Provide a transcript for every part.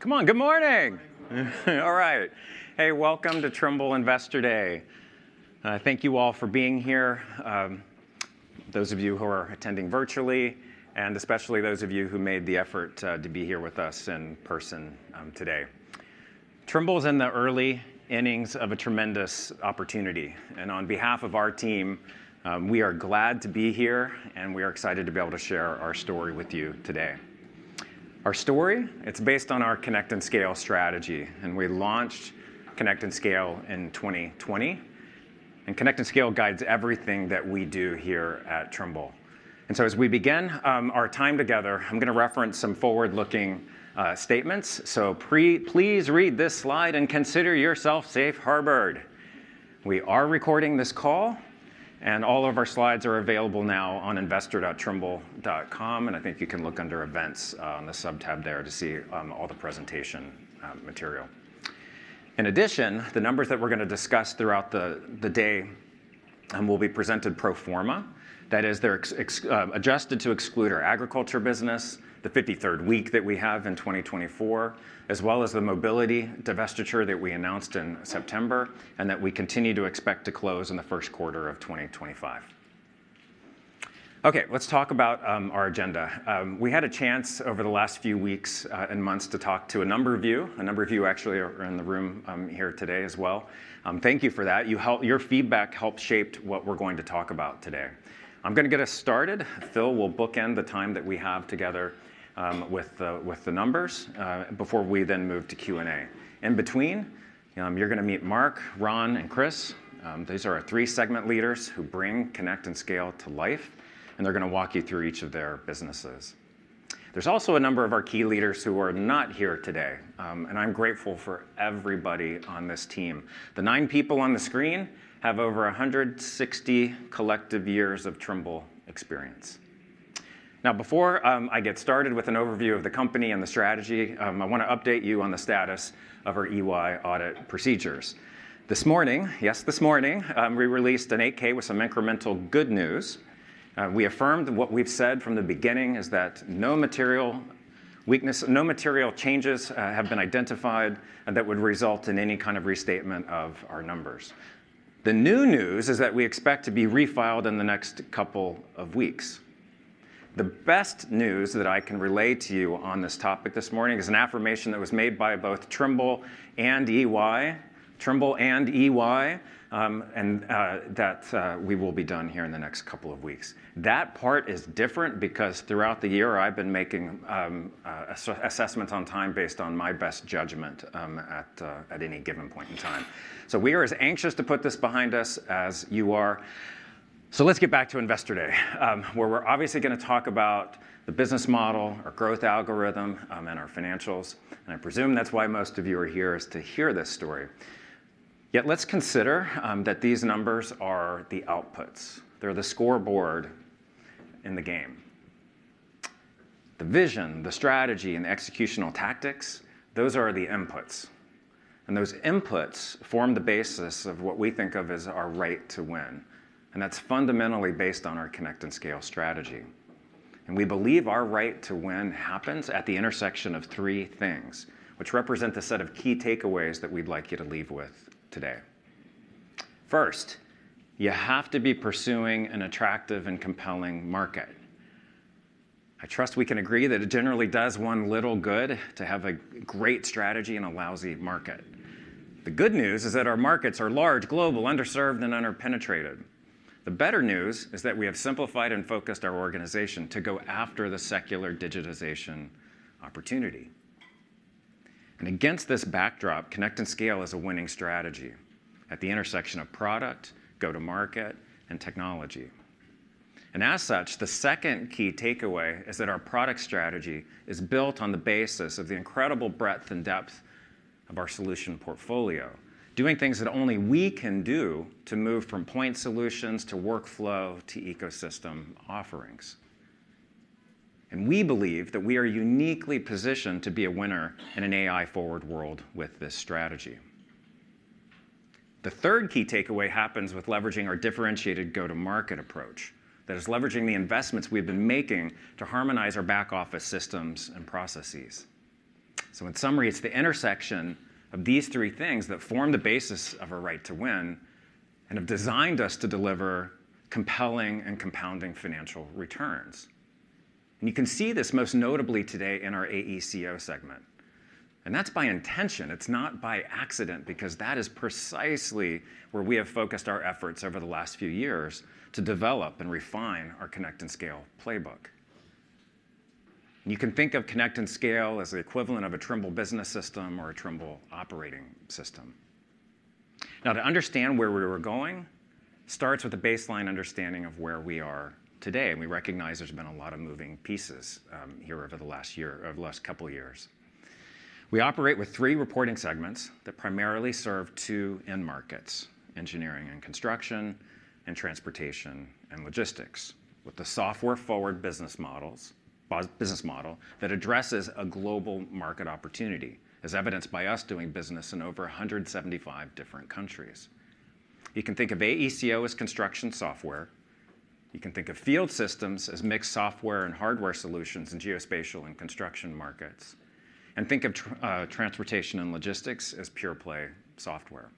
Come on, good morning. All right. Hey, welcome to Trimble Investor Day. Thank you all for being here, those of you who are attending virtually, and especially those of you who made the effort to be here with us in person today. Trimble is in the early innings of a tremendous opportunity, and on behalf of our team, we are glad to be here, and we are excited to be able to share our story with you today. Our story, it's based on our Connect and Scale strategy, and we launched Connect and Scale in 2020. Connect and Scale guides everything that we do here at Trimble. As we begin our time together, I'm going to reference some forward-looking statements. Please read this slide and consider yourself safe harbored. We are recording this call, and all of our slides are available now on investor.trimble.com, and I think you can look under events on the subtab there to see all the presentation material. In addition, the numbers that we're going to discuss throughout the day will be presented pro forma. That is, they're adjusted to exclude our agriculture business, the 53rd week that we have in 2024, as well as the mobility divestiture that we announced in September, and that we continue to expect to close in the first quarter of 2025. Okay, let's talk about our agenda. We had a chance over the last few weeks and months to talk to a number of you. A number of you actually are in the room here today as well. Thank you for that. Your feedback helped shape what we're going to talk about today. I'm going to get us started. Phil will bookend the time that we have together with the numbers before we then move to Q&A. In between, you're going to meet Mark, Ron, and Chris. These are our three segment leaders who bring Connect and Scale to life, and they're going to walk you through each of their businesses. There's also a number of our key leaders who are not here today, and I'm grateful for everybody on this team. The nine people on the screen have over 160 collective years of Trimble experience. Now, before I get started with an overview of the company and the strategy, I want to update you on the status of our EY audit procedures. This morning, yes, this morning, we released an 8-K with some incremental good news. We affirmed what we've said from the beginning is that no material changes have been identified that would result in any kind of restatement of our numbers. The new news is that we expect to be refiled in the next couple of weeks. The best news that I can relay to you on this topic this morning is an affirmation that was made by both Trimble and EY, Trimble and EY, and that we will be done here in the next couple of weeks. That part is different because throughout the year I've been making assessments on time based on my best judgment at any given point in time. So we are as anxious to put this behind us as you are. So let's get back to Investor Day, where we're obviously going to talk about the business model, our growth algorithm, and our financials. And I presume that's why most of you are here, is to hear this story. Yet let's consider that these numbers are the outputs. They're the scoreboard in the game. The vision, the strategy, and the executional tactics, those are the inputs. And those inputs form the basis of what we think of as our right to win. And that's fundamentally based on our Connect and Scale strategy. And we believe our right to win happens at the intersection of three things, which represent a set of key takeaways that we'd like you to leave with today. First, you have to be pursuing an attractive and compelling market. I trust we can agree that it generally does one little good to have a great strategy in a lousy market. The good news is that our markets are large, global, underserved, and under-penetrated. The better news is that we have simplified and focused our organization to go after the secular digitization opportunity, and against this backdrop, Connect and Scale is a winning strategy at the intersection of product, go-to-market, and technology, and as such, the second key takeaway is that our product strategy is built on the basis of the incredible breadth and depth of our solution portfolio, doing things that only e can do to move from point solutions to workflow to ecosystem offerings, and we believe that we are uniquely positioned to be a winner in an AI-forward world with this strategy. The third key takeaway happens with leveraging our differentiated go-to-market approach that is leveraging the investments we've been making to harmonize our back-office systems and processes. So in summary, it's the intersection of these three things that form the basis of our right to win and have designed us to deliver compelling and compounding financial returns. And you can see this most notably today in our AECO segment. And that's by intention. It's not by accident because that is precisely where we have focused our efforts over the last few years to develop and refine our Connect and Scale playbook. You can think of Connect and Scale as the equivalent of a Trimble business system or a Trimble operating system. Now, to understand where we were going starts with a baseline understanding of where we are today. And we recognize there's been a lot of moving pieces here over the last couple of years. We operate with three reporting segments that primarily serve two end markets: engineering and construction, and transportation and logistics, with the software-forward business model that addresses a global market opportunity, as evidenced by us doing business in over 175 different countries. You can think of AECO as construction software. You can think of field systems as mixed software and hardware solutions in geospatial and construction markets. Think of Transportation and Logistics as pure-play software.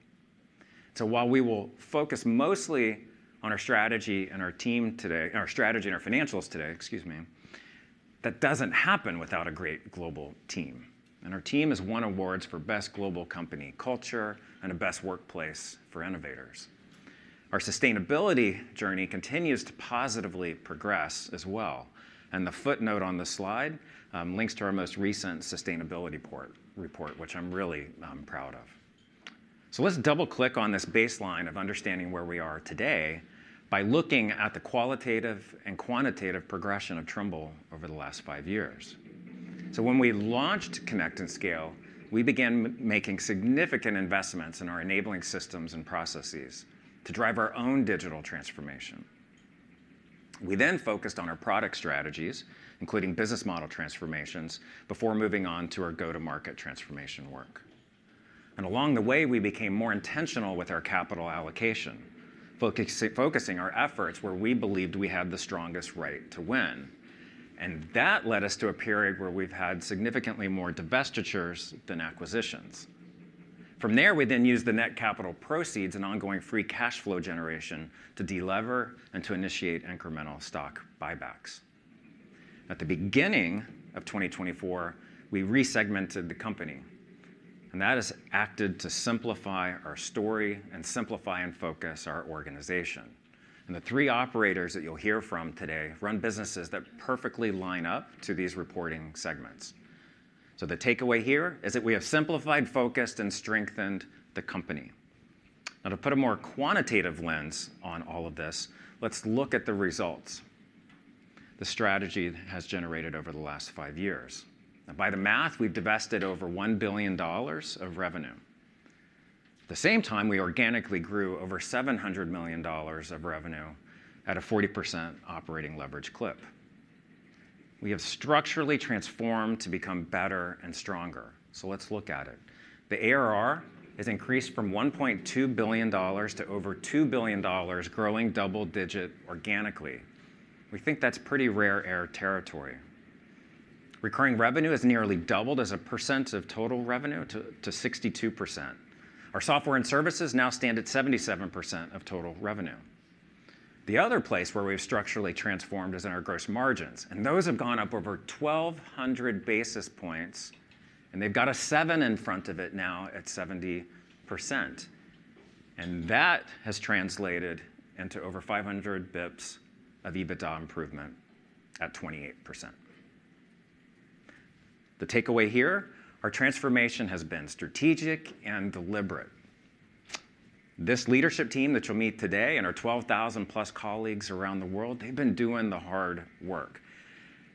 So while we will focus mostly on our strategy and our team today, our strategy and our financials today, excuse me, that doesn't happen without a great global team. Our team has won awards for best global company culture and a best workplace for innovators. Our sustainability journey continues to positively progress as well. The footnote on the slide links to our most recent sustainability report, which I'm really proud of. Let's double-click on this baseline of understanding where we are today by looking at the qualitative and quantitative progression of Trimble over the last five years. When we launched Connect and Scale, we began making significant investments in our enabling systems and processes to drive our own digital transformation. We then focused on our product strategies, including business model transformations, before moving on to our go-to-market transformation work. Along the way, we became more intentional with our capital allocation, focusing our efforts where we believed we had the strongest right to win. That led us to a period where we've had significantly more divestitures than acquisitions. From there, we then used the net capital proceeds and ongoing free cash flow generation to delever and to initiate incremental stock buybacks. At the beginning of 2024, we resegmented the company. That has acted to simplify our story and simplify and focus our organization. The three operators that you'll hear from today run businesses that perfectly line up to these reporting segments. The takeaway here is that we have simplified, focused, and strengthened the company. Now, to put a more quantitative lens on all of this, let's look at the results the strategy has generated over the last five years. Now, by the math, we've divested over $1 billion of revenue. At the same time, we organically grew over $700 million of revenue at a 40% operating leverage clip. We have structurally transformed to become better and stronger. Let's look at it. The ARR has increased from $1.2 billion to over $2 billion, growing double-digit organically. We think that's pretty rare ARR territory. Recurring revenue has nearly doubled as a percent of total revenue to 62%. Our software and services now stand at 77% of total revenue. The other place where we've structurally transformed is in our gross margins. And those have gone up over 1,200 basis points, and they've got a seven in front of it now at 70%. And that has translated into over 500 basis points of EBITDA improvement at 28%. The takeaway here, our transformation has been strategic and deliberate. This leadership team that you'll meet today and our 12,000-plus colleagues around the world, they've been doing the hard work.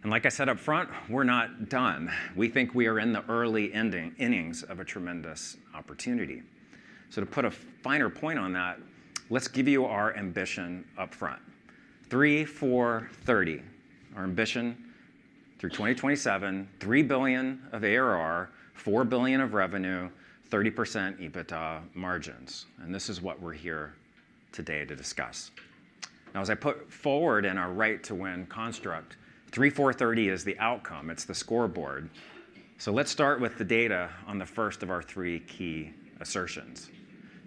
And like I said upfront, we're not done. We think we are in the early innings of a tremendous opportunity. So to put a finer point on that, let's give you our ambition upfront. 3, 4, 30. Our ambition through 2027, 3 billion of ARR, 4 billion of revenue, 30% EBITDA margins. And this is what we're here today to discuss. Now, as I put forward in our right to win construct, 3, 4, 30 is the outcome. It's the scoreboard. So let's start with the data on the first of our three key assertions,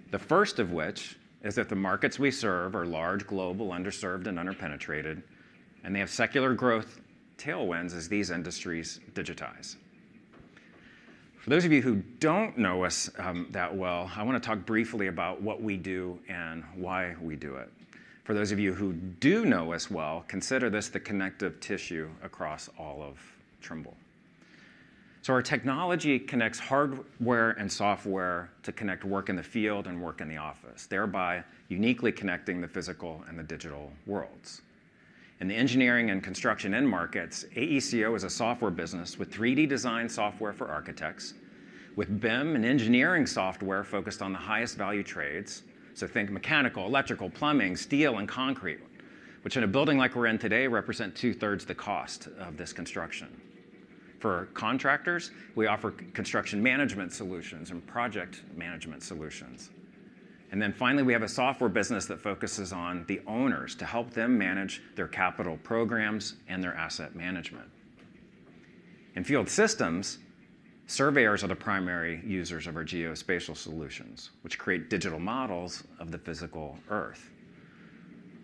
the first of which is that the markets we serve are large, global, underserved, and under-penetrated, and they have secular growth tailwinds as these industries digitize. For those of you who don't know us that well, I want to talk briefly about what we do and why we do it. For those of you who do know us well, consider this the connective tissue across all of Trimble. So our technology connects hardware and software to connect work in the field and work in the office, thereby uniquely connecting the physical and the digital worlds. In the engineering and construction end markets, AECO is a software business with 3D design software for architects, with BIM and engineering software focused on the highest value trades, so think mechanical, electrical, plumbing, steel, and concrete, which in a building like we're in today represent two-thirds the cost of this construction. For contractors, we offer construction management solutions and project management solutions, and then finally, we have a software business that focuses on the owners to help them manage their capital programs and their asset management. In field systems, surveyors are the primary users of our geospatial solutions, which create digital models of the physical Earth.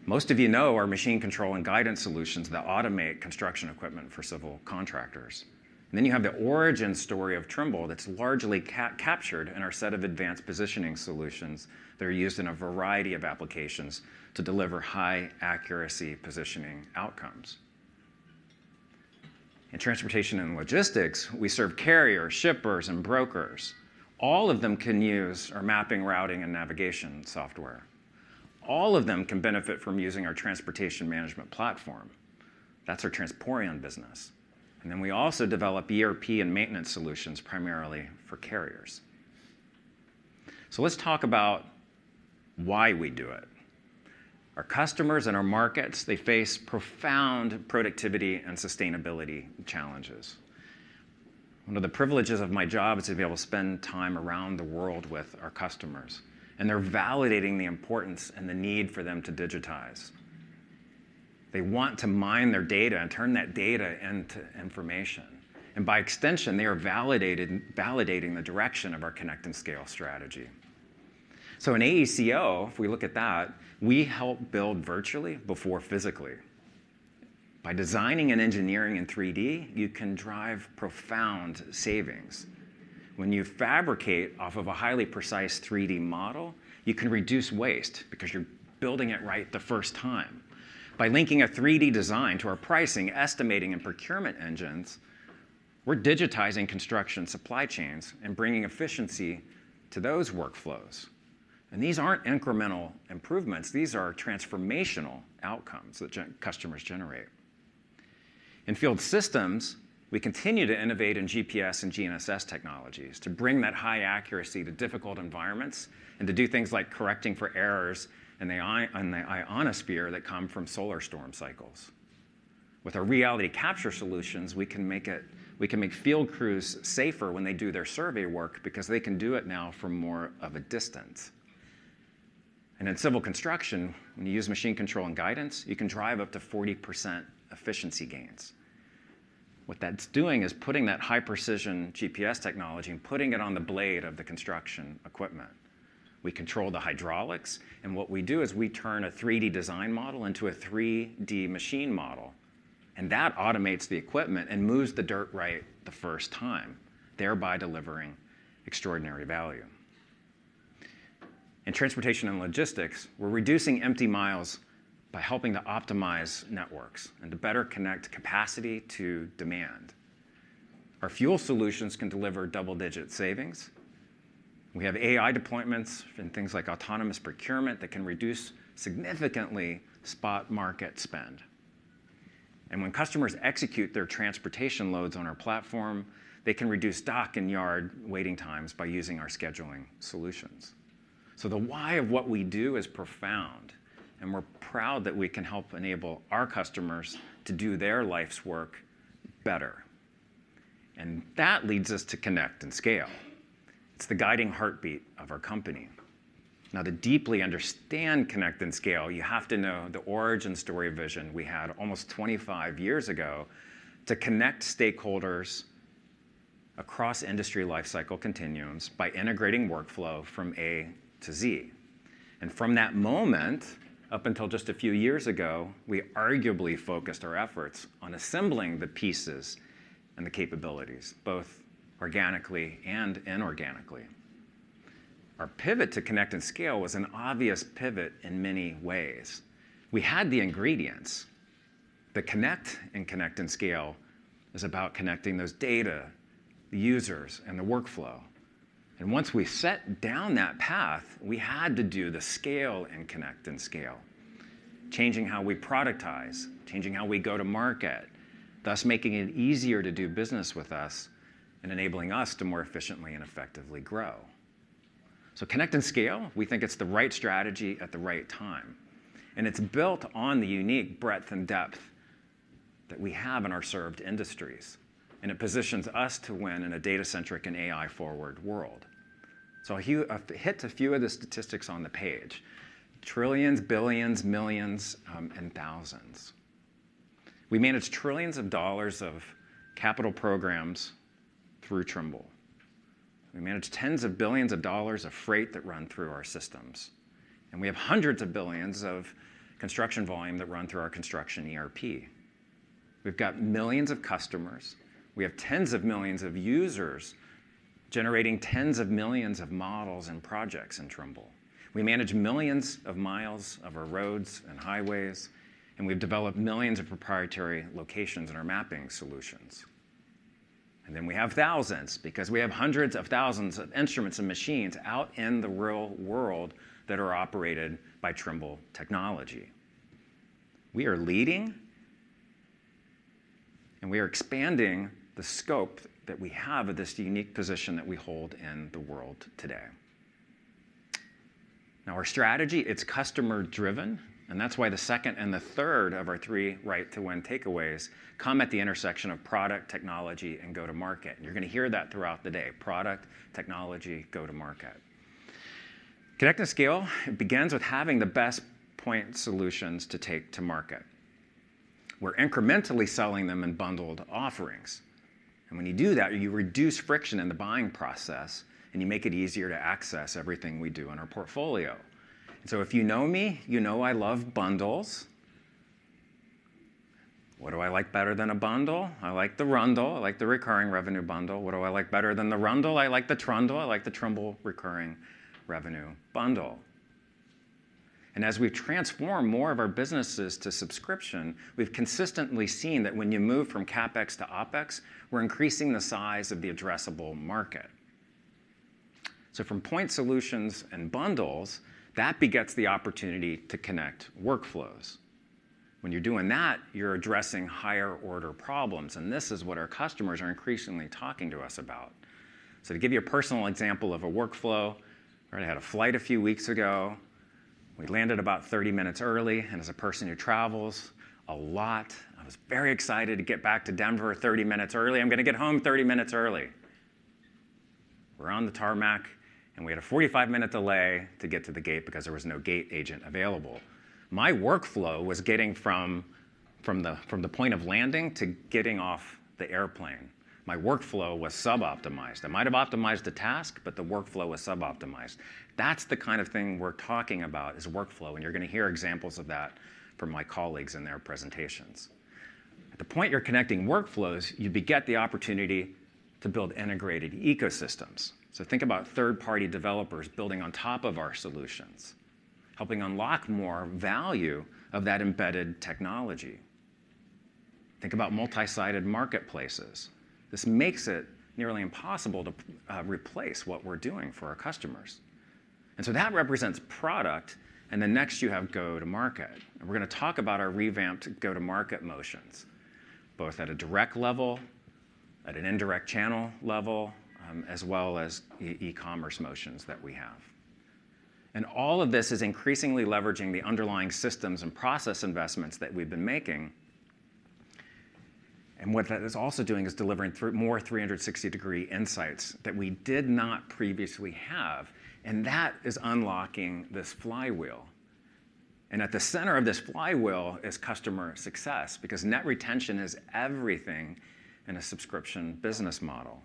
Most of you know our machine control and guidance solutions that automate construction equipment for civil contractors. And then you have the origin story of Trimble that's largely captured in our set of advanced positioning solutions that are used in a variety of applications to deliver high-accuracy positioning outcomes. In transportation and logistics, we serve carriers, shippers, and brokers. All of them can use our mapping, routing, and navigation software. All of them can benefit from using our transportation management platform. That's our transport business. And then we also develop ERP and maintenance solutions primarily for carriers. So let's talk about why we do it. Our customers and our markets, they face profound productivity and sustainability challenges. One of the privileges of my job is to be able to spend time around the world with our customers. And they're validating the importance and the need for them to digitize. They want to mine their data and turn that data into information. By extension, they are validating the direction of our Connect and Scale strategy. In AECO, if we look at that, we help build virtually before physically. By designing and engineering in 3D, you can drive profound savings. When you fabricate off of a highly precise 3D model, you can reduce waste because you're building it right the first time. By linking a 3D design to our pricing, estimating, and procurement engines, we're digitizing construction supply chains and bringing efficiency to those workflows. These aren't incremental improvements. These are transformational outcomes that customers generate. In field systems, we continue to innovate in GPS and GNSS technologies to bring that high accuracy to difficult environments and to do things like correcting for errors in the ionosphere that come from solar storm cycles. With our reality capture solutions, we can make field crews safer when they do their survey work because they can do it now from more of a distance, and in civil construction, when you use machine control and guidance, you can drive up to 40% efficiency gains. What that's doing is putting that high-precision GPS technology and putting it on the blade of the construction equipment. We control the hydraulics, and what we do is we turn a 3D design model into a 3D machine model. And that automates the equipment and moves the dirt right the first time, thereby delivering extraordinary value. In transportation and logistics, we're reducing empty miles by helping to optimize networks and to better connect capacity to demand. Our fuel solutions can deliver double-digit savings. We have AI deployments and things like autonomous procurement that can reduce significantly spot market spend. And when customers execute their transportation loads on our platform, they can reduce dock and yard waiting times by using our scheduling solutions. So the why of what we do is profound. And we're proud that we can help enable our customers to do their life's work better. And that leads us to Connect and Scale. It's the guiding heartbeat of our company. Now, to deeply understand Connect and Scale, you have to know the origin story vision we had almost 25 years ago to connect stakeholders across industry life cycle continuums by integrating workflow from A to Z. And from that moment up until just a few years ago, we arguably focused our efforts on assembling the pieces and the capabilities, both organically and inorganically. Our pivot to Connect and Scale was an obvious pivot in many ways. We had the ingredients. The Connect and Scale is about connecting those data, the users, and the workflow, and once we set down that path, we had to do the Connect and Scale, changing how we productize, changing how we go to market, thus making it easier to do business with us and enabling us to more efficiently and effectively grow. Connect and Scale, we think it's the right strategy at the right time, and it's built on the unique breadth and depth that we have in our served industries, and it positions us to win in a data-centric and AI-forward world. I'll hit a few of the statistics on the page: trillions, billions, millions, and thousands. We manage trillions of dollars of capital programs through Trimble. We manage tens of billions of dollars of freight that run through our systems. And we have hundreds of billions of construction volume that run through our construction ERP. We've got millions of customers. We have tens of millions of users generating tens of millions of models and projects in Trimble. We manage millions of miles of our roads and highways. And we've developed millions of proprietary locations in our mapping solutions. And then we have thousands because we have hundreds of thousands of instruments and machines out in the real world that are operated by Trimble technology. We are leading. And we are expanding the scope that we have of this unique position that we hold in the world today. Now, our strategy it's customer-driven. And that's why the second and the third of our three right to win takeaways come at the intersection of product, technology, and go-to-market. And you're going to hear that throughout the day: product, technology, go-to-market. Connect and Scale begins with having the best point solutions to take to market. We're incrementally selling them in bundled offerings. And when you do that, you reduce friction in the buying process, and you make it easier to access everything we do in our portfolio. And so if you know me, you know I love bundles. What do I like better than a bundle? I like the rundle. I like the recurring revenue bundle. What do I like better than the Rundle? I like the Trundle. I like the Trimble recurring revenue bundle. And as we transform more of our businesses to subscription, we've consistently seen that when you move from CapEx to OpEx, we're increasing the size of the addressable market. So from point solutions and bundles, that begets the opportunity to connect workflows. When you're doing that, you're addressing higher-order problems. This is what our customers are increasingly talking to us about. To give you a personal example of a workflow, I had a flight a few weeks ago. We landed about 30 minutes early. As a person who travels a lot, I was very excited to get back to Denver 30 minutes early. I'm going to get home 30 minutes early. We're on the tarmac, and we had a 45-minute delay to get to the gate because there was no gate agent available. My workflow was getting from the point of landing to getting off the airplane. My workflow was sub-optimized. I might have optimized the task, but the workflow was sub-optimized. That's the kind of thing we're talking about is workflow. You're going to hear examples of that from my colleagues in their presentations. At the point you're connecting workflows, you beget the opportunity to build integrated ecosystems. So think about third-party developers building on top of our solutions, helping unlock more value of that embedded technology. Think about multi-sided marketplaces. This makes it nearly impossible to replace what we're doing for our customers. And so that represents product. And then next, you have go-to-market. And we're going to talk about our revamped go-to-market motions, both at a direct level, at an indirect channel level, as well as e-commerce motions that we have. And all of this is increasingly leveraging the underlying systems and process investments that we've been making. And what that is also doing is delivering more 360-degree insights that we did not previously have. And that is unlocking this flywheel. And at the center of this flywheel is customer success because net retention is everything in a subscription business model.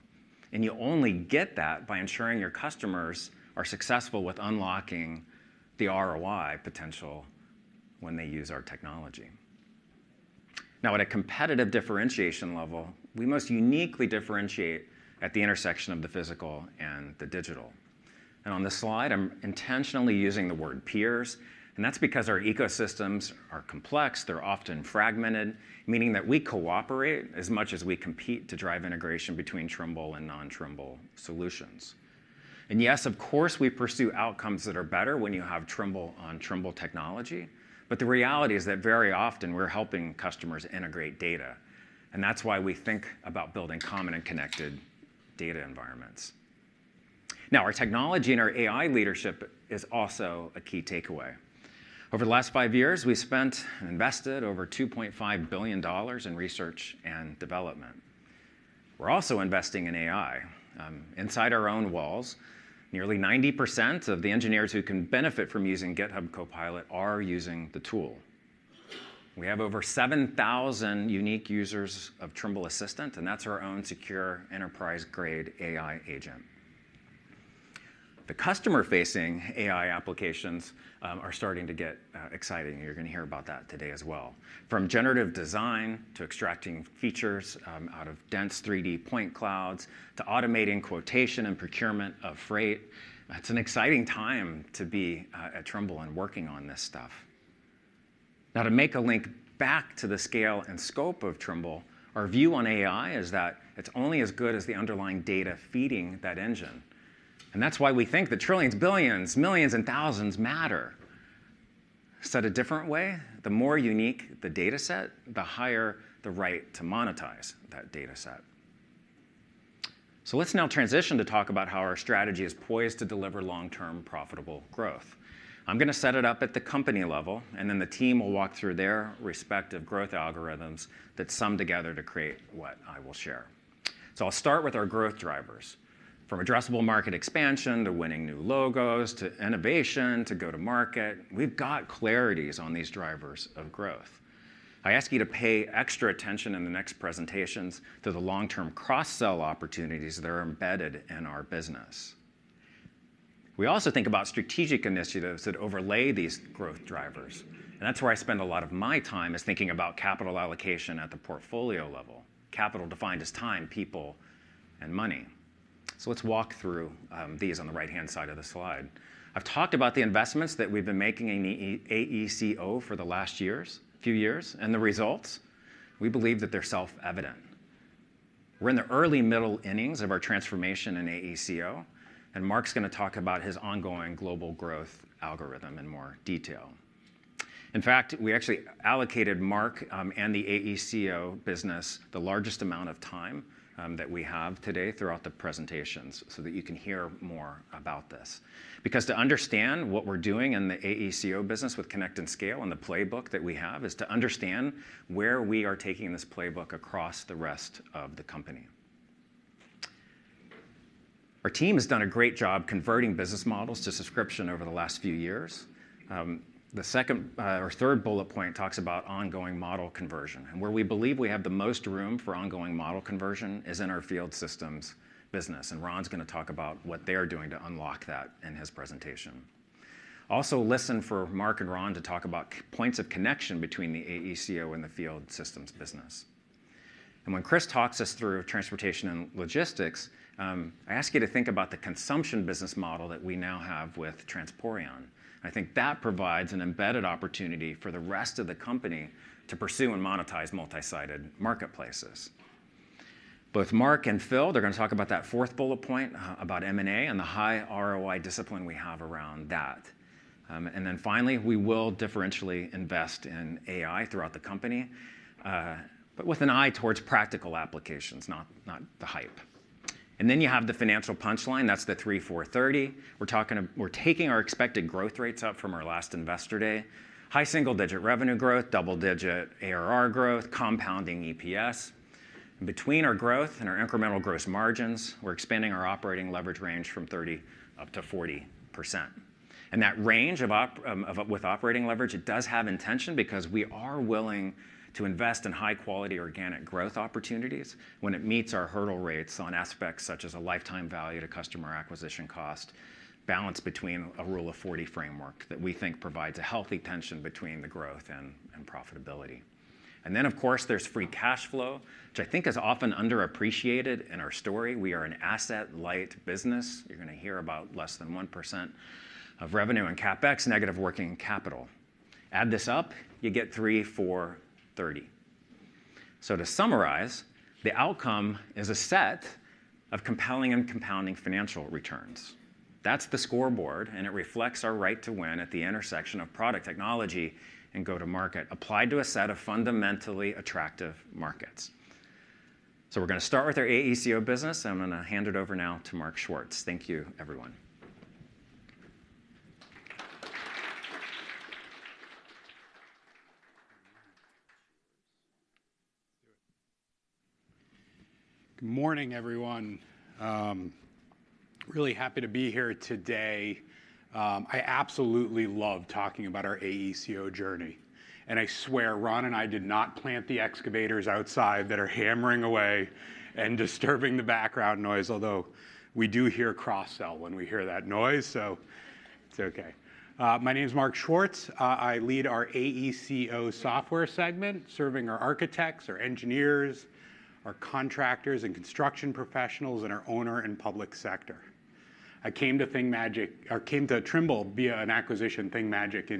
And you only get that by ensuring your customers are successful with unlocking the ROI potential when they use our technology. Now, at a competitive differentiation level, we most uniquely differentiate at the intersection of the physical and the digital. And on this slide, I'm intentionally using the word peers. And that's because our ecosystems are complex. They're often fragmented, meaning that we cooperate as much as we compete to drive integration between Trimble and non-Trimble solutions. And yes, of course, we pursue outcomes that are better when you have Trimble on Trimble technology. But the reality is that very often, we're helping customers integrate data. And that's why we think about building common and connected data environments. Now, our technology and our AI leadership is also a key takeaway. Over the last five years, we spent and invested over $2.5 billion in research and development. We're also investing in AI. Inside our own walls, nearly 90% of the engineers who can benefit from using GitHub Copilot are using the tool. We have over 7,000 unique users of Trimble Assistant. And that's our own secure enterprise-grade AI agent. The customer-facing AI applications are starting to get exciting. And you're going to hear about that today as well. From generative design to extracting features out of dense 3D point clouds to automating quotation and procurement of freight, it's an exciting time to be at Trimble and working on this stuff. Now, to make a link back to the scale and scope of Trimble, our view on AI is that it's only as good as the underlying data feeding that engine. And that's why we think the trillions, billions, millions, and thousands matter. Said a different way, the more unique the data set, the higher the right to monetize that data set. So let's now transition to talk about how our strategy is poised to deliver long-term profitable growth. I'm going to set it up at the company level. And then the team will walk through their respective growth algorithms that sum together to create what I will share. So I'll start with our growth drivers. From addressable market expansion to winning new logos to innovation to go-to-market, we've got clarities on these drivers of growth. I ask you to pay extra attention in the next presentations to the long-term cross-sell opportunities that are embedded in our business. We also think about strategic initiatives that overlay these growth drivers. And that's where I spend a lot of my time: thinking about capital allocation at the portfolio level, capital defined as time, people, and money. So let's walk through these on the right-hand side of the slide. I've talked about the investments that we've been making in AECO for the last few years. And the results, we believe that they're self-evident. We're in the early middle innings of our transformation in AECO. And Mark's going to talk about his ongoing global growth algorithm in more detail. In fact, we actually allocated Mark and the AECO business the largest amount of time that we have today throughout the presentations so that you can hear more about this. Because to understand what we're doing in the AECO business with Connect and Scale and the playbook that we have is to understand where we are taking this playbook across the rest of the company. Our team has done a great job converting business models to subscription over the last few years. The second or third bullet point talks about ongoing model conversion, and where we believe we have the most room for ongoing model conversion is in our field systems business, and Ron's going to talk about what they are doing to unlock that in his presentation. Also, listen for Mark and Ron to talk about points of connection between the AECO and the field systems business, and when Chris talks us through transportation and logistics, I ask you to think about the consumption business model that we now have with Transporeon. I think that provides an embedded opportunity for the rest of the company to pursue and monetize multi-sided marketplaces. Both Mark and Phil, they're going to talk about that fourth bullet point about M&A and the high ROI discipline we have around that. And then finally, we will differentially invest in AI throughout the company, but with an eye towards practical applications, not the hype. And then you have the financial punchline. That's the 3, 4, 30. We're taking our expected growth rates up from our last investor day, high single-digit revenue growth, double-digit ARR growth, compounding EPS. And between our growth and our incremental gross margins, we're expanding our operating leverage range from 30% up to 40%. That range with operating leverage, it does have intention because we are willing to invest in high-quality organic growth opportunities when it meets our hurdle rates on aspects such as a lifetime value to customer acquisition cost, balance between a Rule of 40 framework that we think provides a healthy tension between the growth and profitability. Then, of course, there's free cash flow, which I think is often underappreciated in our story. We are an asset-light business. You're going to hear about less than 1% of revenue and CapEx, negative working capital. Add this up, you get 3, 4, 30. To summarize, the outcome is a set of compelling and compounding financial returns. That's the scoreboard. It reflects our right to win at the intersection of product technology and go-to-market applied to a set of fundamentally attractive markets. So we're going to start with our AECO business. And I'm going to hand it over now to Mark Schwartz. Thank you, everyone. Good morning, everyone. Really happy to be here today. I absolutely love talking about our AECO journey. And I swear, Ron and I did not plant the excavators outside that are hammering away and disturbing the background noise, although we do hear cross-sell when we hear that noise. So it's OK. My name is Mark Schwartz. I lead our AECO software segment, serving our architects, our engineers, our contractors and construction professionals, and our owner and public sector. I came to Trimble via an acquisition, ThingMagic,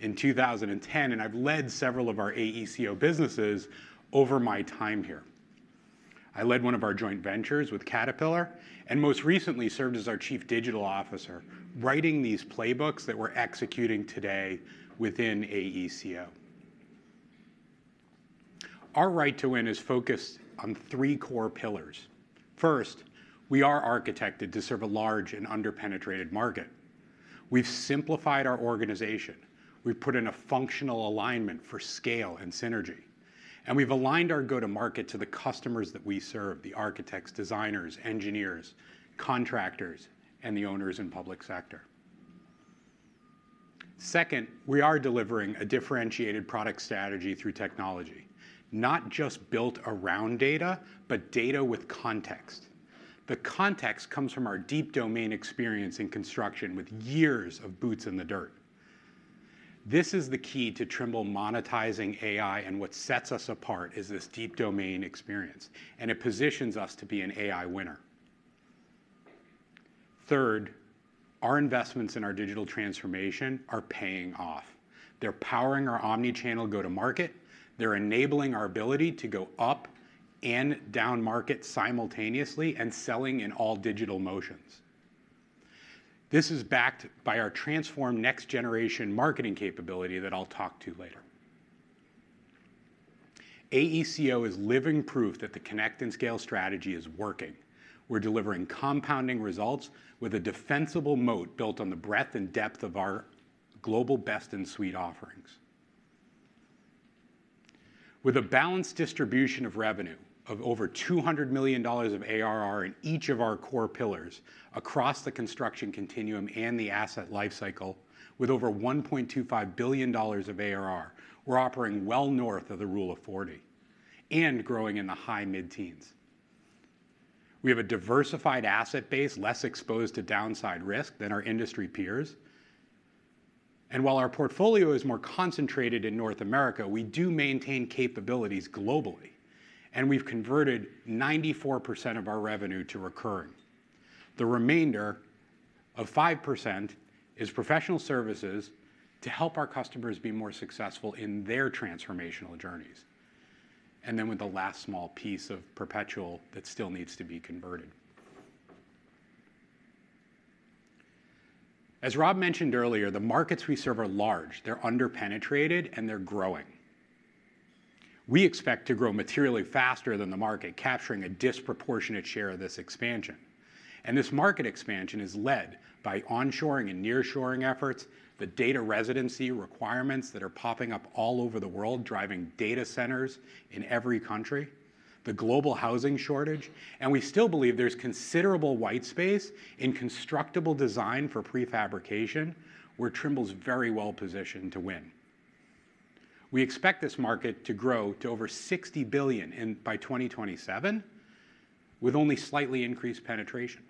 in 2010. And I've led several of our AECO businesses over my time here. I led one of our joint ventures with Caterpillar and most recently served as our Chief Digital Officer, writing these playbooks that we're executing today within AECO. Our right to win is focused on three core pillars. First, we are architected to serve a large and under-penetrated market. We've simplified our organization. We've put in a functional alignment for scale and synergy. And we've aligned our go-to-market to the customers that we serve, the architects, designers, engineers, contractors, and the owners and public sector. Second, we are delivering a differentiated product strategy through technology, not just built around data, but data with context. The context comes from our deep domain experience in construction with years of boots in the dirt. This is the key to Trimble monetizing AI. And what sets us apart is this deep domain experience. And it positions us to be an AI winner. Third, our investments in our digital transformation are paying off. They're powering our omnichannel go-to-market. They're enabling our ability to go up and down market simultaneously and selling in all digital motions. This is backed by our transformed next-generation marketing capability that I'll talk to later. AECO is living proof that the Connect and Scale strategy is working. We're delivering compounding results with a defensible moat built on the breadth and depth of our global best-in-suite offerings. With a balanced distribution of revenue of over $200 million of ARR in each of our core pillars across the construction continuum and the asset lifecycle, with over $1.25 billion of ARR, we're operating well north of the Rule of 40 and growing in the high mid-teens. We have a diversified asset base, less exposed to downside risk than our industry peers, and while our portfolio is more concentrated in North America, we do maintain capabilities globally, and we've converted 94% of our revenue to recurring. The remainder of 5% is professional services to help our customers be more successful in their transformational journeys, and then with the last small piece of perpetual that still needs to be converted. As Rob mentioned earlier, the markets we serve are large. They're under-penetrated, and they're growing. We expect to grow materially faster than the market, capturing a disproportionate share of this expansion, and this market expansion is led by onshoring and nearshoring efforts, the data residency requirements that are popping up all over the world, driving data centers in every country, the global housing shortage, and we still believe there's considerable white space in constructible design for prefabrication, where Trimble's very well positioned to win. We expect this market to grow to over $60 billion by 2027 with only slightly increased penetration.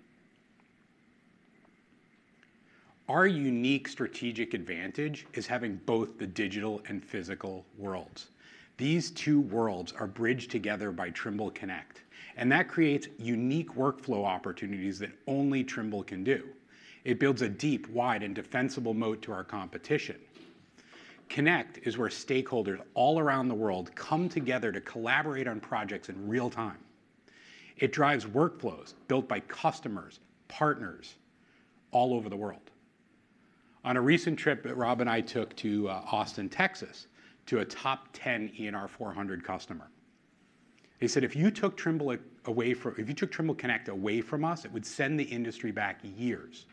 Our unique strategic advantage is having both the digital and physical worlds. These two worlds are bridged together by Trimble Connect. That creates unique workflow opportunities that only Trimble can do. It builds a deep, wide, and defensible moat to our competition. Connect is where stakeholders all around the world come together to collaborate on projects in real time. It drives workflows built by customers, partners all over the world. On a recent trip that Rob and I took to Austin, Texas, to a top 10 ENR 400 customer, they said, "If you took Trimble Connect away from us, it would send the industry back years."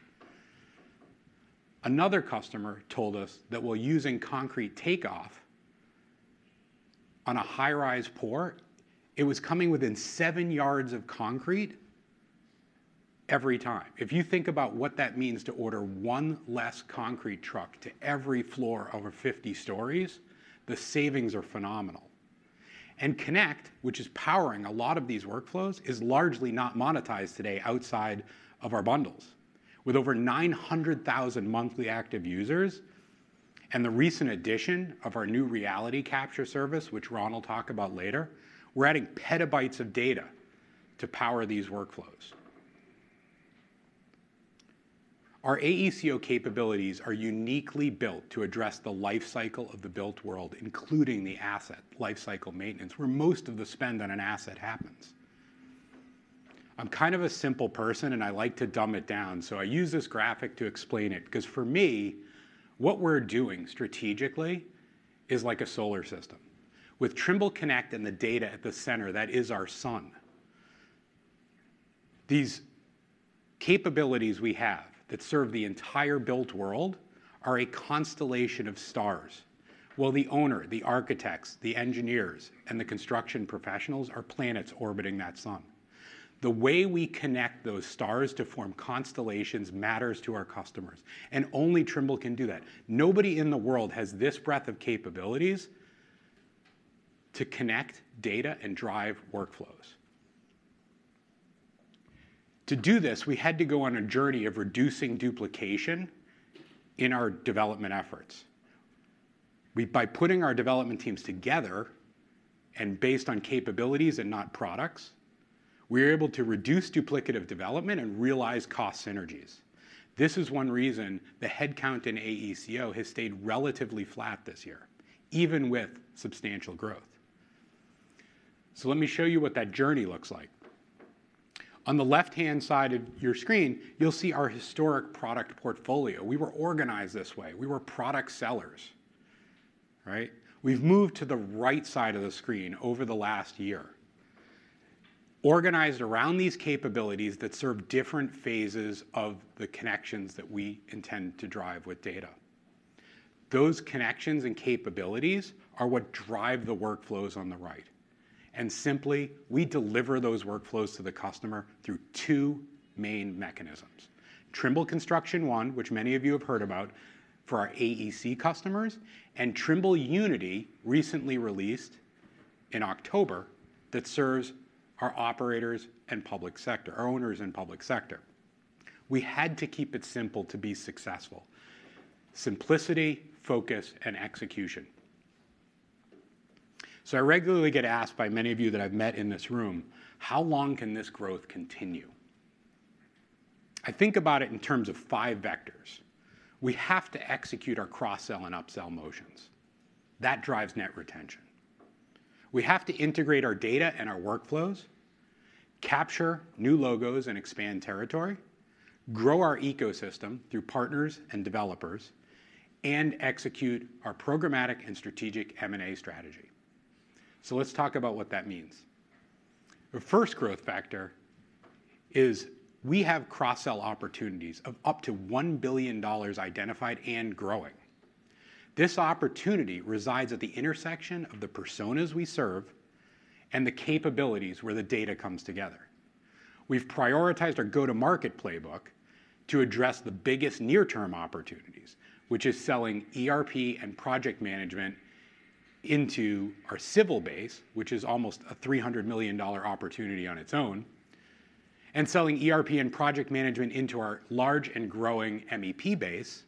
Another customer told us that while using concrete takeoff on a high-rise port, it was coming within seven yards of concrete every time. If you think about what that means to order one less concrete truck to every floor over 50 stories, the savings are phenomenal. Connect, which is powering a lot of these workflows, is largely not monetized today outside of our bundles. With over 900,000 monthly active users and the recent addition of our new reality capture service, which Ron will talk about later, we're adding petabytes of data to power these workflows. Our AECO capabilities are uniquely built to address the lifecycle of the built world, including the asset lifecycle maintenance, where most of the spend on an asset happens. I'm kind of a simple person. I like to dumb it down. I use this graphic to explain it. Because for me, what we're doing strategically is like a solar system. With Trimble Connect and the data at the center, that is our sun. These capabilities we have that serve the entire built world are a constellation of stars. The owner, the architects, the engineers, and the construction professionals are planets orbiting that sun. The way we connect those stars to form constellations matters to our customers, and only Trimble can do that. Nobody in the world has this breadth of capabilities to connect data and drive workflows. To do this, we had to go on a journey of reducing duplication in our development efforts. By putting our development teams together and based on capabilities and not products, we are able to reduce duplicative development and realize cost synergies. This is one reason the headcount in AECO has stayed relatively flat this year, even with substantial growth, so let me show you what that journey looks like. On the left-hand side of your screen, you'll see our historic product portfolio. We were organized this way. We were product sellers. We've moved to the right side of the screen over the last year, organized around these capabilities that serve different phases of the connections that we intend to drive with data. Those connections and capabilities are what drive the workflows on the right, and simply, we deliver those workflows to the customer through two main mechanisms: Trimble Construction One, which many of you have heard about for our AEC customers, and Trimble Unity, recently released in October that serves our operators and public sector, our owners and public sector. We had to keep it simple to be successful: simplicity, focus, and execution, so I regularly get asked by many of you that I've met in this room, how long can this growth continue? I think about it in terms of five vectors. We have to execute our cross-sell and upsell motions. That drives net retention. We have to integrate our data and our workflows, capture new logos, and expand territory, grow our ecosystem through partners and developers, and execute our programmatic and strategic M&A strategy, so let's talk about what that means. The first growth factor is we have cross-sell opportunities of up to $1 billion identified and growing. This opportunity resides at the intersection of the personas we serve and the capabilities where the data comes together. We've prioritized our go-to-market playbook to address the biggest near-term opportunities, which is selling ERP and project management into our civil base, which is almost a $300 million opportunity on its own, and selling ERP and project management into our large and growing MEP base,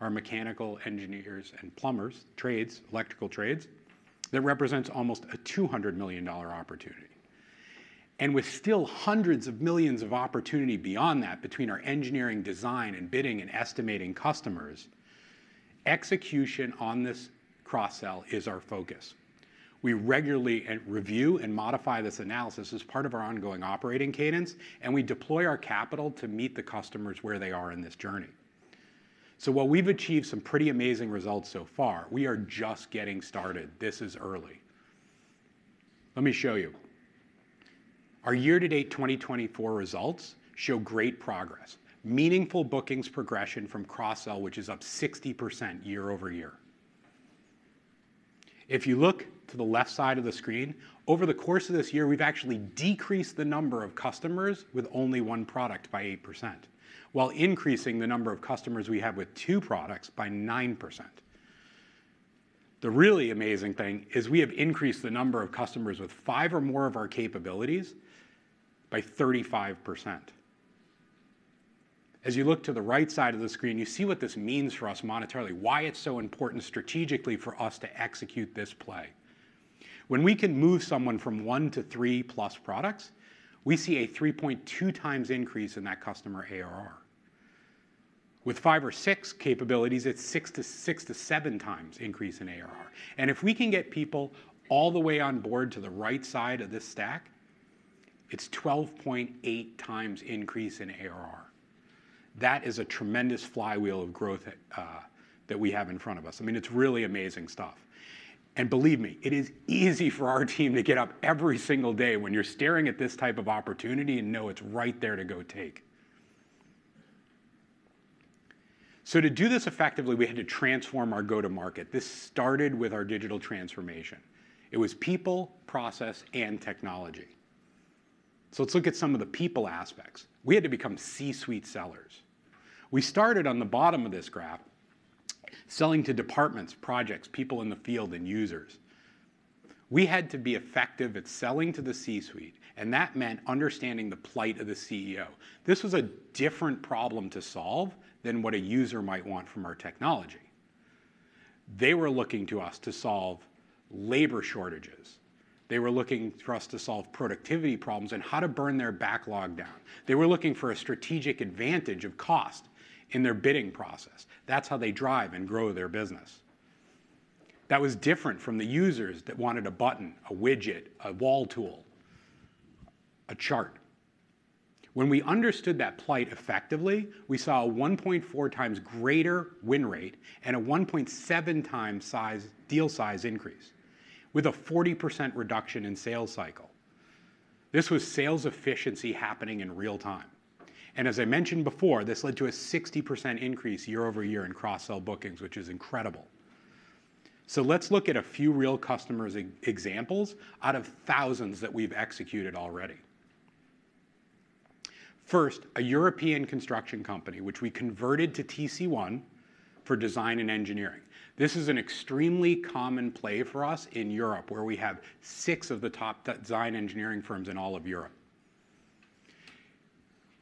our mechanical engineers and plumbers, trades, electrical trades, that represents almost a $200-million opportunity. With still hundreds of millions of opportunity beyond that between our engineering, design, and bidding, and estimating customers, execution on this cross-sell is our focus. We regularly review and modify this analysis as part of our ongoing operating cadence. We deploy our capital to meet the customers where they are in this journey. While we've achieved some pretty amazing results so far, we are just getting started. This is early. Let me show you. Our year-to-date 2024 results show great progress, meaningful bookings progression from cross-sell, which is up 60% year-over-year. If you look to the left side of the screen, over the course of this year, we've actually decreased the number of customers with only one product by 8%, while increasing the number of customers we have with two products by 9%. The really amazing thing is we have increased the number of customers with five or more of our capabilities by 35%. As you look to the right side of the screen, you see what this means for us monetarily, why it's so important strategically for us to execute this play. When we can move someone from one to three plus products, we see a 3.2 times increase in that customer ARR. With five or six capabilities, it's six to seven times increase in ARR. And if we can get people all the way on board to the right side of this stack, it's 12.8 times increase in ARR. That is a tremendous flywheel of growth that we have in front of us. I mean, it's really amazing stuff. Believe me, it is easy for our team to get up every single day when you're staring at this type of opportunity and know it's right there to go take. To do this effectively, we had to transform our go-to-market. This started with our digital transformation. It was people, process, and technology. Let's look at some of the people aspects. We had to become C-suite sellers. We started on the bottom of this graph, selling to departments, projects, people in the field, and users. We had to be effective at selling to the C-suite. That meant understanding the plight of the CEO. This was a different problem to solve than what a user might want from our technology. They were looking to us to solve labor shortages. They were looking for us to solve productivity problems and how to burn their backlog down. They were looking for a strategic advantage of cost in their bidding process. That's how they drive and grow their business. That was different from the users that wanted a button, a widget, a wall tool, a chart. When we understood that plight effectively, we saw a 1.4 times greater win rate and a 1.7 times deal size increase with a 40% reduction in sales cycle. This was sales efficiency happening in real time. And as I mentioned before, this led to a 60% increase year over year in cross-sell bookings, which is incredible. So let's look at a few real customers examples out of thousands that we've executed already. First, a European construction company, which we converted to TC1 for design and engineering. This is an extremely common play for us in Europe, where we have six of the top design engineering firms in all of Europe.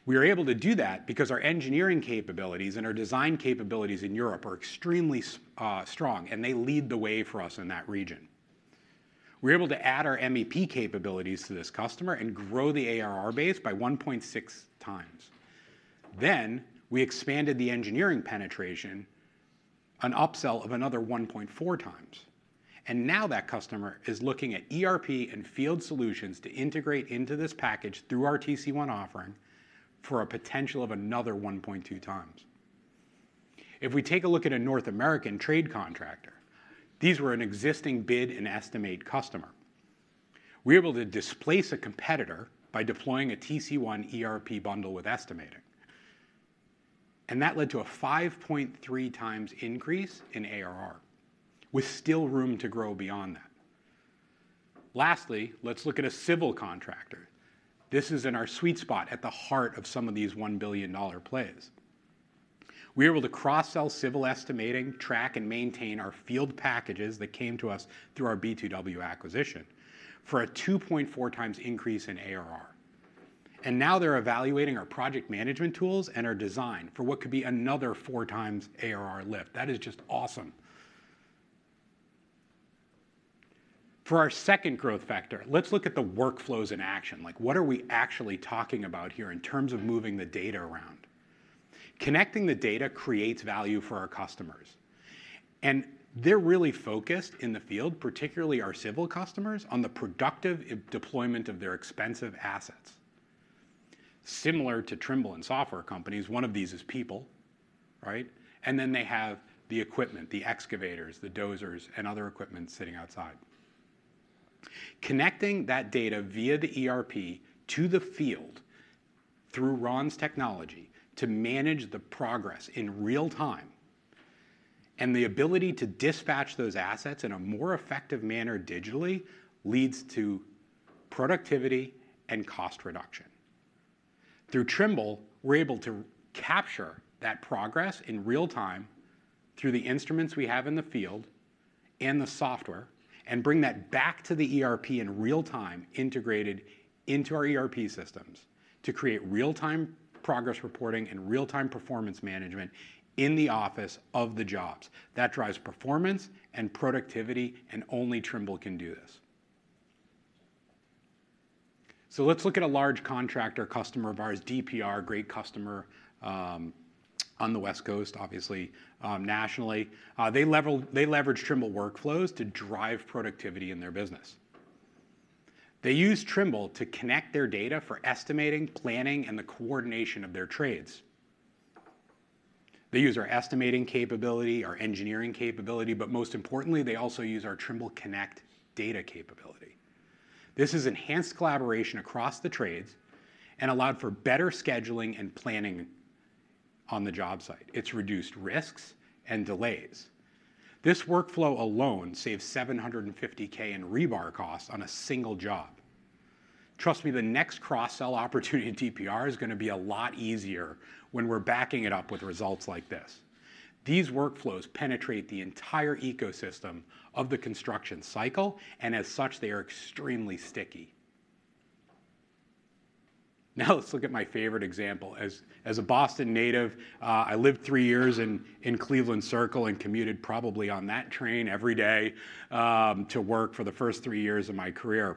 We are able to do that because our engineering capabilities and our design capabilities in Europe are extremely strong, and they lead the way for us in that region. We're able to add our MEP capabilities to this customer and grow the ARR base by 1.6 times. Then we expanded the engineering penetration on upsell of another 1.4 times, and now that customer is looking at ERP and field solutions to integrate into this package through our TC1 offering for a potential of another 1.2 times. If we take a look at a North American trade contractor, these were an existing bid and estimate customer. We were able to displace a competitor by deploying a TC1 ERP bundle with estimating, and that led to a 5.3 times increase in ARR with still room to grow beyond that. Lastly, let's look at a civil contractor. This is in our sweet spot at the heart of some of these $1 billion plays. We were able to cross-sell civil estimating, Track, and Maintain, our field packages that came to us through our B2W acquisition, for a 2.4 times increase in ARR. And now they're evaluating our project management tools and our design for what could be another four times ARR lift. That is just awesome. For our second growth factor, let's look at the workflows in action. What are we actually talking about here in terms of moving the data around? Connecting the data creates value for our customers. And they're really focused in the field, particularly our civil customers, on the productive deployment of their expensive assets. Similar to Trimble and software companies, one of these is people. And then they have the equipment, the excavators, the dozers, and other equipment sitting outside. Connecting that data via the ERP to the field through Ron's technology to manage the progress in real time and the ability to dispatch those assets in a more effective manner digitally leads to productivity and cost reduction. Through Trimble, we're able to capture that progress in real time through the instruments we have in the field and the software and bring that back to the ERP in real time integrated into our ERP systems to create real-time progress reporting and real-time performance management in the office of the jobs. That drives performance and productivity, and only Trimble can do this, so let's look at a large contractor customer of ours, DPR, great customer on the West Coast, obviously, nationally. They leverage Trimble workflows to drive productivity in their business. They use Trimble to connect their data for estimating, planning, and the coordination of their trades. They use our estimating capability, our engineering capability. But most importantly, they also use our Trimble Connect data capability. This has enhanced collaboration across the trades and allowed for better scheduling and planning on the job site. It's reduced risks and delays. This workflow alone saves $750,000 in rebar costs on a single job. Trust me, the next cross-sell opportunity DPR is going to be a lot easier when we're backing it up with results like this. These workflows penetrate the entire ecosystem of the construction cycle. And as such, they are extremely sticky. Now, let's look at my favorite example. As a Boston native, I lived three years in Cleveland Circle and commuted probably on that train every day to work for the first three years of my career.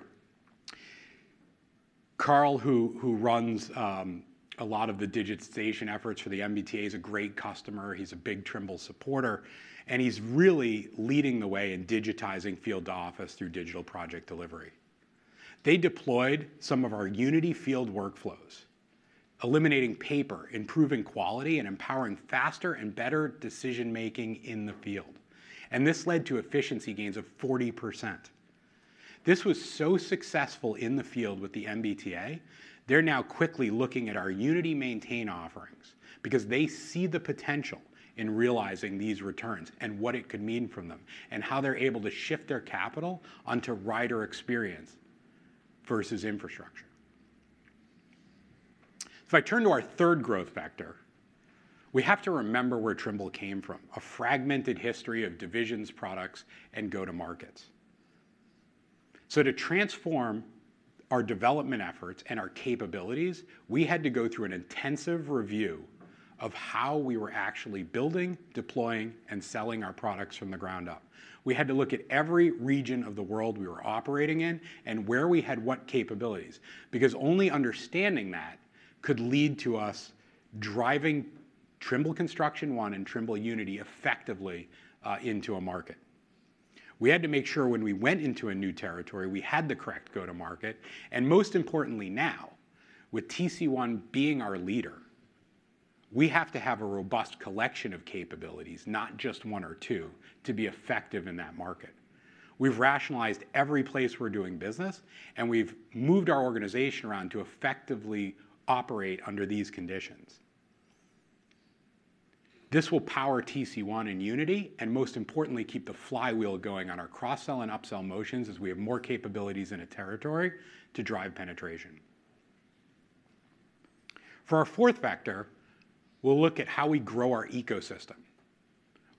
Carl, who runs a lot of the digitization efforts for the MBTA, is a great customer. He's a big Trimble supporter. And he's really leading the way in digitizing field office through digital project delivery. They deployed some of our Unity Field workflows, eliminating paper, improving quality, and empowering faster and better decision-making in the field. And this led to efficiency gains of 40%. This was so successful in the field with the MBTA, they're now quickly looking at our Unity Maintain offerings because they see the potential in realizing these returns and what it could mean for them and how they're able to shift their capital onto rider experience versus infrastructure. If I turn to our third growth factor, we have to remember where Trimble came from, a fragmented history of divisions, products, and go-to-markets. So to transform our development efforts and our capabilities, we had to go through an intensive review of how we were actually building, deploying, and selling our products from the ground up. We had to look at every region of the world we were operating in and where we had what capabilities because only understanding that could lead to us driving Trimble Construction One and Trimble Unity effectively into a market. We had to make sure when we went into a new territory, we had the correct go-to-market. And most importantly now, with TC1 being our leader, we have to have a robust collection of capabilities, not just one or two, to be effective in that market. We've rationalized every place we're doing business. And we've moved our organization around to effectively operate under these conditions. This will power TC1 and Unity and, most importantly, keep the flywheel going on our cross-sell and upsell motions as we have more capabilities in a territory to drive penetration. For our fourth factor, we'll look at how we grow our ecosystem.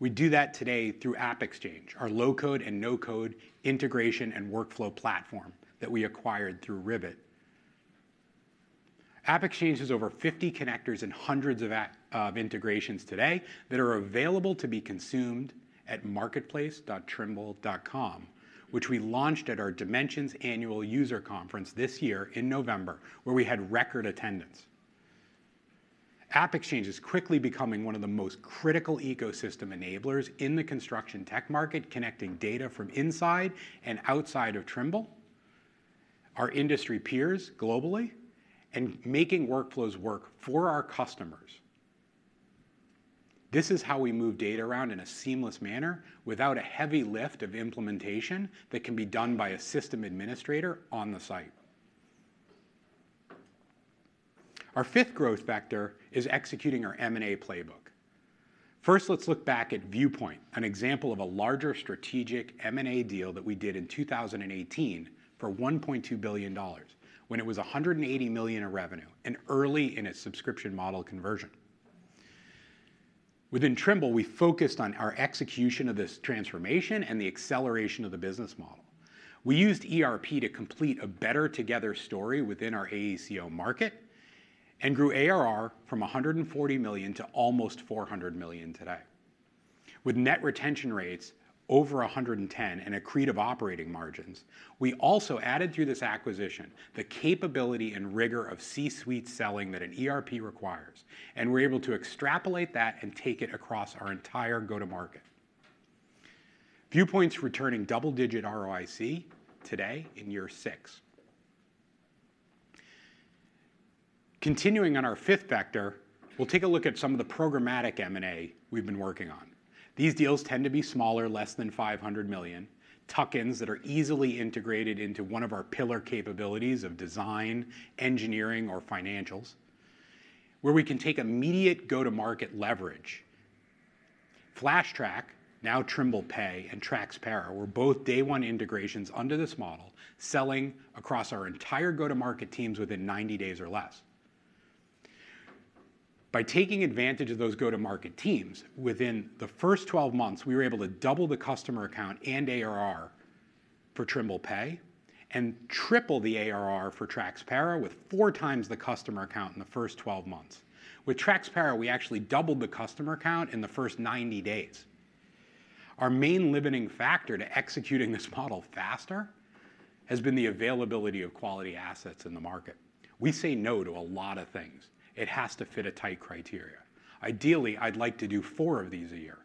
We do that today through App Xchange, our low-code and no-code integration and workflow platform that we acquired through Ryvit. App Xchange has over 50 connectors and hundreds of integrations today that are available to be consumed at marketplace.trimble.com, which we launched at our Dimensions Annual User Conference this year in November, where we had record attendance. App Xchange is quickly becoming one of the most critical ecosystem enablers in the construction tech market, connecting data from inside and outside of Trimble, our industry peers globally, and making workflows work for our customers. This is how we move data around in a seamless manner without a heavy lift of implementation that can be done by a system administrator on the site. Our fifth growth factor is executing our M&A playbook. First, let's look back at Viewpoint, an example of a larger strategic M&A deal that we did in 2018 for $1.2 billion when it was $180 million in revenue and early in its subscription model conversion. Within Trimble, we focused on our execution of this transformation and the acceleration of the business model. We used ERP to complete a better together story within our AECO market and grew ARR from $140 million to almost $400 million today. With net retention rates over 110% and a credible set of operating margins, we also added through this acquisition the capability and rigor of C-suite selling that an ERP requires. And we're able to extrapolate that and take it across our entire go-to-market. Viewpoint's returning double-digit ROIC today in year six. Continuing on our fifth factor, we'll take a look at some of the programmatic M&A we've been working on. These deals tend to be smaller, less than $500 million, tuck-ins that are easily integrated into one of our pillar capabilities of design, engineering, or financials, where we can take immediate go-to-market leverage. Flashtrack, now Trimble Pay and Traqspera were both day-one integrations under this model, selling across our entire go-to-market teams within 90 days or less. By taking advantage of those go-to-market teams, within the first 12 months, we were able to double the customer account and ARR for Trimble Pay and triple the ARR for Traqspera with four times the customer account in the first 12 months. With Traqspera, we actually doubled the customer account in the first 90 days. Our main limiting factor to executing this model faster has been the availability of quality assets in the market. We say no to a lot of things. It has to fit a tight criteria. Ideally, I'd like to do four of these a year,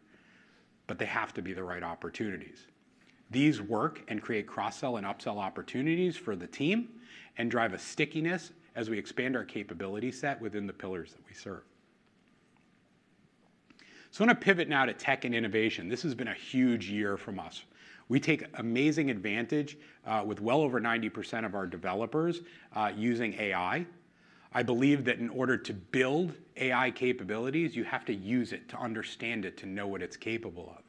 but they have to be the right opportunities. These work and create cross-sell and upsell opportunities for the team and drive a stickiness as we expand our capability set within the pillars that we serve. So I want to pivot now to tech and innovation. This has been a huge year from us. We take amazing advantage with well over 90% of our developers using AI. I believe that in order to build AI capabilities, you have to use it to understand it, to know what it's capable of.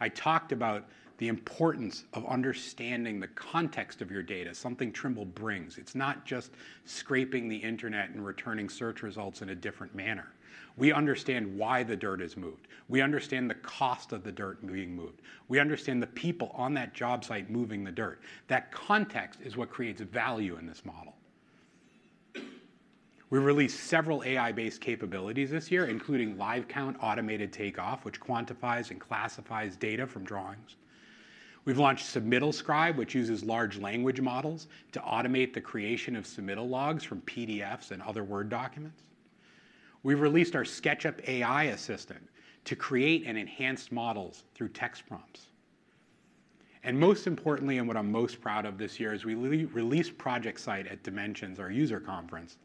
I talked about the importance of understanding the context of your data, something Trimble brings. It's not just scraping the internet and returning search results in a different manner. We understand why the dirt is moved. We understand the cost of the dirt being moved. We understand the people on that job site moving the dirt. That context is what creates value in this model. We released several AI-based capabilities this year, including LiveCount Automated Takeoff, which quantifies and classifies data from drawings. We've launched Submittal Scribe, which uses large language models to automate the creation of submittal logs from PDFs and other Word documents. We've released our SketchUp AI Assistant to create and enhance models through text prompts. Most importantly, and what I'm most proud of this year is we released ProjectSight at Dimensions, our user conference,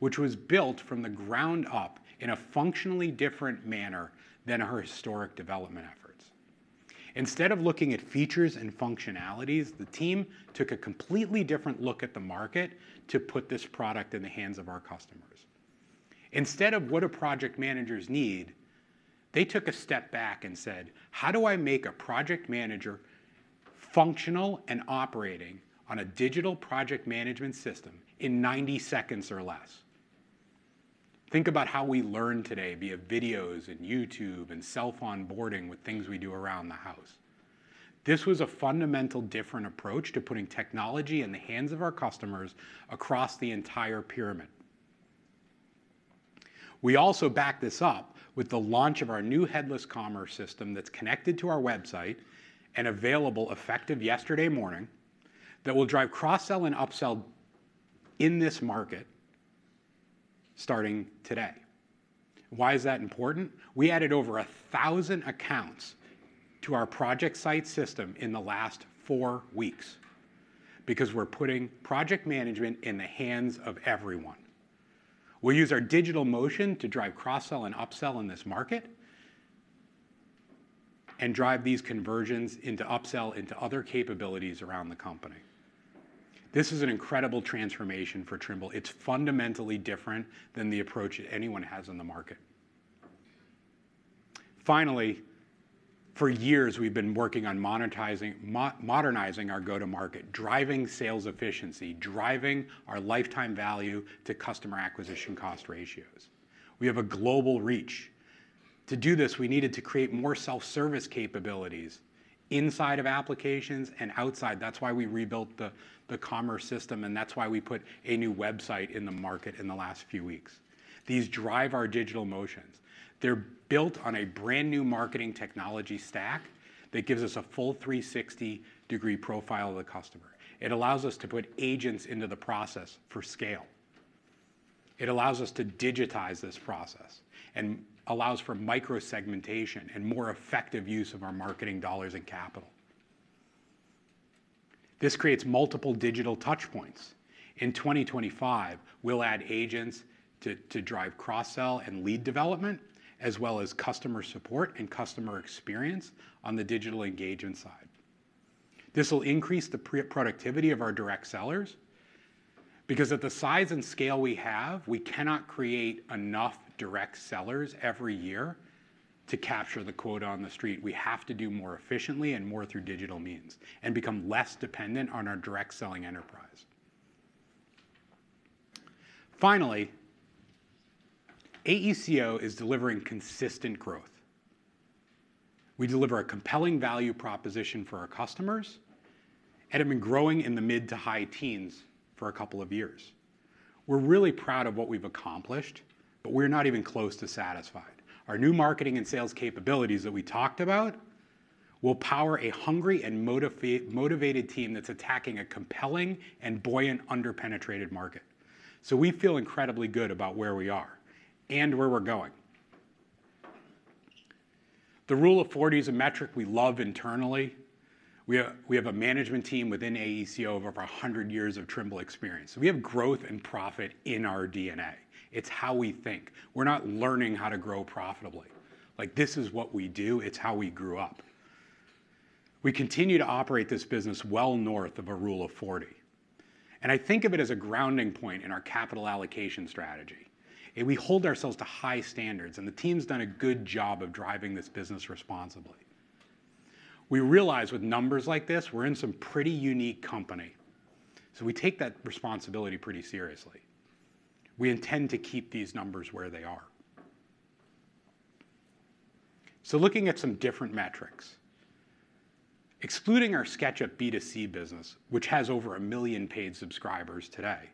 which was built from the ground up in a functionally different manner than our historic development efforts. Instead of looking at features and functionalities, the team took a completely different look at the market to put this product in the hands of our customers. Instead of what a project manager's need, they took a step back and said, "How do I make a project manager functional and operating on a digital project management system in 90 seconds or less?" Think about how we learn today via videos and YouTube and self-onboarding with things we do around the house. This was a fundamental different approach to putting technology in the hands of our customers across the entire pyramid. We also back this up with the launch of our new headless commerce system that's connected to our website and available effective yesterday morning that will drive cross-sell and upsell in this market starting today. Why is that important? We added over 1,000 accounts to our ProjectSight system in the last four weeks because we're putting project management in the hands of everyone. We'll use our digital motion to drive cross-sell and upsell in this market and drive these conversions into upsell into other capabilities around the company. This is an incredible transformation for Trimble. It's fundamentally different than the approach that anyone has in the market. Finally, for years, we've been working on modernizing our go-to-market, driving sales efficiency, driving our lifetime value to customer acquisition cost ratios. We have a global reach. To do this, we needed to create more self-service capabilities inside of applications and outside. That's why we rebuilt the commerce system. And that's why we put a new website in the market in the last few weeks. These drive our digital motions. They're built on a brand new marketing technology stack that gives us a full 360-degree profile of the customer. It allows us to put agents into the process for scale. It allows us to digitize this process and allows for micro-segmentation and more effective use of our marketing dollars and capital. This creates multiple digital touchpoints. In 2025, we'll add agents to drive cross-sell and lead development, as well as customer support and customer experience on the digital engagement side. This will increase the productivity of our direct sellers because at the size and scale we have, we cannot create enough direct sellers every year to capture the quota on the street. We have to do more efficiently and more through digital means and become less dependent on our direct selling enterprise. Finally, AECO is delivering consistent growth. We deliver a compelling value proposition for our customers and have been growing in the mid to high teens for a couple of years. We're really proud of what we've accomplished, but we're not even close to satisfied. Our new marketing and sales capabilities that we talked about will power a hungry and motivated team that's attacking a compelling and buoyant under-penetrated market. So we feel incredibly good about where we are and where we're going. The Rule of 40 is a metric we love internally. We have a management team within AECO of over 100 years of Trimble experience. We have growth and profit in our DNA. It's how we think. We're not learning how to grow profitably. This is what we do. It's how we grew up. We continue to operate this business well north of a Rule of 40. And I think of it as a grounding point in our capital allocation strategy. We hold ourselves to high standards. And the team's done a good job of driving this business responsibly. We realize with numbers like this, we're in some pretty unique company. So we take that responsibility pretty seriously. We intend to keep these numbers where they are. So looking at some different metrics, excluding our SketchUp B2C business, which has over 1 million paid subscribers today,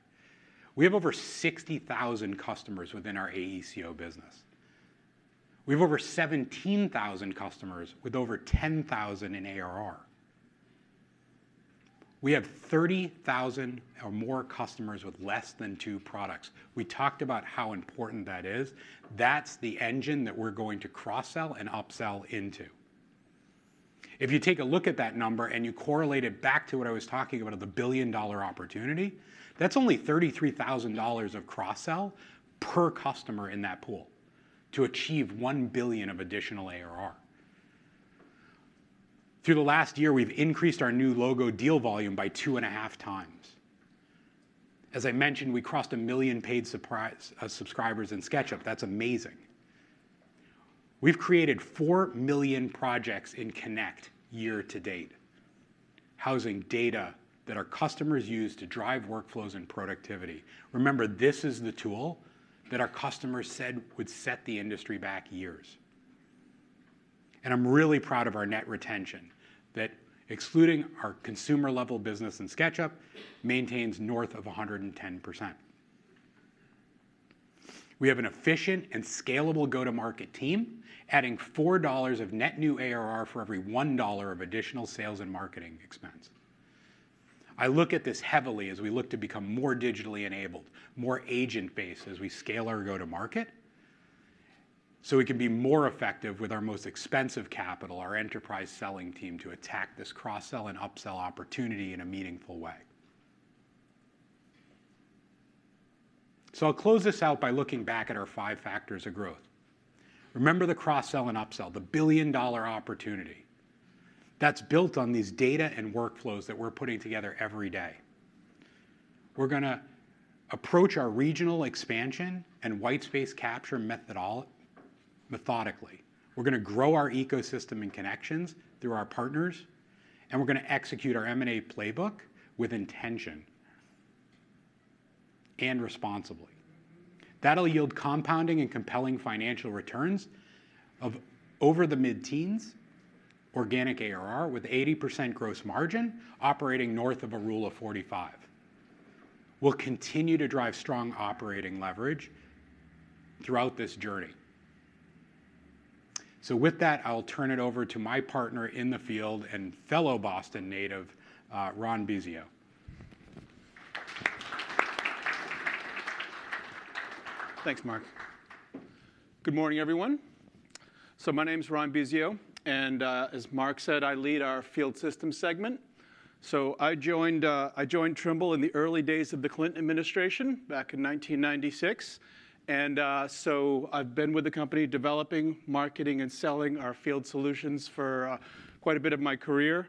we have over 60,000 customers within our AECO business. We have over 17,000 customers with over 10,000 in ARR. We have 30,000 or more customers with less than two products. We talked about how important that is. That's the engine that we're going to cross-sell and upsell into. If you take a look at that number and you correlate it back to what I was talking about of the billion-dollar opportunity, that's only $33,000 of cross-sell per customer in that pool to achieve $1 billion of additional ARR. Through the last year, we've increased our new logo deal volume by 2.5 times. As I mentioned, we crossed 1 million paid subscribers in SketchUp. That's amazing. We've created 4 million projects in Connect year-to-date, housing data that our customers use to drive workflows and productivity. Remember, this is the tool that our customers said would set the industry back years. And I'm really proud of our net retention, that, excluding our consumer-level business in SketchUp, maintains north of 110%. We have an efficient and scalable go-to-market team, adding $4 of net new ARR for every $1 of additional sales and marketing expense. I look at this heavily as we look to become more digitally enabled, more agent-based as we scale our go-to-market so we can be more effective with our most expensive capital, our enterprise selling team, to attack this cross-sell and upsell opportunity in a meaningful way. I'll close this out by looking back at our five factors of growth. Remember the cross-sell and upsell, the billion-dollar opportunity that's built on these data and workflows that we're putting together every day. We're going to approach our regional expansion and whitespace capture methodically. We're going to grow our ecosystem and connections through our partners. We're going to execute our M&A playbook with intention and responsibly. That'll yield compounding and compelling financial returns of over the mid-teens organic ARR with 80% gross margin operating north of a Rule of 45. We'll continue to drive strong operating leverage throughout this journey. So with that, I'll turn it over to my partner in the field and fellow Boston native, Ron Bisio. Thanks, Mark. Good morning, everyone, so my name's Ron Bisio, and as Mark said, I lead our field systems segment, so I joined Trimble in the early days of the Clinton administration back in 1996, and so I've been with the company developing, marketing, and selling our field solutions for quite a bit of my career.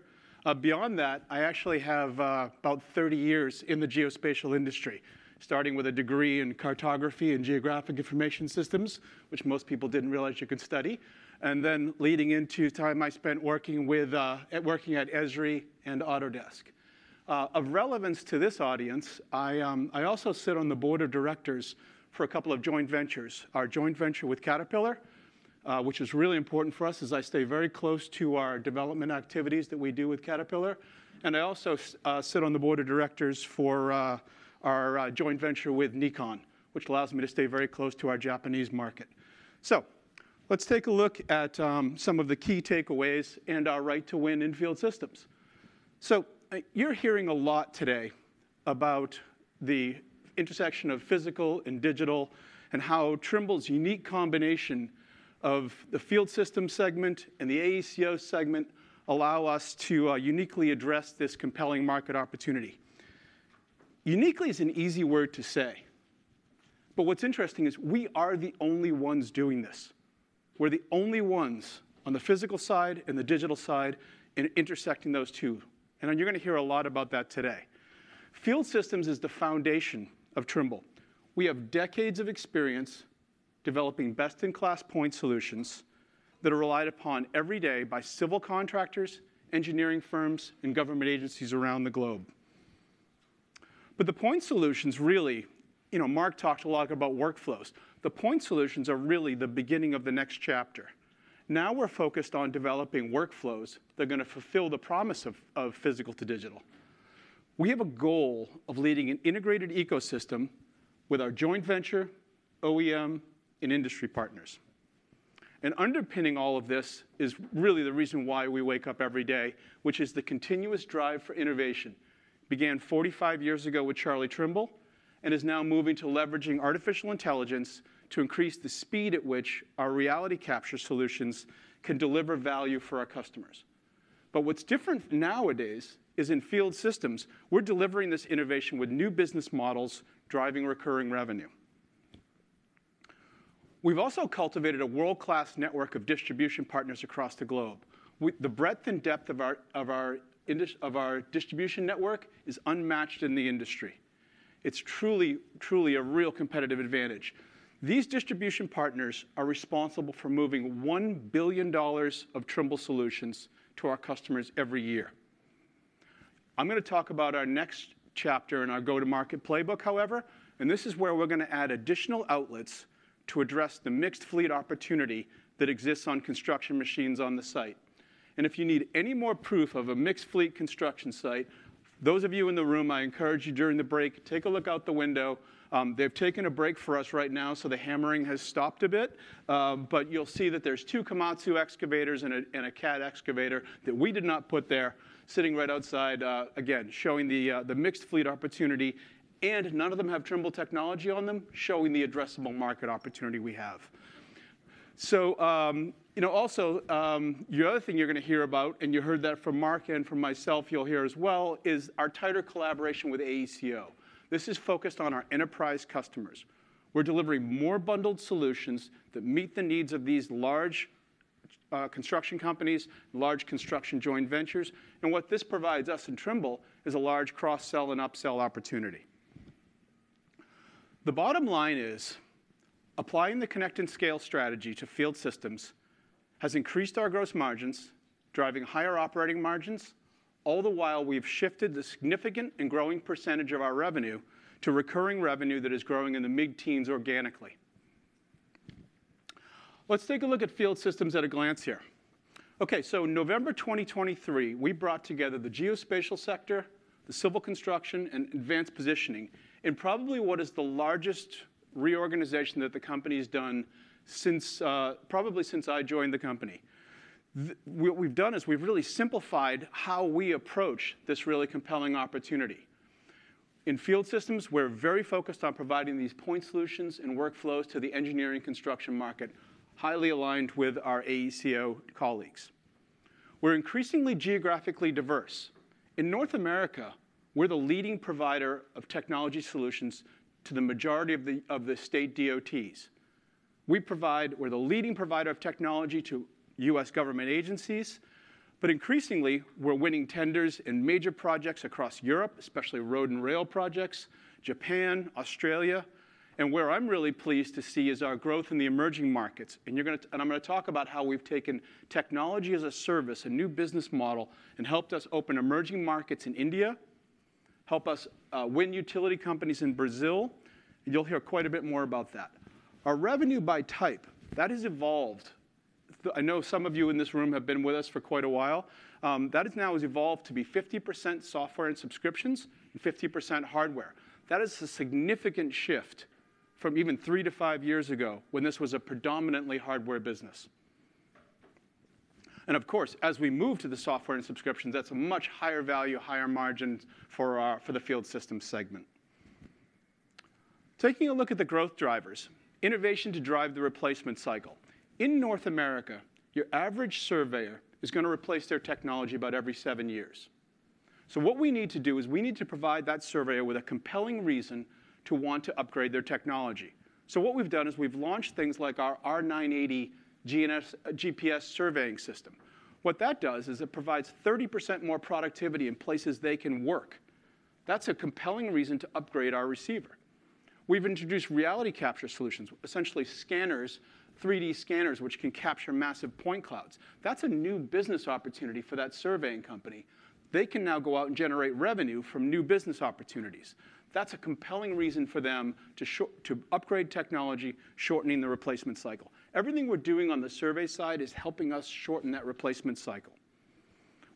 Beyond that, I actually have about 30 years in the geospatial industry, starting with a degree in cartography and geographic information systems, which most people didn't realize you could study, and then leading into time I spent working at Esri and Autodesk. Of relevance to this audience, I also sit on the board of directors for a couple of joint ventures, our joint venture with Caterpillar, which is really important for us as I stay very close to our development activities that we do with Caterpillar. I also sit on the board of directors for our joint venture with Nikon, which allows me to stay very close to our Japanese market. So let's take a look at some of the key takeaways and our right to win in field systems. So you're hearing a lot today about the intersection of physical and digital and how Trimble's unique combination of the field systems segment and the AECO segment allow us to uniquely address this compelling market opportunity. Uniquely is an easy word to say. But what's interesting is we are the only ones doing this. We're the only ones on the physical side and the digital side in intersecting those two. And you're going to hear a lot about that today. Field systems is the foundation of Trimble. We have decades of experience developing best-in-class point solutions that are relied upon every day by civil contractors, engineering firms, and government agencies around the globe. But the point solutions really, Mark talked a lot about workflows. The point solutions are really the beginning of the next chapter. Now we're focused on developing workflows that are going to fulfill the promise of physical to digital. We have a goal of leading an integrated ecosystem with our joint venture, OEM, and industry partners. And underpinning all of this is really the reason why we wake up every day, which is the continuous drive for innovation began 45 years ago with Charlie Trimble and is now moving to leveraging artificial intelligence to increase the speed at which our reality capture solutions can deliver value for our customers. But what's different nowadays is in field systems, we're delivering this innovation with new business models driving recurring revenue. We've also cultivated a world-class network of distribution partners across the globe. The breadth and depth of our distribution network is unmatched in the industry. It's truly a real competitive advantage. These distribution partners are responsible for moving $1 billion of Trimble solutions to our customers every year. I'm going to talk about our next chapter in our go-to-market playbook, however. And this is where we're going to add additional outlets to address the mixed fleet opportunity that exists on construction machines on the site. And if you need any more proof of a mixed fleet construction site, those of you in the room, I encourage you during the break, take a look out the window. They've taken a break for us right now, so the hammering has stopped a bit. You'll see that there's two Komatsu excavators and a Cat excavator that we did not put there sitting right outside, again, showing the mixed fleet opportunity. And none of them have Trimble technology on them, showing the addressable market opportunity we have. Also, the other thing you're going to hear about, and you heard that from Mark and from myself, you'll hear as well, is our tighter collaboration with AECO. This is focused on our enterprise customers. We're delivering more bundled solutions that meet the needs of these large construction companies, large construction joint ventures. And what this provides us in Trimble is a large cross-sell and upsell opportunity. The bottom line is applying the Connect and Scale strategy to field systems has increased our gross margins, driving higher operating margins, all the while we have shifted the significant and growing percentage of our revenue to recurring revenue that is growing in the mid-teens organically. Let's take a look at field systems at a glance here. Okay, so November 2023, we brought together the geospatial sector, the civil construction, and advanced positioning in probably what is the largest reorganization that the company has done probably since I joined the company. What we've done is we've really simplified how we approach this really compelling opportunity. In field systems, we're very focused on providing these point solutions and workflows to the engineering construction market, highly aligned with our AECO colleagues. We're increasingly geographically diverse. In North America, we're the leading provider of technology solutions to the majority of the state DOTs. We're the leading provider of technology to U.S. government agencies, but increasingly, we're winning tenders in major projects across Europe, especially road and rail projects, Japan, Australia. Where I'm really pleased to see is our growth in the emerging markets. I'm going to talk about how we've taken technology as a service, a new business model, and helped us open emerging markets in India, helped us win utility companies in Brazil. You'll hear quite a bit more about that. Our revenue by type that has evolved. I know some of you in this room have been with us for quite a while. That has now evolved to be 50% software and subscriptions and 50% hardware. That is a significant shift from even three to five years ago when this was a predominantly hardware business. And of course, as we move to the software and subscriptions, that's a much higher value, higher margin for the field systems segment. Taking a look at the growth drivers, innovation to drive the replacement cycle. In North America, your average surveyor is going to replace their technology about every seven years. So what we need to do is we need to provide that surveyor with a compelling reason to want to upgrade their technology. So what we've done is we've launched things like our R980 GPS surveying system. What that does is it provides 30% more productivity in places they can work. That's a compelling reason to upgrade our receiver. We've introduced reality capture solutions, essentially scanners, 3D scanners, which can capture massive point clouds. That's a new business opportunity for that surveying company. They can now go out and generate revenue from new business opportunities. That's a compelling reason for them to upgrade technology, shortening the replacement cycle. Everything we're doing on the survey side is helping us shorten that replacement cycle.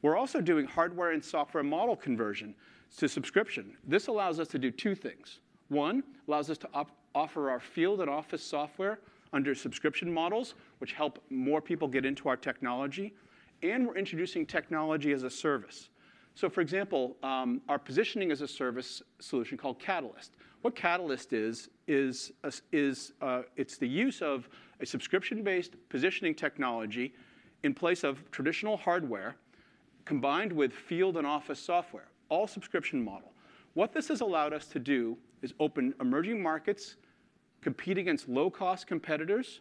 We're also doing hardware and software model conversion to subscription. This allows us to do two things. One, it allows us to offer our field and office software under subscription models, which help more people get into our technology, and we're introducing technology as a service, so for example, our positioning as a service solution called Catalyst. What Catalyst is, it's the use of a subscription-based positioning technology in place of traditional hardware combined with field and office software, all subscription model. What this has allowed us to do is open emerging markets, compete against low-cost competitors,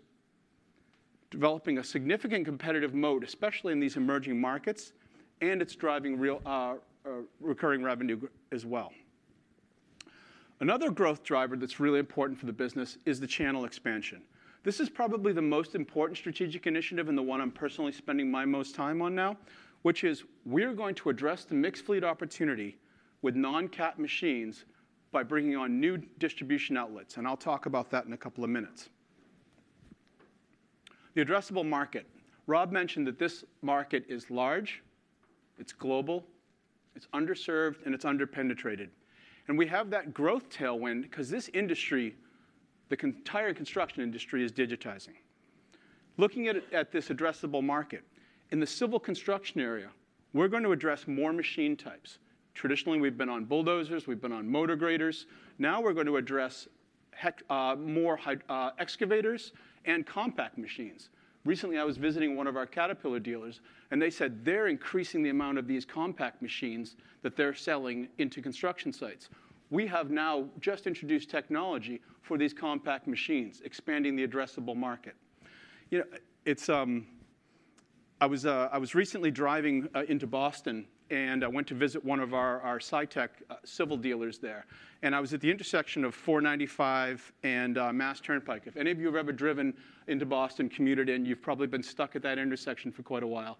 developing a significant competitive moat, especially in these emerging markets, and it's driving recurring revenue as well. Another growth driver that's really important for the business is the channel expansion. This is probably the most important strategic initiative and the one I'm personally spending my most time on now, which is we're going to address the mixed fleet opportunity with non-Cat machines by bringing on new distribution outlets, and I'll talk about that in a couple of minutes. The addressable market. Rob mentioned that this market is large. It's global. It's underserved, and it's underpenetrated. And we have that growth tailwind because this industry, the entire construction industry, is digitizing. Looking at this addressable market, in the civil construction area, we're going to address more machine types. Traditionally, we've been on bulldozers. We've been on motor graders. Now we're going to address more excavators and compact machines. Recently, I was visiting one of our Caterpillar dealers, and they said they're increasing the amount of these compact machines that they're selling into construction sites. We have now just introduced technology for these compact machines, expanding the addressable market. I was recently driving into Boston, and I went to visit one of our SITECH civil dealers there. I was at the intersection of 495 and Mass Turnpike. If any of you have ever driven into Boston commuted in, you've probably been stuck at that intersection for quite a while.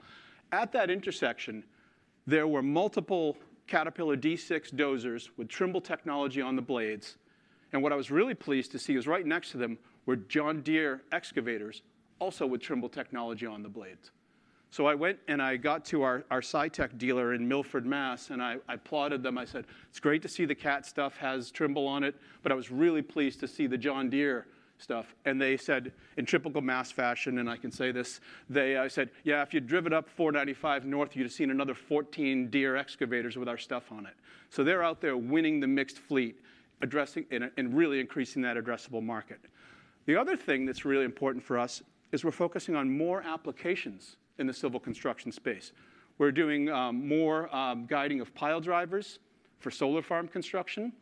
At that intersection, there were multiple Caterpillar D6 dozers with Trimble technology on the blades. What I was really pleased to see is right next to them were John Deere excavators, also with Trimble technology on the blades. I went and I got to our SITECH dealer in Milford, Massachusetts, and I applauded them. I said, "It's great to see the Cat stuff has Trimble on it," but I was really pleased to see the John Deere stuff, and they said, in typical Mass fashion, and I can say this, they said, "Yeah, if you'd driven up 495 north, you'd have seen another 14 Deere excavators with our stuff on it," so they're out there winning the mixed fleet and really increasing that addressable market. The other thing that's really important for us is we're focusing on more applications in the civil construction space. We're doing more guiding of pile drivers for solar farm construction,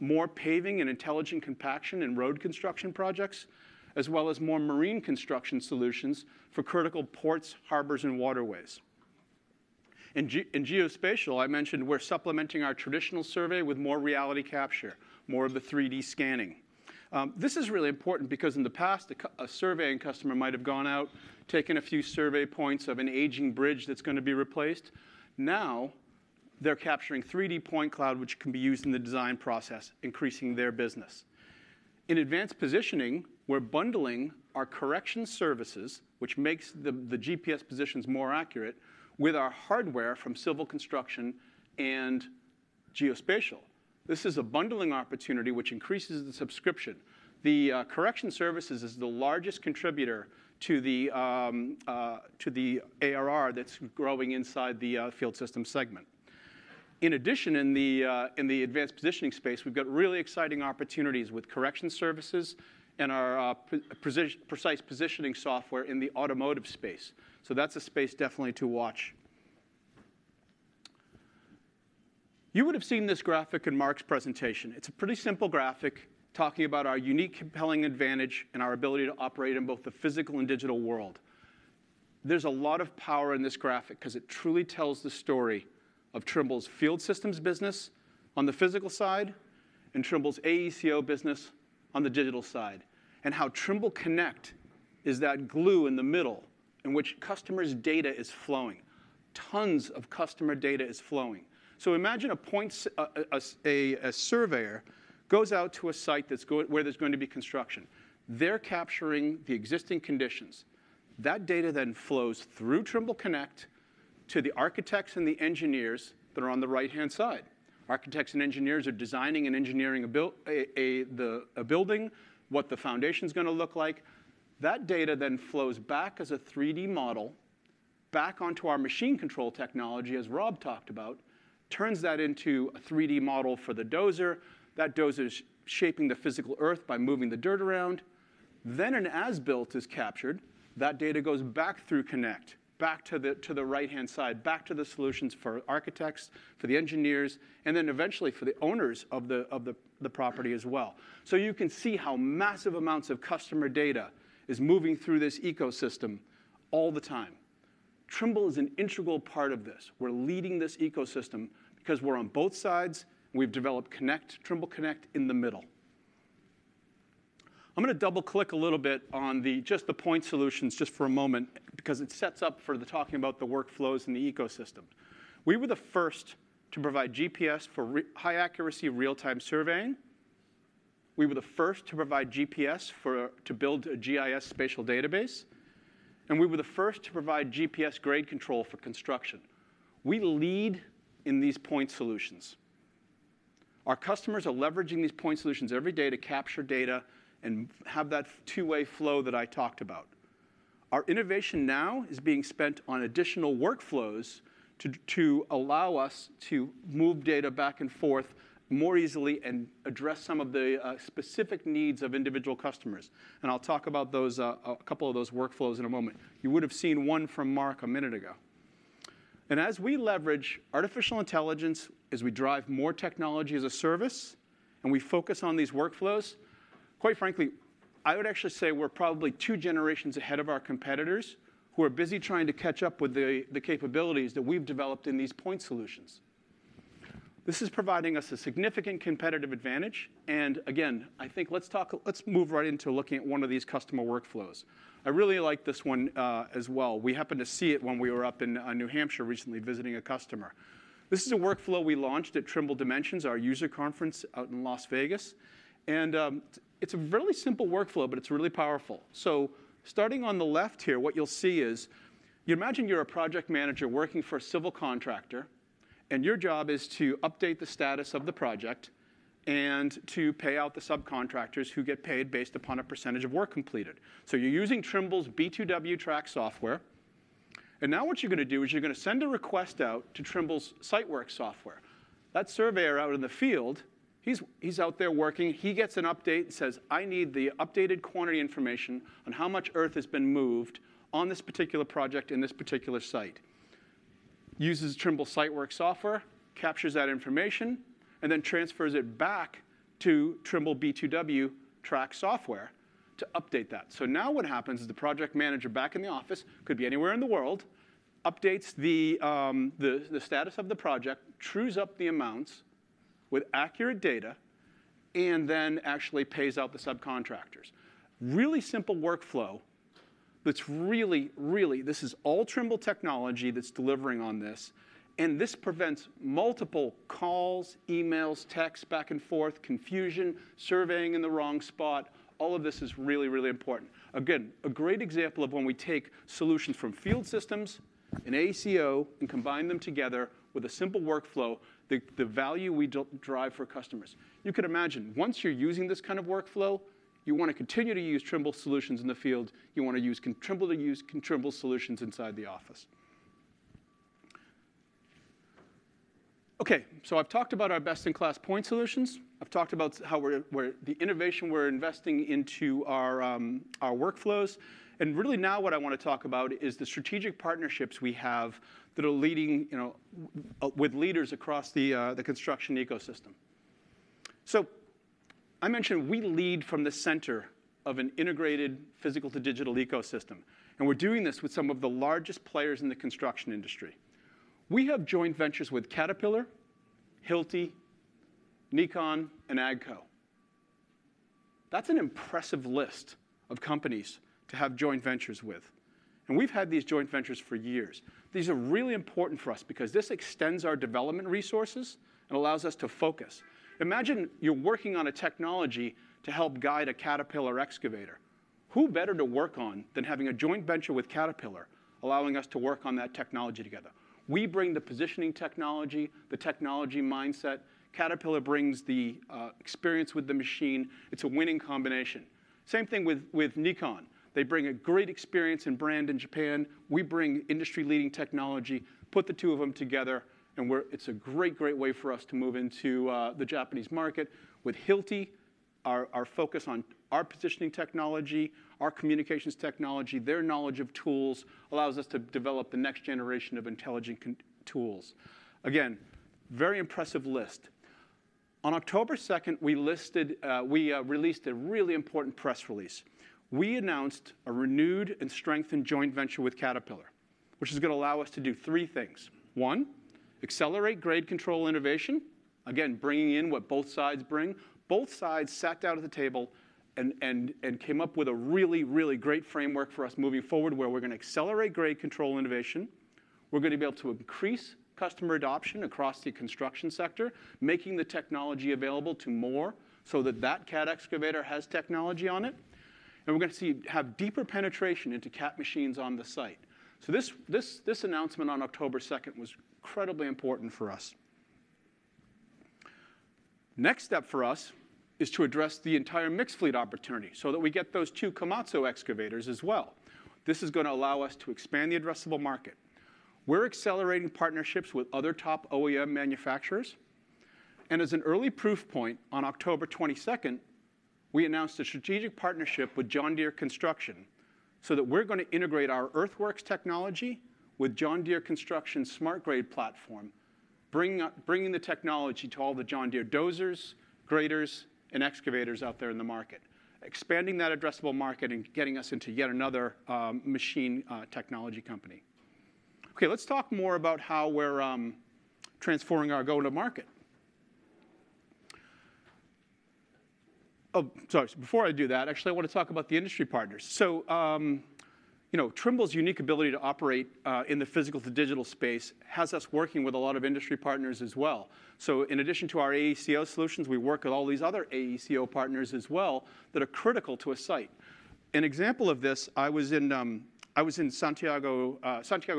more paving and intelligent compaction and road construction projects, as well as more marine construction solutions for critical ports, harbors, and waterways. In geospatial, I mentioned we're supplementing our traditional survey with more reality capture, more of the 3D scanning. This is really important because in the past, a surveying customer might have gone out, taken a few survey points of an aging bridge that's going to be replaced. Now, they're capturing 3D point cloud, which can be used in the design process, increasing their business. In advanced positioning, we're bundling our correction services, which makes the GPS positions more accurate, with our hardware from civil construction and geospatial. This is a bundling opportunity which increases the subscription. The correction services is the largest contributor to the ARR that's growing inside the field systems segment. In addition, in the advanced positioning space, we've got really exciting opportunities with correction services and our precise positioning software in the automotive space. So that's a space definitely to watch. You would have seen this graphic in Mark's presentation. It's a pretty simple graphic talking about our unique compelling advantage and our ability to operate in both the physical and digital world. There's a lot of power in this graphic because it truly tells the story of Trimble's field systems business on the physical side and Trimble's AECO business on the digital side. And how Trimble Connect is that glue in the middle in which customers' data is flowing. Tons of customer data is flowing. So imagine a surveyor goes out to a site where there's going to be construction. They're capturing the existing conditions. That data then flows through Trimble Connect to the architects and the engineers that are on the right-hand side. Architects and engineers are designing and engineering the building, what the foundation's going to look like. That data then flows back as a 3D model back onto our machine control technology, as Rob talked about, turns that into a 3D model for the dozer. That dozer's shaping the physical earth by moving the dirt around. Then an as-built is captured. That data goes back through Connect, back to the right-hand side, back to the solutions for architects, for the engineers, and then eventually for the owners of the property as well. So you can see how massive amounts of customer data is moving through this ecosystem all the time. Trimble is an integral part of this. We're leading this ecosystem because we're on both sides. We've developed Trimble Connect in the middle. I'm going to double-click a little bit on just the point solutions just for a moment because it sets up for the talking about the workflows and the ecosystem. We were the first to provide GPS for high-accuracy real-time surveying. We were the first to provide GPS to build a GIS spatial database. And we were the first to provide GPS grade control for construction. We lead in these point solutions. Our customers are leveraging these point solutions every day to capture data and have that two-way flow that I talked about. Our innovation now is being spent on additional workflows to allow us to move data back and forth more easily and address some of the specific needs of individual customers. And I'll talk about a couple of those workflows in a moment. You would have seen one from Mark a minute ago. And as we leverage artificial intelligence as we drive more technology as a service and we focus on these workflows, quite frankly, I would actually say we're probably two generations ahead of our competitors who are busy trying to catch up with the capabilities that we've developed in these point solutions. This is providing us a significant competitive advantage. And again, I think let's move right into looking at one of these customer workflows. I really like this one as well. We happened to see it when we were up in New Hampshire recently visiting a customer. This is a workflow we launched at Trimble Dimensions, our user conference out in Las Vegas. And it's a really simple workflow, but it's really powerful. So starting on the left here, what you'll see is you imagine you're a project manager working for a civil contractor, and your job is to update the status of the project and to pay out the subcontractors who get paid based upon a percentage of work completed. So you're using Trimble's B2W Track software. And now what you're going to do is you're going to send a request out to Trimble's Siteworks software. That surveyor out in the field, he's out there working. He gets an update and says, "I need the updated quantity information on how much earth has been moved on this particular project in this particular site." Uses Trimble Siteworks software, captures that information, and then transfers it back to Trimble B2W Track software to update that. So now what happens is the project manager back in the office, could be anywhere in the world, updates the status of the project, trues up the amounts with accurate data, and then actually pays out the subcontractors. Really simple workflow that's really, really this is all Trimble technology that's delivering on this. And this prevents multiple calls, emails, texts back and forth, confusion, surveying in the wrong spot. All of this is really, really important. Again, a great example of when we take solutions from field systems and AECO and combine them together with a simple workflow, the value we drive for customers. You could imagine once you're using this kind of workflow, you want to continue to use Trimble solutions in the field. You want to use Trimble to use Trimble solutions inside the office. Okay. So I've talked about our best-in-class point solutions. I've talked about the innovation we're investing into our workflows, and really now what I want to talk about is the strategic partnerships we have that are leading with leaders across the construction ecosystem, so I mentioned we lead from the center of an integrated physical-to-digital ecosystem, and we're doing this with some of the largest players in the construction industry. We have joint ventures with Caterpillar, Hilti, Nikon, and AGCO. That's an impressive list of companies to have joint ventures with, and we've had these joint ventures for years. These are really important for us because this extends our development resources and allows us to focus. Imagine you're working on a technology to help guide a Caterpillar excavator. Who better to work on than having a joint venture with Caterpillar, allowing us to work on that technology together? We bring the positioning technology, the technology mindset. Caterpillar brings the experience with the machine. It's a winning combination. Same thing with Nikon. They bring a great experience and brand in Japan. We bring industry-leading technology, put the two of them together, and it's a great, great way for us to move into the Japanese market. With Hilti, our focus on our positioning technology, our communications technology, their knowledge of tools allows us to develop the next generation of intelligent tools. Again, very impressive list. On October 2nd, we released a really important press release. We announced a renewed and strengthened joint venture with Caterpillar, which is going to allow us to do three things. One, accelerate grade control innovation. Again, bringing in what both sides bring. Both sides sat down at the table and came up with a really, really great framework for us moving forward where we're going to accelerate grade control innovation. We're going to be able to increase customer adoption across the construction sector, making the technology available to more so that Cat excavator has technology on it, and we're going to have deeper penetration into Cat machines on the site. This announcement on October 2nd was incredibly important for us. Next step for us is to address the entire mixed fleet opportunity so that we get those two Komatsu excavators as well. This is going to allow us to expand the addressable market. We're accelerating partnerships with other top OEM manufacturers. As an early proof point on October 22nd, we announced a strategic partnership with John Deere Construction so that we're going to integrate our Earthworks technology with John Deere Construction's SmartGrade platform, bringing the technology to all the John Deere dozers, graders, and excavators out there in the market, expanding that addressable market and getting us into yet another machine technology company. Okay. Let's talk more about how we're transforming our go-to-market. Oh, sorry. Before I do that, actually, I want to talk about the industry partners. Trimble's unique ability to operate in the physical-to-digital space has us working with a lot of industry partners as well. In addition to our AECO solutions, we work with all these other AECO partners as well that are critical to a site. An example of this, I was in Santiago,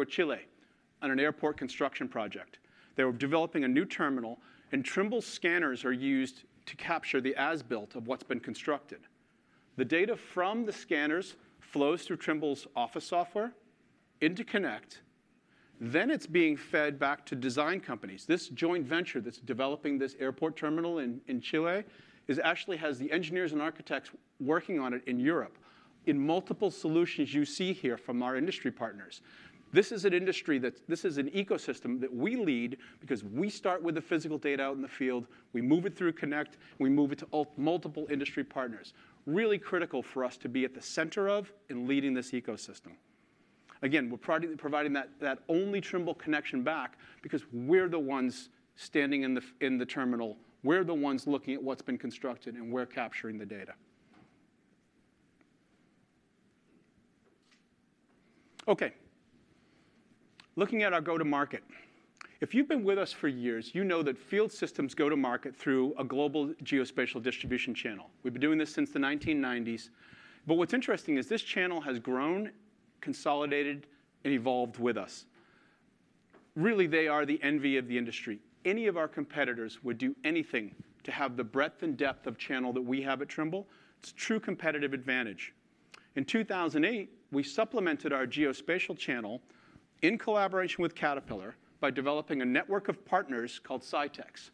Chile, on an airport construction project. They were developing a new terminal, and Trimble scanners are used to capture the as-built of what's been constructed. The data from the scanners flows through Trimble's office software into Connect. Then it's being fed back to design companies. This joint venture that's developing this airport terminal in Chile actually has the engineers and architects working on it in Europe in multiple solutions you see here from our industry partners. This is an ecosystem that we lead because we start with the physical data out in the field. We move it through Connect. We move it to multiple industry partners. Really critical for us to be at the center of and leading this ecosystem. Again, we're providing that only Trimble connection back because we're the ones standing in the terminal. We're the ones looking at what's been constructed and we're capturing the data. Okay. Looking at our go-to-market. If you've been with us for years, you know that field systems go to market through a global geospatial distribution channel. We've been doing this since the 1990s. But what's interesting is this channel has grown, consolidated, and evolved with us. Really, they are the envy of the industry. Any of our competitors would do anything to have the breadth and depth of channel that we have at Trimble. It's a true competitive advantage. In 2008, we supplemented our geospatial channel in collaboration with Caterpillar by developing a network of partners called SITECH.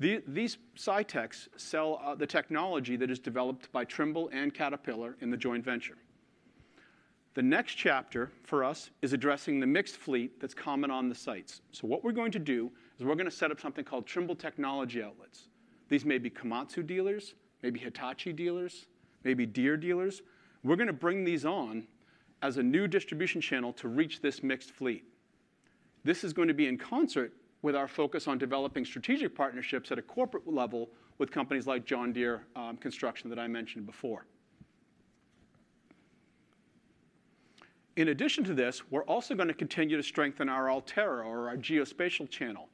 These SITECH sell the technology that is developed by Trimble and Caterpillar in the joint venture. The next chapter for us is addressing the mixed fleet that's common on the sites. So what we're going to do is we're going to set up something called Trimble Technology Outlets. These may be Komatsu dealers, maybe Hitachi dealers, maybe Deere dealers. We're going to bring these on as a new distribution channel to reach this mixed fleet. This is going to be in concert with our focus on developing strategic partnerships at a corporate level with companies like John Deere Construction that I mentioned before. In addition to this, we're also going to continue to strengthen our AllTerra or our geospatial channel.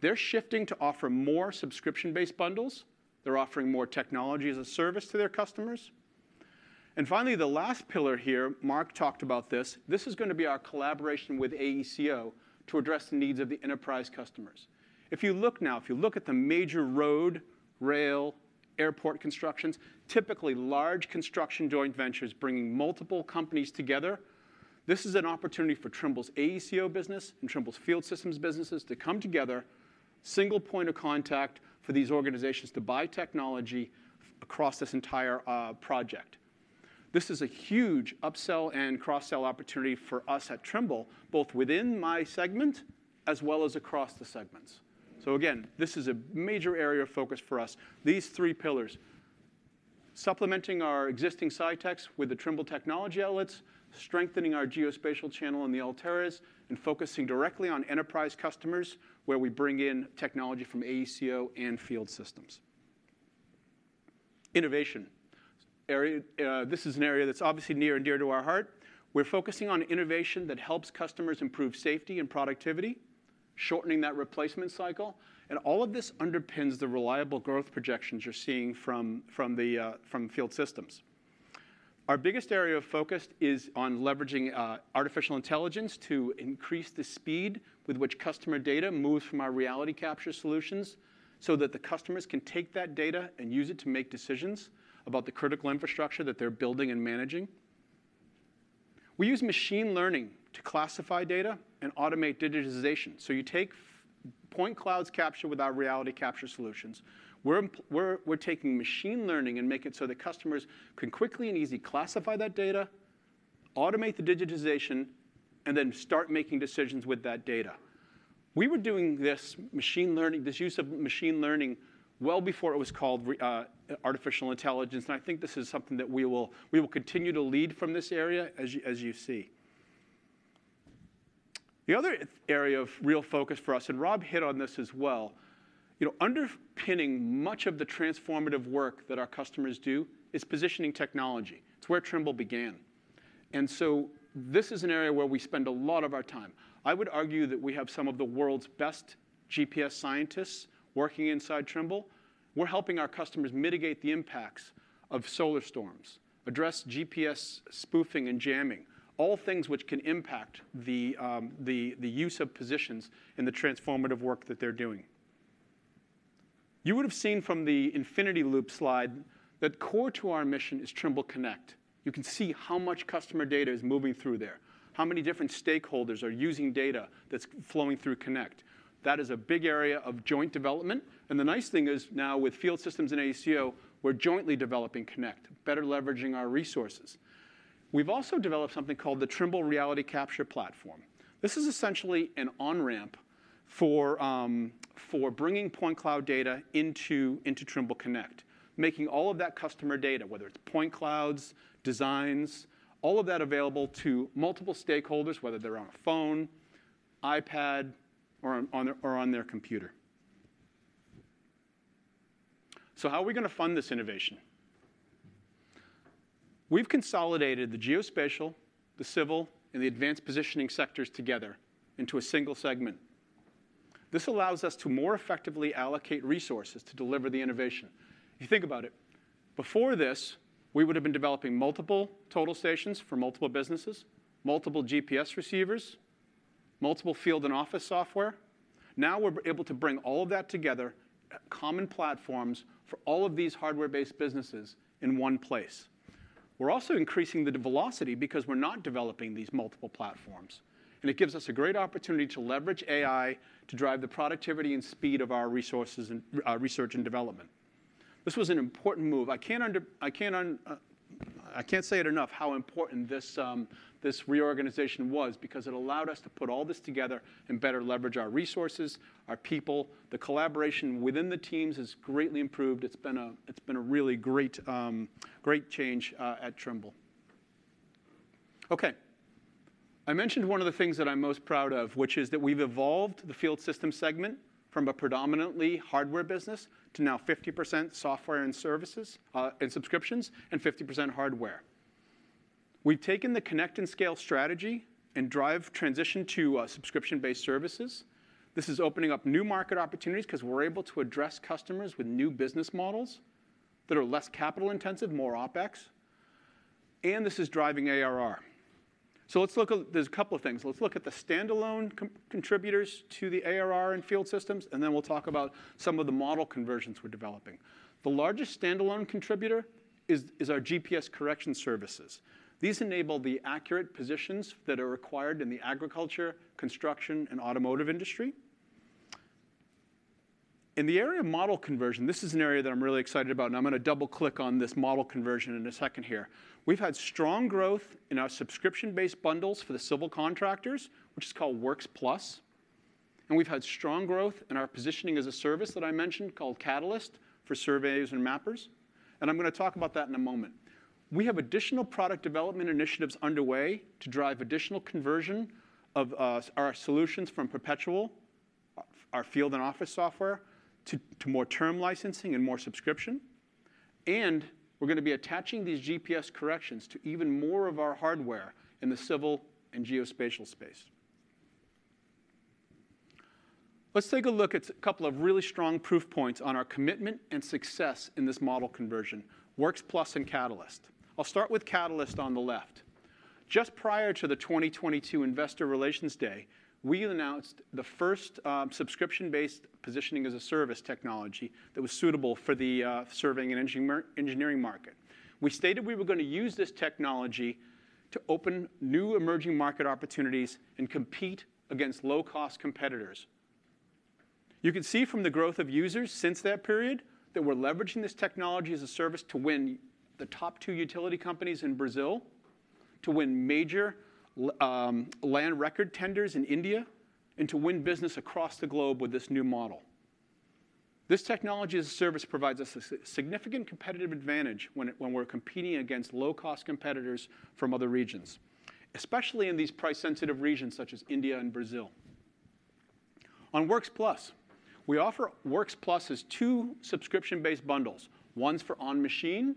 They're shifting to offer more subscription-based bundles. They're offering more technology as a service to their customers. And finally, the last pillar here, Mark talked about this. This is going to be our collaboration with AECO to address the needs of the enterprise customers. If you look now, if you look at the major road, rail, airport constructions, typically large construction joint ventures bringing multiple companies together, this is an opportunity for Trimble's AECO business and Trimble's field systems businesses to come together, single point of contact for these organizations to buy technology across this entire project. This is a huge upsell and cross-sell opportunity for us at Trimble, both within my segment as well as across the segments. So again, this is a major area of focus for us, these three pillars: supplementing our existing SITECH with the Trimble Technology Outlets, strengthening our geospatial channel in the AllTerra, and focusing directly on enterprise customers where we bring in technology from AECO and field systems. Innovation. This is an area that's obviously near and dear to our heart. We're focusing on innovation that helps customers improve safety and productivity, shortening that replacement cycle. All of this underpins the reliable growth projections you're seeing from field systems. Our biggest area of focus is on leveraging artificial intelligence to increase the speed with which customer data moves from our reality capture solutions so that the customers can take that data and use it to make decisions about the critical infrastructure that they're building and managing. We use machine learning to classify data and automate digitization. You take point clouds captured with our reality capture solutions. We're taking machine learning and making it so that customers can quickly and easily classify that data, automate the digitization, and then start making decisions with that data. We were doing this use of machine learning well before it was called artificial intelligence. I think this is something that we will continue to lead in this area, as you see. The other area of real focus for us, and Rob hit on this as well, underpinning much of the transformative work that our customers do is positioning technology. It's where Trimble began. And so this is an area where we spend a lot of our time. I would argue that we have some of the world's best GPS scientists working inside Trimble. We're helping our customers mitigate the impacts of solar storms, address GPS spoofing and jamming, all things which can impact the use of positions in the transformative work that they're doing. You would have seen from the Infinity Loop slide that core to our mission is Trimble Connect. You can see how much customer data is moving through there, how many different stakeholders are using data that's flowing through Connect. That is a big area of joint development. The nice thing is now with field systems and AECO, we're jointly developing Connect, better leveraging our resources. We've also developed something called the Trimble Reality Capture Platform. This is essentially an on-ramp for bringing point cloud data into Trimble Connect, making all of that customer data, whether it's point clouds, designs, all of that available to multiple stakeholders, whether they're on a phone, iPad, or on their computer. How are we going to fund this innovation? We've consolidated the geospatial, the civil, and the advanced positioning sectors together into a single segment. This allows us to more effectively allocate resources to deliver the innovation. If you think about it, before this, we would have been developing multiple total stations for multiple businesses, multiple GPS receivers, multiple field and office software. Now, we're able to bring all of that together, common platforms for all of these hardware-based businesses in one place. We're also increasing the velocity because we're not developing these multiple platforms. And it gives us a great opportunity to leverage AI to drive the productivity and speed of our research and development. This was an important move. I can't say it enough how important this reorganization was because it allowed us to put all this together and better leverage our resources, our people. The collaboration within the teams has greatly improved. It's been a really great change at Trimble. Okay. I mentioned one of the things that I'm most proud of, which is that we've evolved the field system segment from a predominantly hardware business to now 50% software and services and subscriptions and 50% hardware. We've taken the Connect and Scale strategy and drive transition to subscription-based services. This is opening up new market opportunities because we're able to address customers with new business models that are less capital-intensive, more OpEx. And this is driving ARR. So there's a couple of things. Let's look at the standalone contributors to the ARR and field systems, and then we'll talk about some of the model conversions we're developing. The largest standalone contributor is our GPS correction services. These enable the accurate positions that are required in the agriculture, construction, and automotive industry. In the area of model conversion, this is an area that I'm really excited about, and I'm going to double-click on this model conversion in a second here. We've had strong growth in our subscription-based bundles for the civil contractors, which is called Works Plus. And we've had strong growth in our positioning as a service that I mentioned called Catalyst for surveys and mappers. And I'm going to talk about that in a moment. We have additional product development initiatives underway to drive additional conversion of our solutions from perpetual, our field and office software, to more term licensing and more subscription. And we're going to be attaching these GPS corrections to even more of our hardware in the civil and geospatial space. Let's take a look at a couple of really strong proof points on our commitment and success in this model conversion: Works Plus and Catalyst. I'll start with Catalyst on the left. Just prior to the 2022 Investor Relations Day, we announced the first subscription-based positioning as a service technology that was suitable for the surveying and engineering market. We stated we were going to use this technology to open new emerging market opportunities and compete against low-cost competitors. You can see from the growth of users since that period that we're leveraging this technology as a service to win the top two utility companies in Brazil, to win major land record tenders in India, and to win business across the globe with this new model. This technology as a service provides us a significant competitive advantage when we're competing against low-cost competitors from other regions, especially in these price-sensitive regions such as India and Brazil. On Works Plus, we offer Works Plus as two subscription-based bundles: one's for on-machine,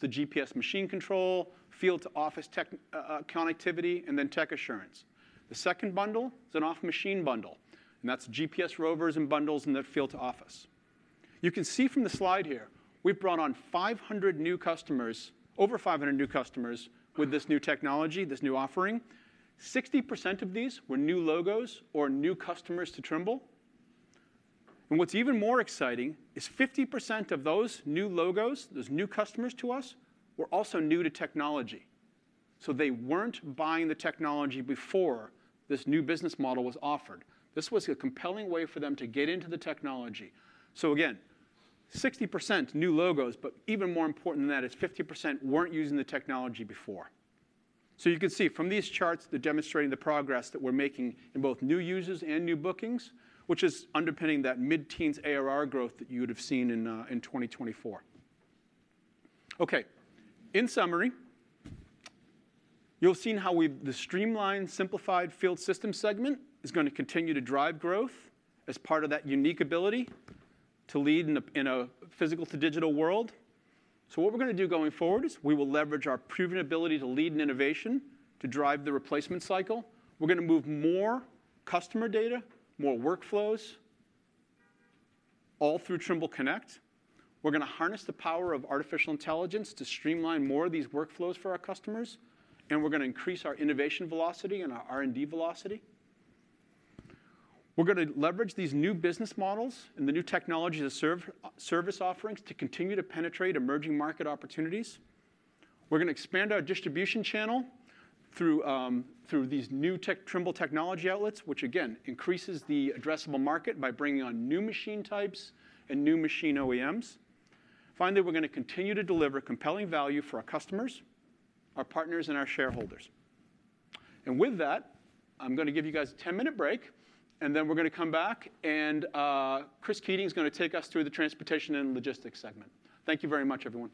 the GPS machine control, field to office connectivity, and then tech assurance. The second bundle is an off-machine bundle, and that's GPS rovers and bundles in the field to office. You can see from the slide here, we've brought on over 500 new customers with this new technology, this new offering. 60% of these were new logos or new customers to Trimble. And what's even more exciting is 50% of those new logos, those new customers to us, were also new to technology. So they weren't buying the technology before this new business model was offered. This was a compelling way for them to get into the technology. So again, 60% new logos, but even more important than that, is 50% weren't using the technology before. So you can see from these charts that demonstrate the progress that we're making in both new users and new bookings, which is underpinning that mid-teens ARR growth that you would have seen in 2024. Okay. In summary, you'll have seen how the streamlined, simplified field system segment is going to continue to drive growth as part of that unique ability to lead in a physical-to-digital world. So what we're going to do going forward is we will leverage our proven ability to lead in innovation to drive the replacement cycle. We're going to move more customer data, more workflows, all through Trimble Connect. We're going to harness the power of artificial intelligence to streamline more of these workflows for our customers, and we're going to increase our innovation velocity and our R&D velocity. We're going to leverage these new business models and the new technology to serve service offerings to continue to penetrate emerging market opportunities. We're going to expand our distribution channel through these new Trimble technology outlets, which again, increases the addressable market by bringing on new machine types and new machine OEMs. Finally, we're going to continue to deliver compelling value for our customers, our partners, and our shareholders. With that, I'm going to give you guys a 10-minute break, and then we're going to come back, and Chris Keating is going to take us through the transportation and logistics segment. Thank you very much, everyone.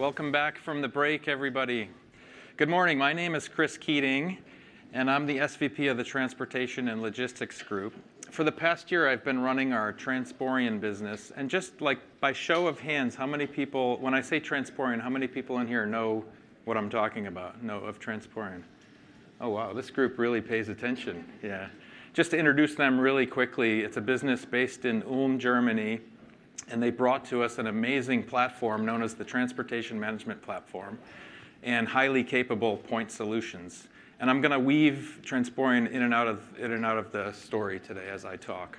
Welcome back from the break, everybody. Good morning. My name is Chris Keating, and I'm the SVP of the Transportation and Logistics Group. For the past year, I've been running our Transporeon business. And just like by show of hands, how many people, when I say Transporeon, how many people in here know what I'm talking about, know of Transporeon? Oh, wow. This group really pays attention. Yeah. Just to introduce them really quickly, it's a business based in Ulm, Germany, and they brought to us an amazing platform known as the Transportation Management Platform and highly capable Point Solutions. I'm going to weave Transporeon in and out of the story today as I talk.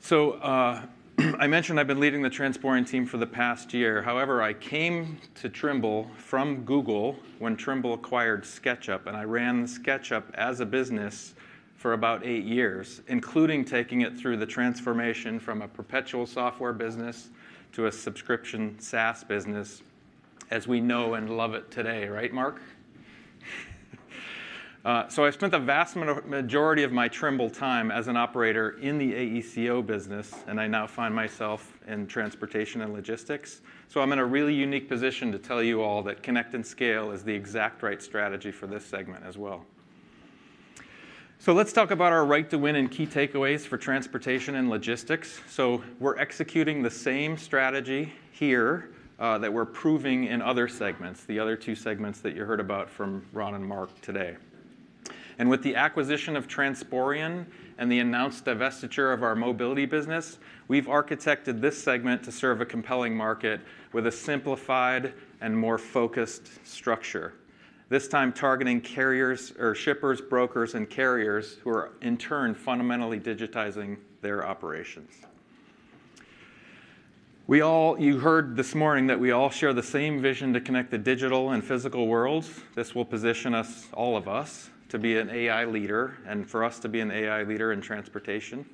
So I mentioned I've been leading the Transporeon team for the past year. However, I came to Trimble from Google when Trimble acquired SketchUp, and I ran SketchUp as a business for about eight years, including taking it through the transformation from a perpetual software business to a subscription SaaS business, as we know and love it today, right, Mark? So I've spent the vast majority of my Trimble time as an operator in the AECO business, and I now find myself in transportation and logistics. So I'm in a really unique position to tell you all that Connect and Scale is the exact right strategy for this segment as well. So let's talk about our right to win and key takeaways for transportation and logistics. We're executing the same strategy here that we're proving in other segments, the other two segments that you heard about from Ron and Mark today. And with the acquisition of Transporeon and the announced divestiture of our mobility business, we've architected this segment to serve a compelling market with a simplified more focused structure, this time targeting shippers, brokers, and carriers who are, in turn, fundamentally digitizing their operations. You heard this morning that we all share the same vision to connect the digital and physical worlds. This will position all of us to be an AI leader and for us to be an AI leader in transportation.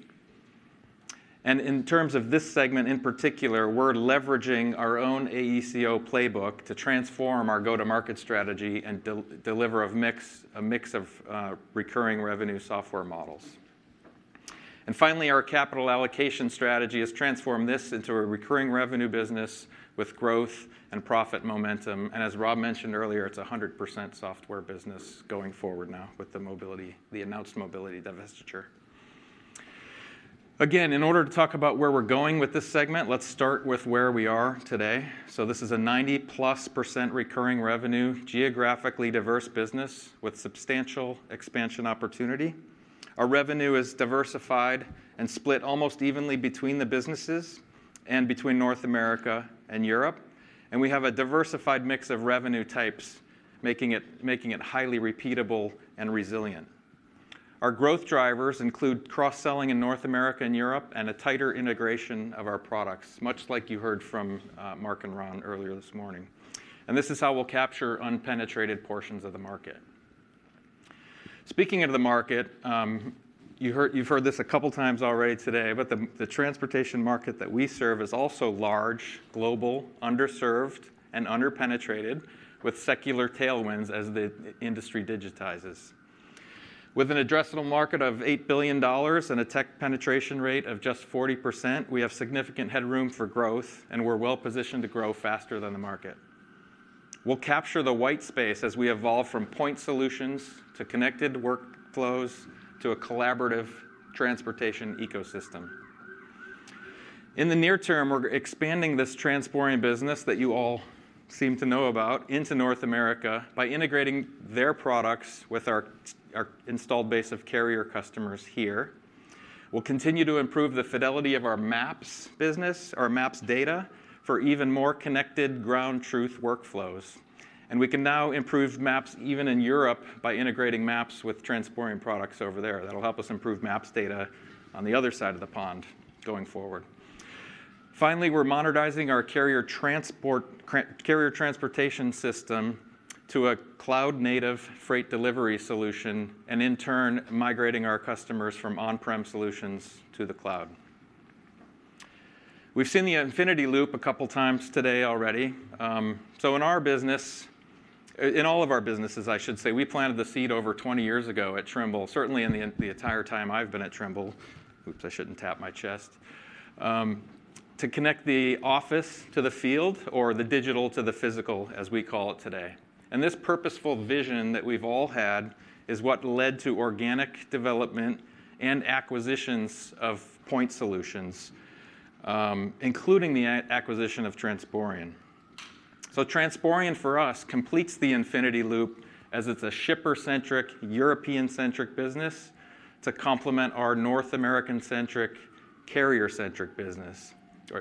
And in terms of this segment in particular, we're leveraging our own AECO playbook to transform our go-to-market strategy and deliver a mix of recurring revenue software models. Finally, our capital allocation strategy has transformed this into a recurring revenue business with growth and profit momentum. As Rob mentioned earlier, it's a 100% software business going forward now with the announced mobility divestiture. Again, in order to talk about where we're going with this segment, let's start with where we are today. This is a 90+% recurring revenue geographically diverse business with substantial expansion opportunity. Our revenue is diversified and split almost evenly between the businesses and between North America and Europe. We have a diversified mix of revenue types, making it highly repeatable and resilient. Our growth drivers include cross-selling in North America and Europe and a tighter integration of our products, much like you heard from Mark and Ron earlier this morning. This is how we'll capture unpenetrated portions of the market. Speaking of the market, you've heard this a couple of times already today, but the transportation market that we serve is also large, global, underserved, and underpenetrated with secular tailwinds as the industry digitizes. With an addressable market of $8 billion and a tech penetration rate of just 40%, we have significant headroom for growth, and we're well positioned to grow faster than the market. We'll capture the white space as we evolve from Point Solutions to connected workflows to a collaborative transportation ecosystem. In the near term, we're expanding this Transporeon business that you all seem to know about into North America by integrating their products with our installed base of carrier customers here. We'll continue to improve the fidelity of our maps business, our maps data for even more connected ground truth workflows. And we can now improve maps even in Europe by integrating maps with Transporeon products over there. That'll help us improve maps data on the other side of the pond going forward. Finally, we're modernizing our carrier transportation system to a cloud-native freight delivery solution and, in turn, migrating our customers from on-prem solutions to the cloud. We've seen the infinity loop a couple of times today already. So in our business, in all of our businesses, I should say, we planted the seed over 20 years ago at Trimble, certainly in the entire time I've been at Trimble. Oops, I shouldn't tap my chest to connect the office to the field or the digital to the physical, as we call it today. And this purposeful vision that we've all had is what led to organic development and acquisitions of point solutions, including the acquisition of Transporeon. So Transporeon, for us, completes the infinity loop as it's a shipper-centric, European-centric business to complement our North American-centric, carrier-centric business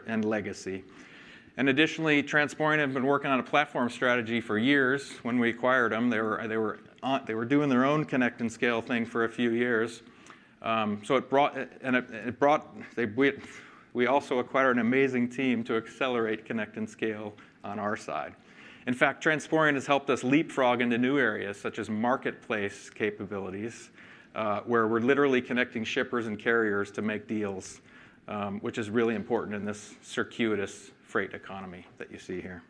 and legacy. And additionally, Transporeon has been working on a platform strategy for years. When we acquired them, they were doing their own Connect and Scale thing for a few years. So it brought, we also acquired an amazing team to accelerate Connect and Scale on our side. In fact, Transporeon has helped us leapfrog into new areas such as marketplace capabilities, where we're literally connecting shippers and carriers to make deals, which is really important in this circuitous freight economy that you see here.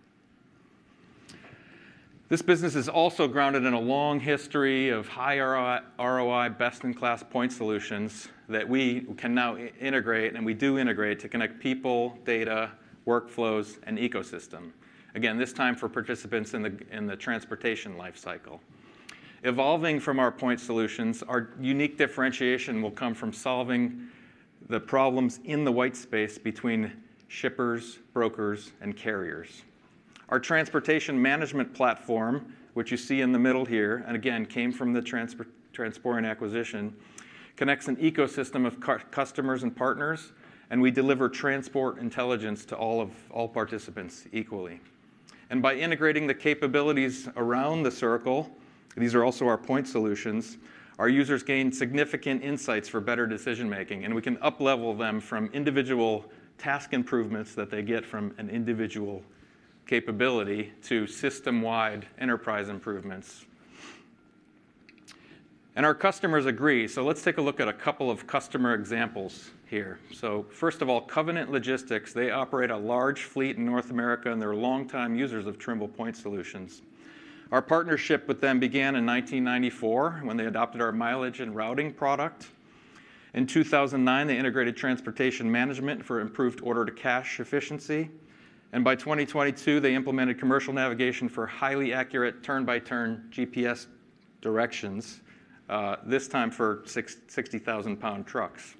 This business is also grounded in a long history of high ROI, best-in-class point solutions that we can now integrate, and we do integrate to connect people, data, workflows, and ecosystem. Again, this time for participants in the transportation lifecycle. Evolving from our Point Solutions, our unique differentiation will come from solving the problems in the white space between shippers, brokers, and carriers. Our transportation management platform, which you see in the middle here, and again, came from the Transporeon acquisition, connects an ecosystem of customers and partners, and we deliver transport intelligence to all participants equally, and by integrating the capabilities around the circle, these are also our Point Solutions, our users gain significant insights for better decision-making, and we can uplevel them from individual task improvements that they get from an individual capability to system-wide enterprise improvements, and our customers agree, so let's take a look at a couple of customer examples here, so first of all, Covenant Logistics, they operate a large fleet in North America, and they're longtime users of Trimble Point Solutions. Our partnership with them began in 1994 when they adopted our mileage and routing product. In 2009, they integrated transportation management for improved order-to-cash efficiency and by 2022, they implemented commercial navigation for highly accurate turn-by-turn GPS directions, this time for 60,000-pound trucks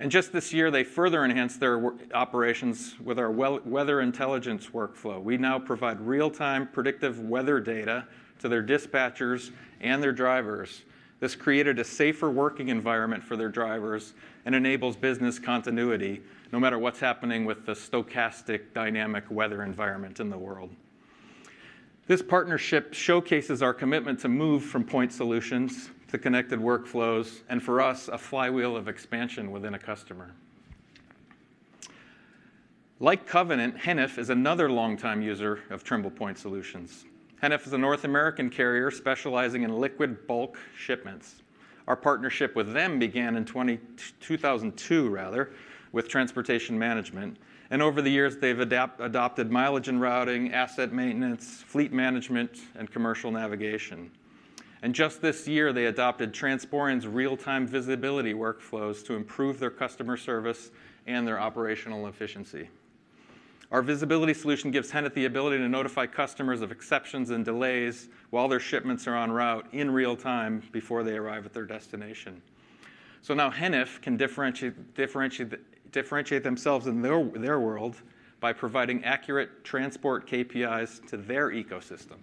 and just this year, they further enhanced their operations with our weather intelligence workflow. We now provide real-time predictive weather data to their dispatchers and their drivers. This created a safer working environment for their drivers and enables business continuity no matter what's happening with the stochastic dynamic weather environment in the world. This partnership showcases our commitment to move from Point Solutions to connected workflows and, for us, a flywheel of expansion within a customer. Like Covenant, Heniff is another longtime user of Trimble Point Solutions. Heniff is a North American carrier specializing in liquid bulk shipments. Our partnership with them began in 2002, rather, with Transportation Management. And over the years, they've adopted mileage and routing, asset maintenance, fleet management, and commercial navigation. And just this year, they adopted Transporeon's real-time visibility workflows to improve their customer service and their operational efficiency. Our visibility solution gives Heniff the ability to notify customers of exceptions and delays while their shipments are en route in real time before they arrive at their destination. So now, Heniff can differentiate themselves in their world by providing accurate transport KPIs to their ecosystem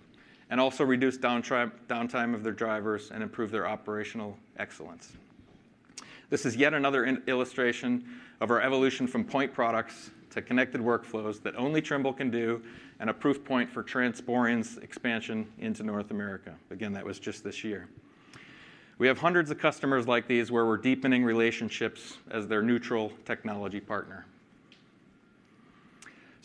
and also reduce downtime of their drivers and improve their operational excellence. This is yet another illustration of our evolution from point products to connected workflows that only Trimble can do and a proof point for Transporeon's expansion into North America. Again, that was just this year. We have hundreds of customers like these where we're deepening relationships as their neutral technology partner.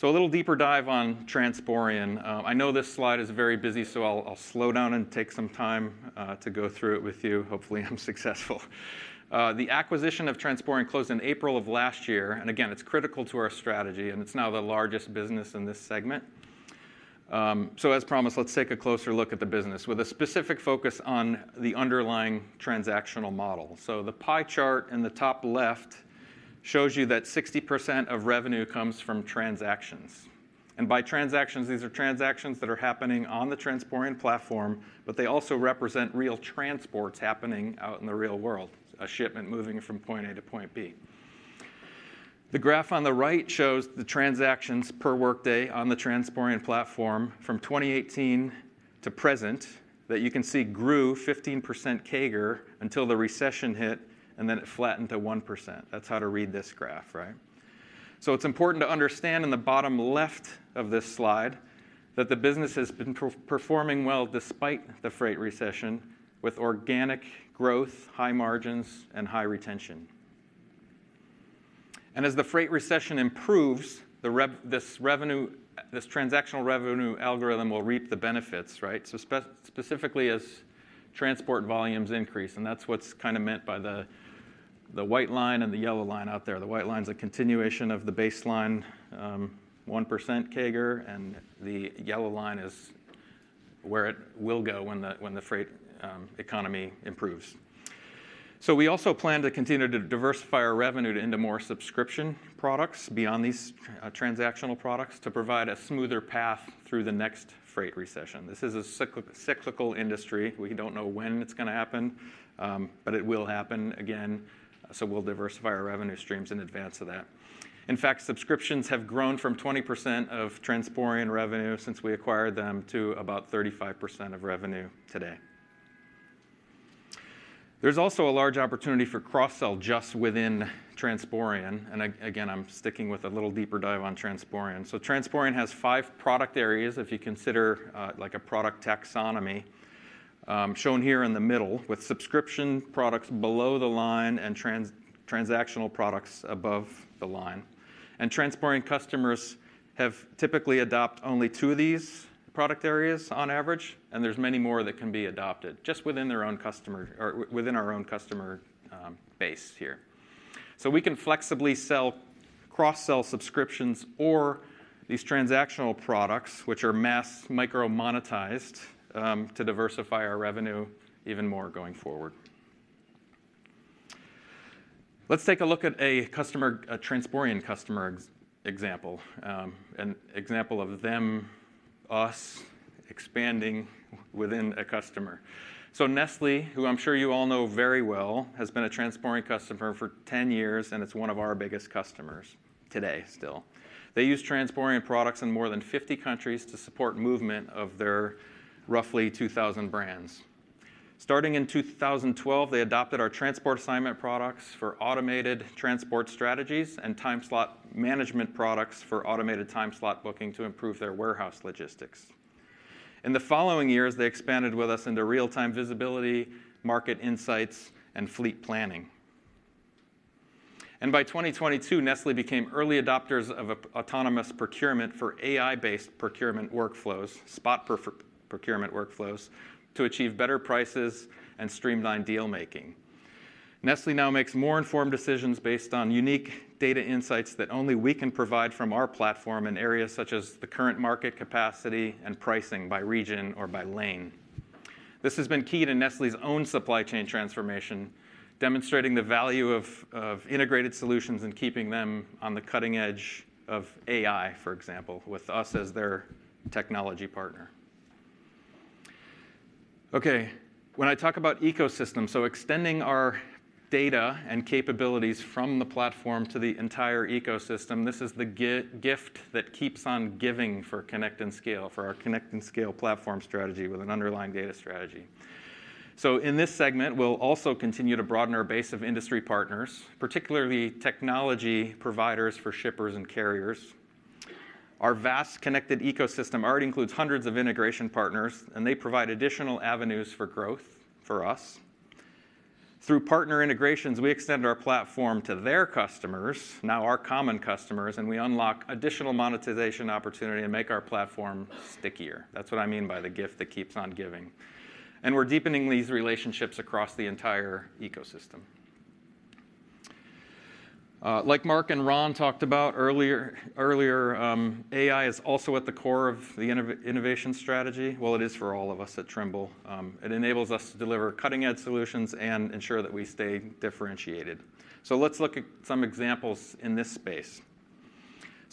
So a little deeper dive on Transporeon. I know this slide is very busy, so I'll slow down and take some time to go through it with you. Hopefully, I'm successful. The acquisition of Transporeon closed in April of last year. And again, it's critical to our strategy, and it's now the largest business in this segment. So as promised, let's take a closer look at the business with a specific focus on the underlying transactional model. So the pie chart in the top left shows you that 60% of revenue comes from transactions. And by transactions, these are transactions that are happening on the Transporeon platform, but they also represent real transports happening out in the real world, a shipment moving from point A to point B. The graph on the right shows the transactions per workday on the Transporeon platform from 2018 to present that, you can see, grew 15% CAGR until the recession hit, and then it flattened to 1%. That's how to read this graph, right? So it's important to understand in the bottom left of this slide that the business has been performing well despite the freight recession with organic growth, high margins, and high retention. And as the freight recession improves, this transactional revenue algorithm will reap the benefits, right? So specifically, as transport volumes increase, and that's what's kind of meant by the white line and the yellow line out there. The white line's a continuation of the baseline 1% CAGR, and the yellow line is where it will go when the freight economy improves. So we also plan to continue to diversify our revenue into more subscription products beyond these transactional products to provide a smoother path through the next freight recession. This is a cyclical industry. We don't know when it's going to happen, but it will happen again. So we'll diversify our revenue streams in advance of that. In fact, subscriptions have grown from 20% of Transporeon revenue since we acquired them to about 35% of revenue today. There's also a large opportunity for cross-sell just within Transporeon. And again, I'm sticking with a little deeper dive on Transporeon. So Transporeon has five product areas if you consider a product taxonomy shown here in the middle with subscription products below the line and transactional products above the line. Transporeon customers have typically adopted only two of these product areas on average, and there's many more that can be adopted just within our own customer base here. We can flexibly sell cross-sell subscriptions or these transactional products, which are mass micro-monetized, to diversify our revenue even more going forward. Let's take a look at a Transporeon customer example, an example of the most expanding within a customer. Nestlé, who I'm sure you all know very well, has been a Transporeon customer for 10 years, and it's one of our biggest customers today still. They use Transporeon products in more than 50 countries to support movement of their roughly 2,000 brands. Starting in 2012, they adopted our transport assignment products for automated transport strategies and time slot management products for automated time slot booking to improve their warehouse logistics. In the following years, they expanded with us into real-time visibility, market insights, and fleet planning, and by 2022, Nestlé became early adopters of autonomous procurement for AI-based procurement workflows, spot procurement workflows to achieve better prices and streamline deal-making. Nestlé now makes more informed decisions based on unique data insights that only we can provide from our platform in areas such as the current market capacity and pricing by region or by lane. This has been key to Nestlé's own supply chain transformation, demonstrating the value of integrated solutions and keeping them on the cutting edge of AI, for example, with us as their technology partner. Okay. When I talk about ecosystem, so extending our data and capabilities from the platform to the entire ecosystem, this is the gift that keeps on giving for Connect and Scale, for our Connect and Scale platform strategy with an underlying data strategy. So in this segment, we'll also continue to broaden our base of industry partners, particularly technology providers for shippers and carriers. Our vast connected ecosystem already includes hundreds of integration partners, and they provide additional avenues for growth for us. Through partner integrations, we extend our platform to their customers, now our common customers, and we unlock additional monetization opportunity and make our platform stickier. That's what I mean by the gift that keeps on giving. And we're deepening these relationships across the entire ecosystem. Like Mark and Ron talked about earlier, AI is also at the core of the innovation strategy. Well, it is for all of us at Trimble. It enables us to deliver cutting-edge solutions and ensure that we stay differentiated. So let's look at some examples in this space.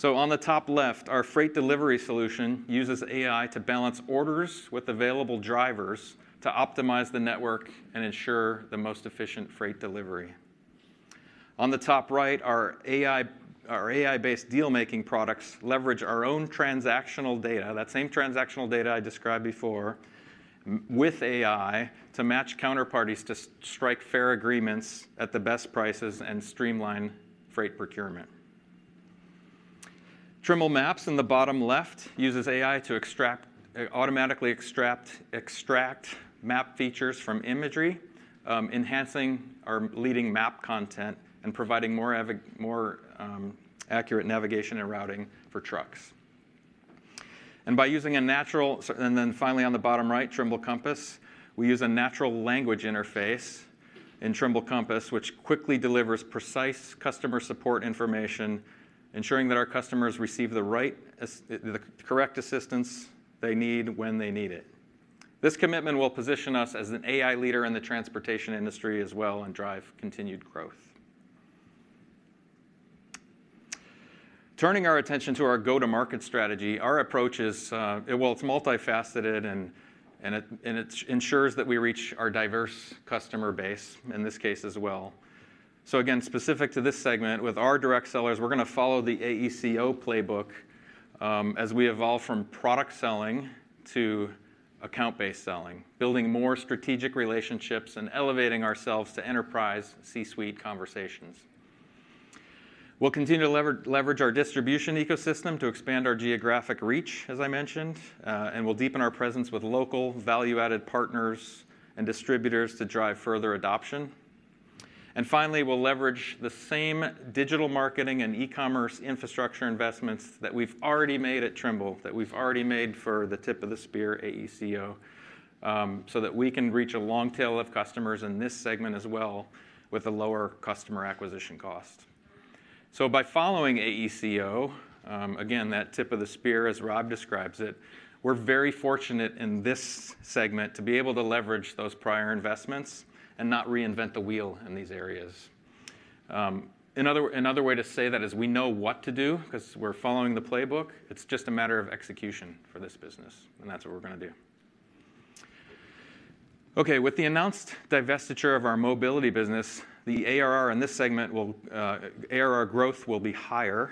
On the top left, our freight delivery solution uses AI to balance orders with available drivers to optimize the network and ensure the most efficient freight delivery. On the top right, our AI-based deal-making products leverage our own transactional data, that same transactional data I described before with AI to match counterparties to strike fair agreements at the best prices and streamline freight procurement. Trimble Maps in the bottom left uses AI to automatically extract map features from imagery, enhancing our leading map content and providing more accurate navigation and routing for trucks. And then finally on the bottom right, Trimble Compass, we use a natural language interface in Trimble Compass, which quickly delivers precise customer support information, ensuring that our customers receive the correct assistance they need when they need it. This commitment will position us as an AI leader in the transportation industry as well and drive continued growth. Turning our attention to our go-to-market strategy, our approach is, well, it's multifaceted, and it ensures that we reach our diverse customer base in this case as well. So again, specific to this segment, with our direct sellers, we're going to follow the AECO playbook as we evolve from product selling to account-based selling, building more strategic relationships and elevating ourselves to enterprise C-suite conversations. We'll continue to leverage our distribution ecosystem to expand our geographic reach, as I mentioned, and we'll deepen our presence with local value-added partners and distributors to drive further adoption. And finally, we'll leverage the same digital marketing and e-commerce infrastructure investments that we've already made at Trimble, that we've already made for the tip of the spear AECO, so that we can reach a long tail of customers in this segment as well with a lower customer acquisition cost. So by following AECO, again, that tip of the spear, as Rob describes it, we're very fortunate in this segment to be able to leverage those prior investments and not reinvent the wheel in these areas. Another way to say that is we know what to do because we're following the playbook. It's just a matter of execution for this business, and that's what we're going to do. Okay. With the announced divestiture of our mobility business, the ARR in this segment will, ARR growth will be higher,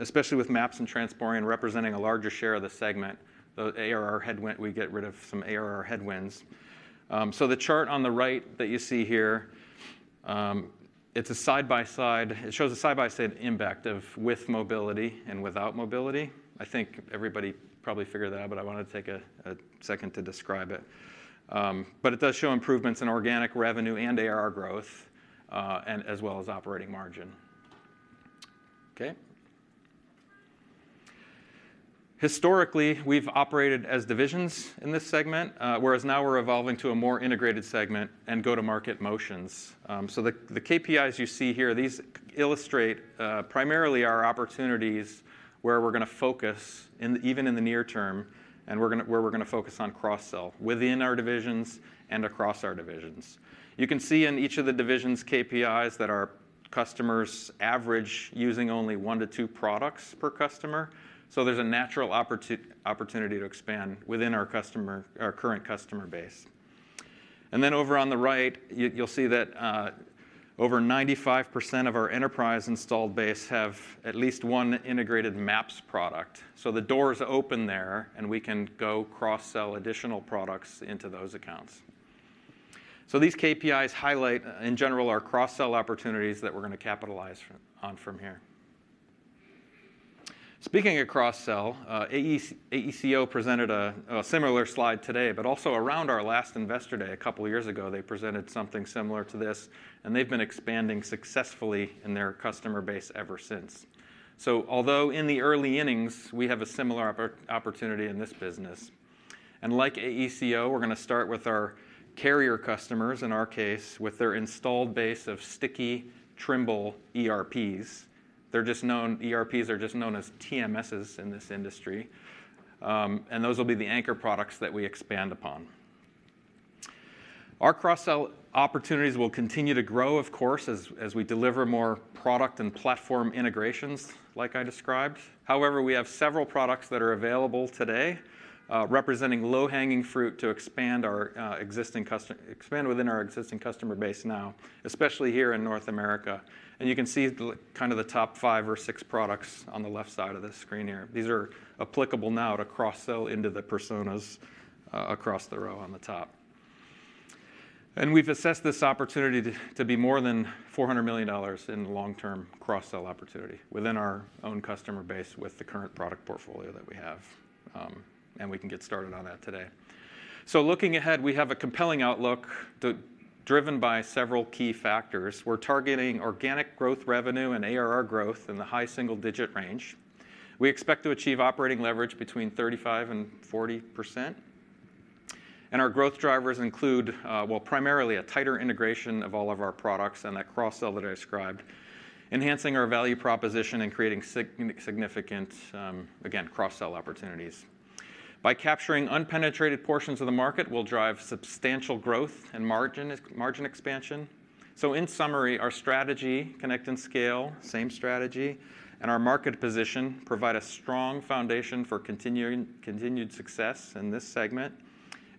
especially with Maps and Transporeon representing a larger share of the segment. The ARR headwind, we get rid of some ARR headwinds, so the chart on the right that you see here, it shows a side-by-side impact of with mobility and without mobility. I think everybody probably figured that out, but I wanted to take a second to describe it, but it does show improvements in organic revenue and ARR growth as well as operating margin. Okay. Historically, we've operated as divisions in this segment, whereas now we're evolving to a more integrated segment and go-to-market motions, so the KPIs you see here, these illustrate primarily our opportunities where we're going to focus even in the near term and where we're going to focus on cross-sell within our divisions and across our divisions. You can see in each of the divisions' KPIs that our customers average using only one to two products per customer. There's a natural opportunity to expand within our current customer base. Then over on the right, you'll see that over 95% of our enterprise installed base have at least one integrated Maps product. The door is open there, and we can go cross-sell additional products into those accounts. These KPIs highlight, in general, our cross-sell opportunities that we're going to capitalize on from here. Speaking of cross-sell, AECO presented a similar slide today, but also around our last Investor Day a couple of years ago, they presented something similar to this, and they've been expanding successfully in their customer base ever since. Although in the early innings, we have a similar opportunity in this business. Like AECO, we're going to start with our carrier customers, in our case, with their installed base of sticky Trimble ERPs. ERPs are just known as TMSs in this industry. And those will be the anchor products that we expand upon. Our cross-sell opportunities will continue to grow, of course, as we deliver more product and platform integrations like I described. However, we have several products that are available today representing low-hanging fruit to expand within our existing customer base now, especially here in North America. And you can see kind of the top five or six products on the left side of the screen here. These are applicable now to cross-sell into the personas across the row on the top. And we've assessed this opportunity to be more than $400 million in long-term cross-sell opportunity within our own customer base with the current product portfolio that we have. And we can get started on that today. Looking ahead, we have a compelling outlook driven by several key factors. We're targeting organic growth revenue and ARR growth in the high single-digit range. We expect to achieve operating leverage between 35% and 40%. Our growth drivers include, well, primarily a tighter integration of all of our products and that cross-sell that I described, enhancing our value proposition and creating significant, again, cross-sell opportunities. By capturing unpenetrated portions of the market, we'll drive substantial growth and margin expansion. In summary, our strategy, Connect and Scale, same strategy, and our market position provide a strong foundation for continued success in this segment.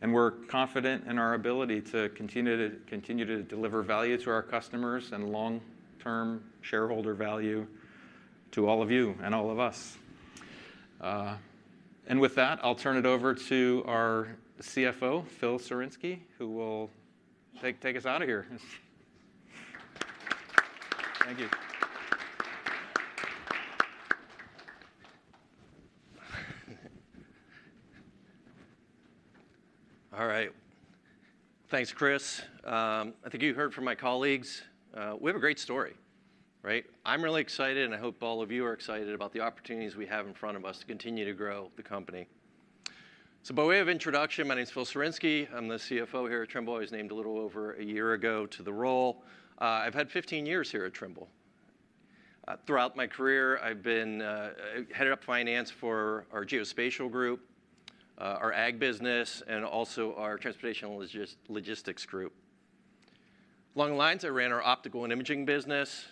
We're confident in our ability to continue to deliver value to our customers and long-term shareholder value to all of you and all of us. With that, I'll turn it over to our CFO, Phil Sawarynski, who will take us out of here. Thank you. All right. Thanks, Chris. I think you heard from my colleagues. We have a great story, right? I'm really excited, and I hope all of you are excited about the opportunities we have in front of us to continue to grow the company. By way of introduction, my name is Phil Sawarynski. I'm the CFO here at Trimble. I was named a little over a year ago to the role. I've had 15 years here at Trimble. Throughout my career, I've headed up finance for our geospatial group, our ag business, and also our transportation logistics group. Along the lines, I ran our optical and imaging business.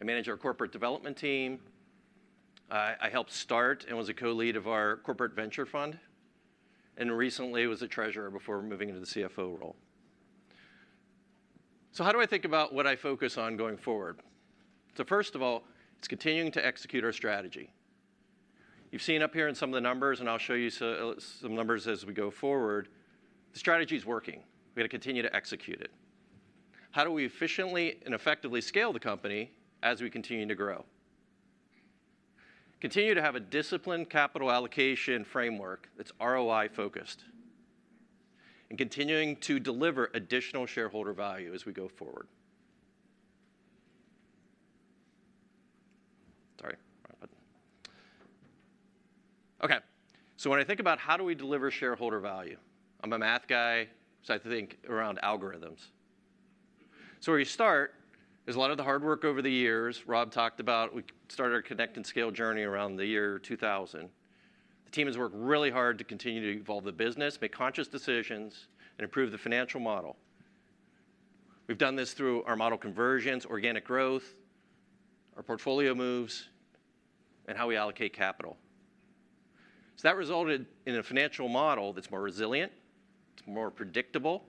I managed our corporate development team. I helped start and was a co-lead of our corporate venture fund. And recently, I was a treasurer before moving into the CFO role. So how do I think about what I focus on going forward? So first of all, it's continuing to execute our strategy. You've seen up here in some of the numbers, and I'll show you some numbers as we go forward. The strategy is working. We're going to continue to execute it. How do we efficiently and effectively scale the company as we continue to grow? Continue to have a disciplined capital allocation framework that's ROI-focused and continuing to deliver additional shareholder value as we go forward. Sorry. Okay. So when I think about how do we deliver shareholder value, I'm a math guy, so I think around algorithms. So where you start is a lot of the hard work over the years. Rob talked about we started our Connect and Scale journey around the year 2000. The team has worked really hard to continue to evolve the business, make conscious decisions, and improve the financial model. We've done this through our model conversions, organic growth, our portfolio moves, and how we allocate capital. So that resulted in a financial model that's more resilient, it's more predictable,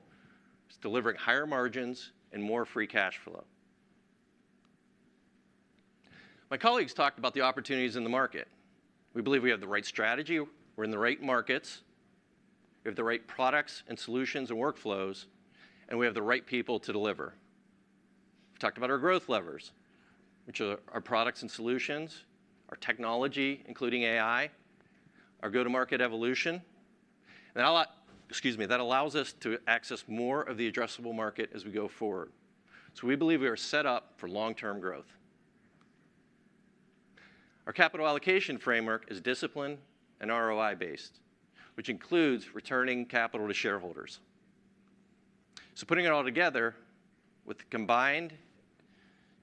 it's delivering higher margins, and more free cash flow. My colleagues talked about the opportunities in the market. We believe we have the right strategy. We're in the right markets. We have the right products and solutions and workflows, and we have the right people to deliver. We talked about our growth levers, which are our products and solutions, our technology, including AI, our go-to-market evolution. Excuse me. That allows us to access more of the addressable market as we go forward. So we believe we are set up for long-term growth. Our capital allocation framework is disciplined and ROI-based, which includes returning capital to shareholders. So putting it all together with combined,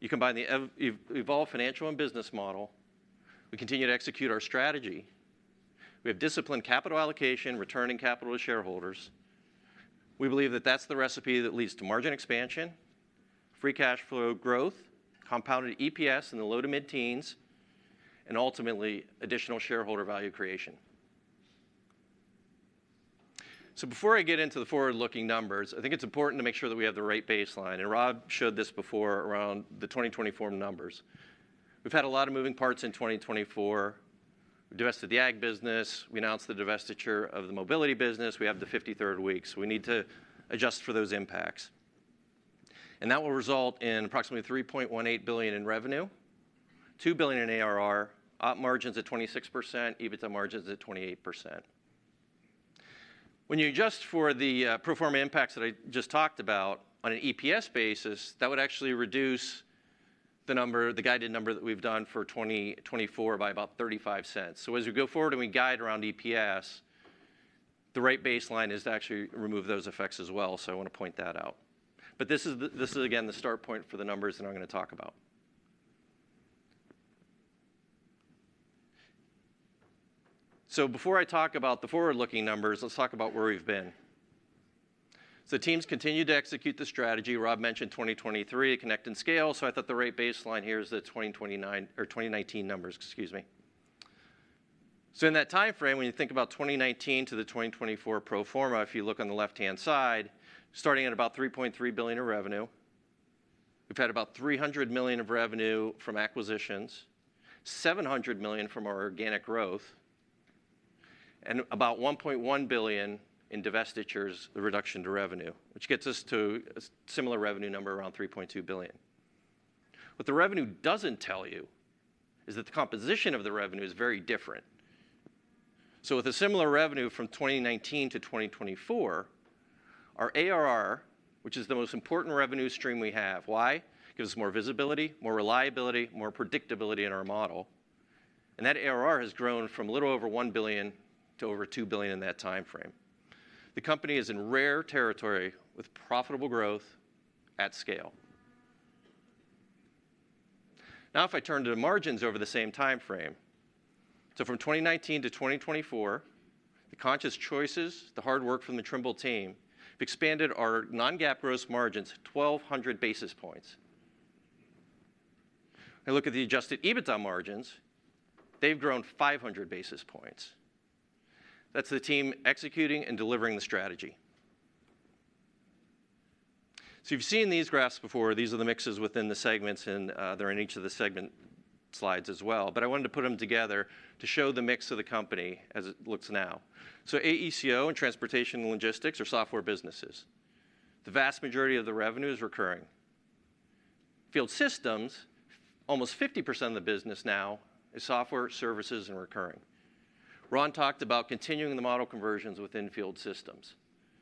you combine the evolved financial and business model. We continue to execute our strategy. We have disciplined capital allocation, returning capital to shareholders. We believe that that's the recipe that leads to margin expansion, free cash flow growth, compounded EPS in the low to mid-teens, and ultimately, additional shareholder value creation. So before I get into the forward-looking numbers, I think it's important to make sure that we have the right baseline, and Rob showed this before around the 2024 numbers. We've had a lot of moving parts in 2024. We divested the ag business. We announced the divestiture of the mobility business. We have the 53rd week. So we need to adjust for those impacts. That will result in approximately $3.18 billion in revenue, $2 billion in ARR, operating margins at 26%, EBITDA margins at 28%. When you adjust for the pro forma impacts that I just talked about on an EPS basis, that would actually reduce the guided number that we've done for 2024 by about $0.35. So as we go forward and we guide around EPS, the right baseline is to actually remove those effects as well. So I want to point that out. But this is, again, the start point for the numbers that I'm going to talk about. So before I talk about the forward-looking numbers, let's talk about where we've been. So teams continue to execute the strategy. Rob mentioned 2023, Connect and Scale. So I thought the right baseline here is the 2019 numbers. Excuse me. In that timeframe, when you think about 2019 to the 2024 pro forma, if you look on the left-hand side, starting at about $3.3 billion in revenue, we've had about $300 million of revenue from acquisitions, $700 million from our organic growth, and about $1.1 billion in divestitures, the reduction to revenue, which gets us to a similar revenue number around $3.2 billion. What the revenue doesn't tell you is that the composition of the revenue is very different. With a similar revenue from 2019 to 2024, our ARR, which is the most important revenue stream we have, why? Gives us more visibility, more reliability, more predictability in our model. That ARR has grown from a little over $1 billion to over $2 billion in that timeframe. The company is in rare territory with profitable growth at scale. Now, if I turn to the margins over the same timeframe, so from 2019 to 2024, the conscious choices, the hard work from the Trimble team, we've expanded our non-GAAP gross margins 1,200 basis points. I look at the adjusted EBITDA margins, they've grown 500 basis points. That's the team executing and delivering the strategy. So you've seen these graphs before. These are the mixes within the segments, and they're in each of the segment slides as well. But I wanted to put them together to show the mix of the company as it looks now. So AECO and transportation and logistics are software businesses. The vast majority of the revenue is recurring. Field systems, almost 50% of the business now is software, services, and recurring. Ron talked about continuing the model conversions within field systems.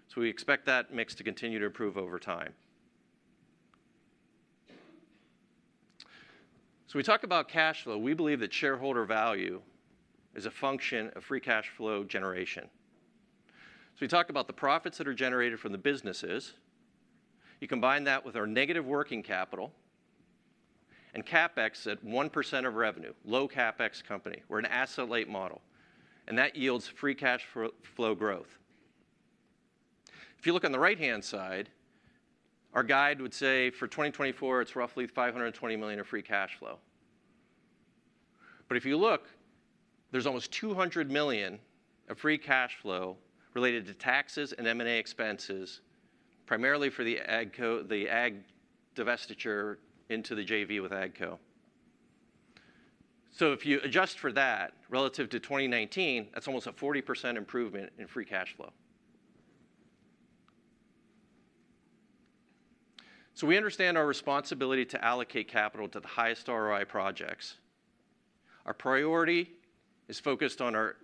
So we expect that mix to continue to improve over time. We talk about cash flow. We believe that shareholder value is a function of free cash flow generation. We talk about the profits that are generated from the businesses. You combine that with our negative working capital and CapEx at 1% of revenue, low CapEx company. We're an asset-light model, and that yields free cash flow growth. If you look on the right-hand side, our guide would say for 2024, it's roughly $520 million of free cash flow. But if you look, there's almost $200 million of free cash flow related to taxes and M&A expenses, primarily for the ag divestiture into the JV with AGCO. If you adjust for that relative to 2019, that's almost a 40% improvement in free cash flow. We understand our responsibility to allocate capital to the highest ROI projects. Our priority is focused on our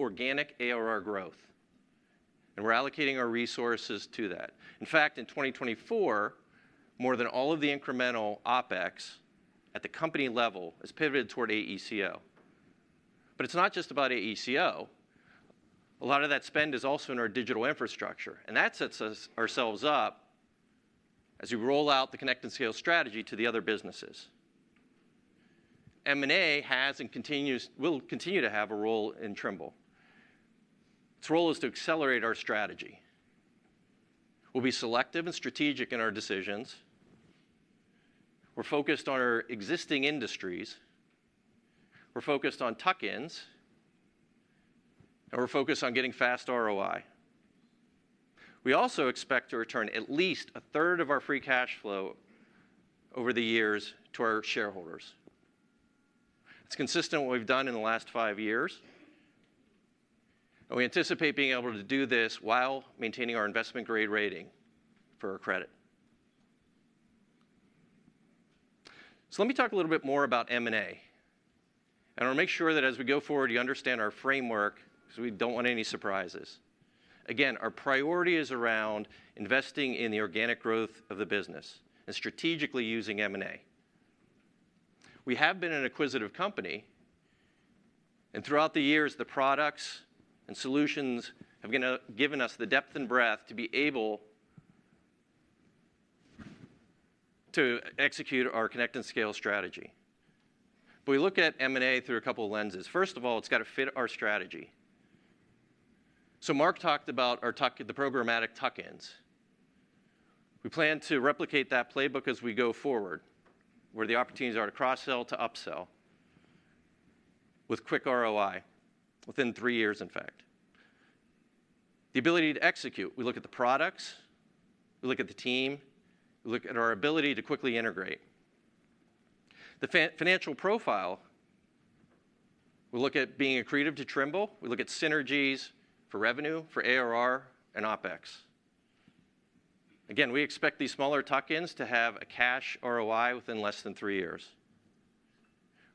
organic ARR growth, and we're allocating our resources to that. In fact, in 2024, more than all of the incremental OpEx at the company level is pivoted toward AECO. But it's not just about AECO. A lot of that spend is also in our digital infrastructure. And that sets ourselves up as we roll out the Connect and Scale strategy to the other businesses. M&A has and will continue to have a role in Trimble. Its role is to accelerate our strategy. We'll be selective and strategic in our decisions. We're focused on our existing industries. We're focused on tuck-ins, and we're focused on getting fast ROI. We also expect to return at least a third of our free cash flow over the years to our shareholders. It's consistent with what we've done in the last five years. We anticipate being able to do this while maintaining our investment-grade rating for our credit. Let me talk a little bit more about M&A. I want to make sure that as we go forward, you understand our framework because we don't want any surprises. Again, our priority is around investing in the organic growth of the business and strategically using M&A. We have been an acquisitive company, and throughout the years, the products and solutions have given us the depth and breadth to be able to execute our Connect and Scale strategy. We look at M&A through a couple of lenses. First of all, it's got to fit our strategy. Mark talked about the programmatic tuck-ins. We plan to replicate that playbook as we go forward, where the opportunities are to cross-sell to upsell with quick ROI within three years, in fact. The ability to execute, we look at the products. We look at the team. We look at our ability to quickly integrate. The financial profile, we look at being accretive to Trimble. We look at synergies for revenue, for ARR, and OpEx. Again, we expect these smaller tuck-ins to have a cash ROI within less than three years.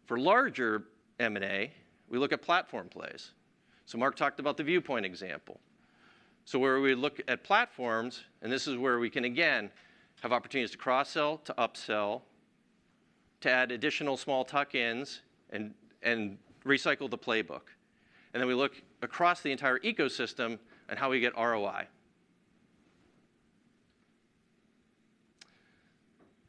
For larger M&A, we look at platform plays. So Mark talked about the Viewpoint example. So where we look at platforms, and this is where we can, again, have opportunities to cross-sell, to upsell, to add additional small tuck-ins, and recycle the playbook. And then we look across the entire ecosystem and how we get ROI.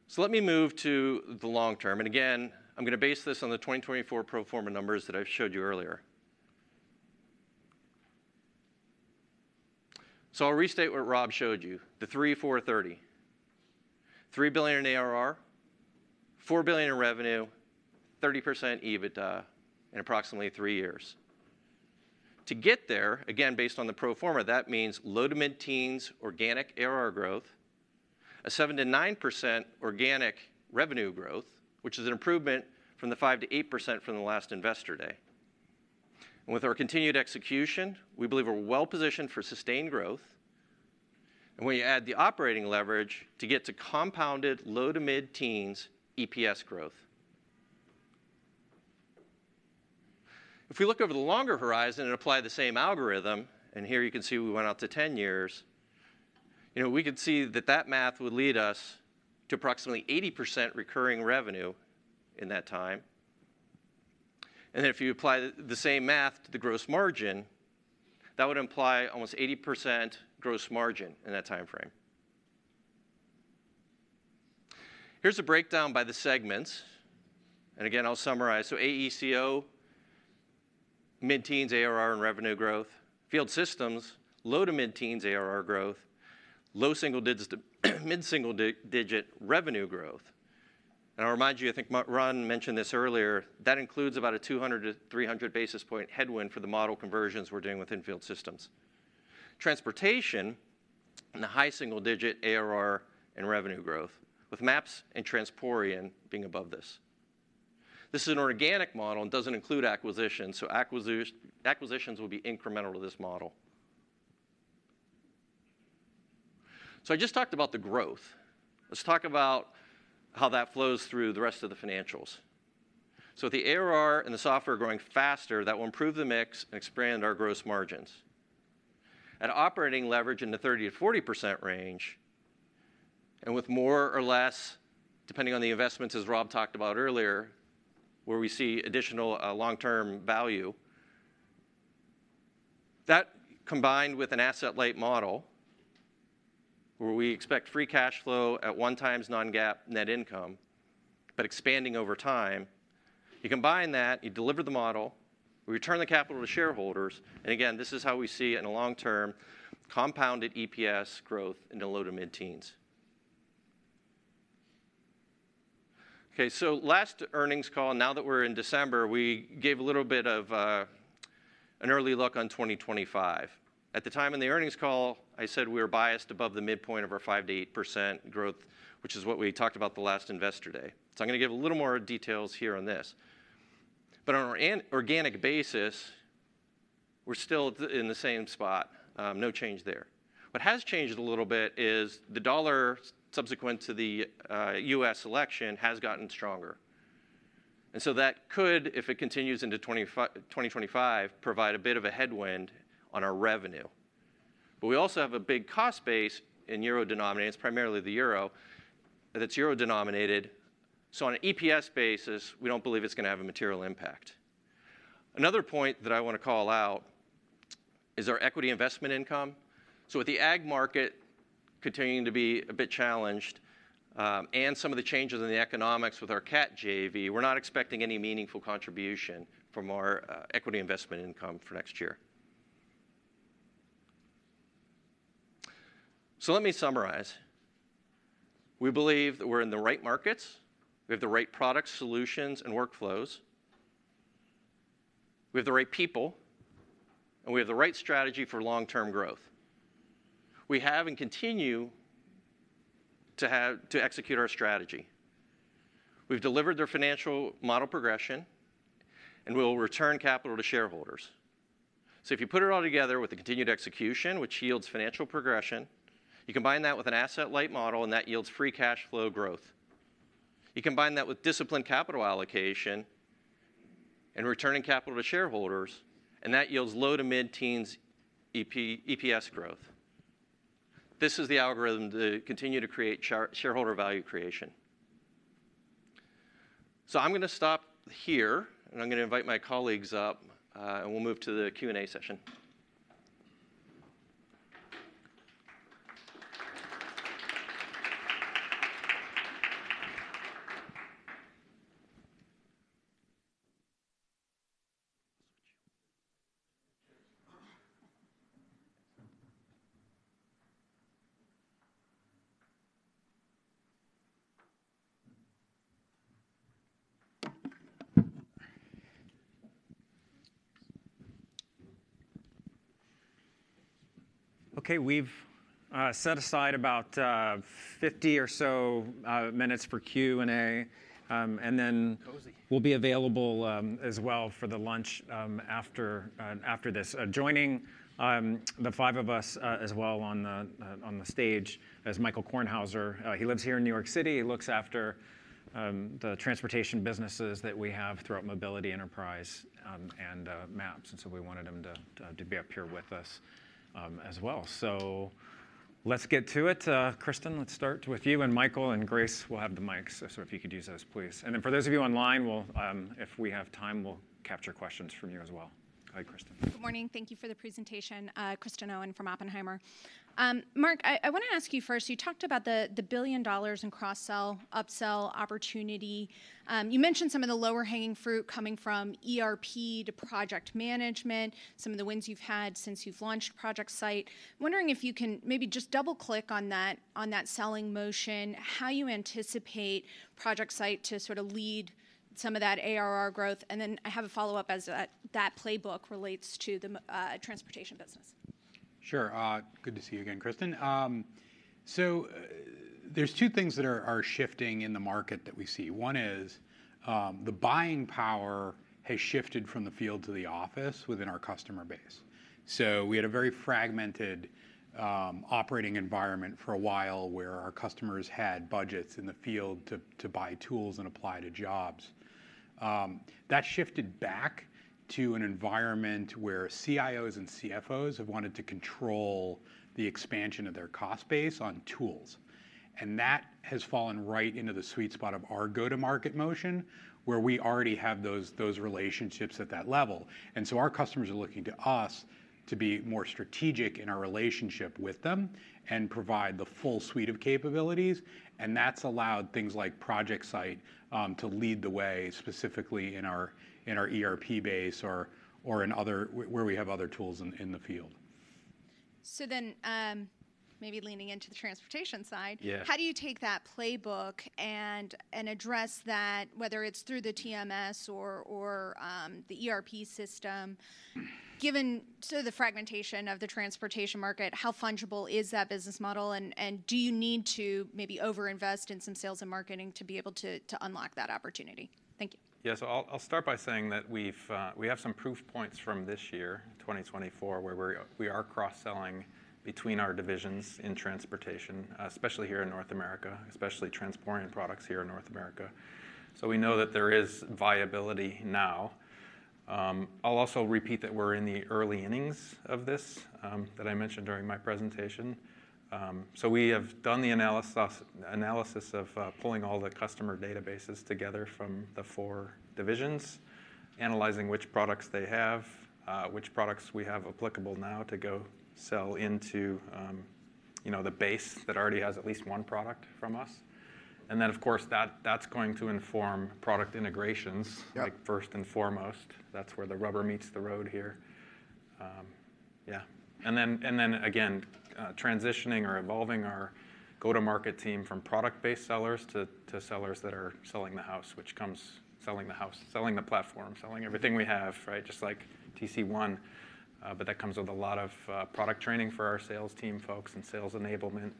So let me move to the long term. And again, I'm going to base this on the 2024 pro forma numbers that I showed you earlier. I'll restate what Rob showed you, the 3, 4, 30: $3 billion in ARR, $4 billion in revenue, 30% EBITDA in approximately three years. To get there, again, based on the pro forma, that means low to mid-teens organic ARR growth, a 7%-9% organic revenue growth, which is an improvement from the 5%-8% from the last investor day. With our continued execution, we believe we're well-positioned for sustained growth. When you add the operating leverage to get to compounded low to mid-teens EPS growth. If we look over the longer horizon and apply the same algorithm, and here you can see we went out to 10 years, we could see that that math would lead us to approximately 80% recurring revenue in that time. Then if you apply the same math to the gross margin, that would imply almost 80% gross margin in that timeframe. Here's a breakdown by the segments. Again, I'll summarize. AECO, mid-teens ARR, and revenue growth. Field systems, low- to mid-teens ARR growth, low- mid-single-digit revenue growth. I'll remind you, I think Ron mentioned this earlier, that includes about a 200-300 basis points headwind for the model conversions we're doing within field systems. Transportation, high single-digit ARR and revenue growth, with Maps and Transporeon being above this. This is an organic model and doesn't include acquisitions. Acquisitions will be incremental to this model. I just talked about the growth. Let's talk about how that flows through the rest of the financials. If the ARR and the software are growing faster, that will improve the mix and expand our gross margins. At operating leverage in the 30%-40% range, and with more or less, depending on the investments, as Rob talked about earlier, where we see additional long-term value, that combined with an asset-light model where we expect free cash flow at one times non-GAAP net income, but expanding over time, you combine that, you deliver the model, we return the capital to shareholders. And again, this is how we see in the long-term compounded EPS growth in the low to mid-teens. Okay. So last earnings call, now that we're in December, we gave a little bit of an early look on 2025. At the time of the earnings call, I said we were biased above the midpoint of our 5%-8% growth, which is what we talked about the last investor day. So I'm going to give a little more details here on this. But on our organic basis, we're still in the same spot. No change there. What has changed a little bit is the dollar subsequent to the U.S. election has gotten stronger. And so that could, if it continues into 2025, provide a bit of a headwind on our revenue. But we also have a big cost base in euro denominated, it's primarily the euro, that's euro denominated. So on an EPS basis, we don't believe it's going to have a material impact. Another point that I want to call out is our equity investment income. So with the ag market continuing to be a bit challenged and some of the changes in the economics with our Cat JV, we're not expecting any meaningful contribution from our equity investment income for next year. So let me summarize. We believe that we're in the right markets. We have the right products, solutions, and workflows. We have the right people, and we have the right strategy for long-term growth. We have and continue to execute our strategy. We've delivered their financial model progression, and we'll return capital to shareholders, so if you put it all together with the continued execution, which yields financial progression, you combine that with an asset-light model, and that yields free cash flow growth. You combine that with disciplined capital allocation and returning capital to shareholders, and that yields low to mid-teens EPS growth. This is the algorithm to continue to create shareholder value creation, so I'm going to stop here, and I'm going to invite my colleagues up, and we'll move to the Q&A session. Okay. We've set aside about 50 or so minutes for Q&A, and then we'll be available as well for the lunch after this. Joining the five of us as well on the stage is Michael Kornhauser. He lives here in New York City. He looks after the transportation businesses that we have throughout Mobility Enterprise and Maps. And so we wanted him to be up here with us as well. So let's get to it. Kristen, let's start with you. And Michael and Grace, we'll have the mics. So if you could use those, please. And then for those of you online, if we have time, we'll capture questions from you as well. Hi, Kristen. Good morning. Thank you for the presentation, Kristen Owen from Oppenheimer. Mark, I want to ask you first. You talked about the $1 billion in cross-sell, upsell opportunity. You mentioned some of the lower-hanging fruit coming from ERP to project management, some of the wins you've had since you've launched ProjectSight. I'm wondering if you can maybe just double-click on that selling motion, how you anticipate ProjectSight to sort of lead some of that ARR growth. Then I have a follow-up as that playbook relates to the transportation business. Sure. Good to see you again, Kristen. So there's two things that are shifting in the market that we see. One is the buying power has shifted from the field to the office within our customer base. So we had a very fragmented operating environment for a while where our customers had budgets in the field to buy tools and apply to jobs. That shifted back to an environment where CIOs and CFOs have wanted to control the expansion of their cost base on tools. That has fallen right into the sweet spot of our go-to-market motion, where we already have those relationships at that level. And so our customers are looking to us to be more strategic in our relationship with them and provide the full suite of capabilities. And that's allowed things like ProjectSight to lead the way specifically in our ERP base or where we have other tools in the field. So then maybe leaning into the transportation side, how do you take that playbook and address that, whether it's through the TMS or the ERP system? Given sort of the fragmentation of the transportation market, how fungible is that business model? And do you need to maybe over-invest in some sales and marketing to be able to unlock that opportunity? Thank you. Yeah. So I'll start by saying that we have some proof points from this year, 2024, where we are cross-selling between our divisions in transportation, especially here in North America, especially Transporeon products here in North America. So we know that there is viability now. I'll also repeat that we're in the early innings of this that I mentioned during my presentation. So we have done the analysis of pulling all the customer databases together from the four divisions, analyzing which products they have, which products we have applicable now to go sell into the base that already has at least one product from us. And then, of course, that's going to inform product integrations, first and foremost. That's where the rubber meets the road here. Yeah. And then, again, transitioning or evolving our go-to-market team from product-based sellers to sellers that are selling the house, which comes selling the house, selling the platform, selling everything we have, right? Just like TC1, but that comes with a lot of product training for our sales team folks and sales enablement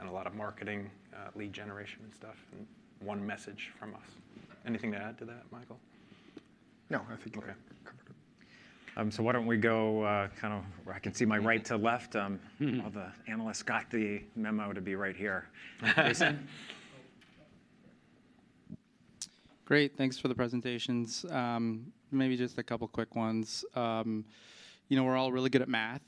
and a lot of marketing lead generation and stuff. One message from us. Anything to add to that, Michael? No, I think you covered it. So why don't we go kind of where I can see my right to left. All the analysts got the memo to be right here. Great. Thanks for the presentations. Maybe just a couple of quick ones. We're all really good at math.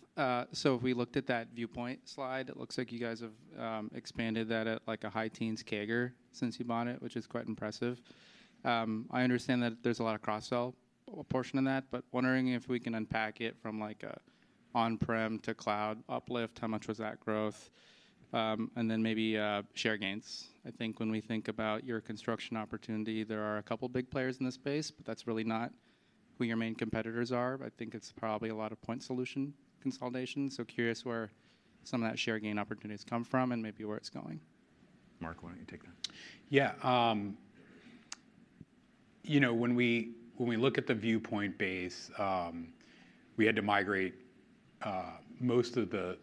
So if we looked at that Viewpoint slide, it looks like you guys have expanded that at like a high teens CAGR since you bought it, which is quite impressive. I understand that there's a lot of cross-sell portion in that, but wondering if we can unpack it from on-prem to cloud uplift, how much was that growth? And then maybe share gains. I think when we think about your construction opportunity, there are a couple of big players in this space, but that's really not who your main competitors are. I think it's probably a lot of point solution consolidation. So curious where some of that share gain opportunities come from and maybe where it's going. Mark, why don't you take that? Yeah. When we look at the Viewpoint base, we had to migrate most of the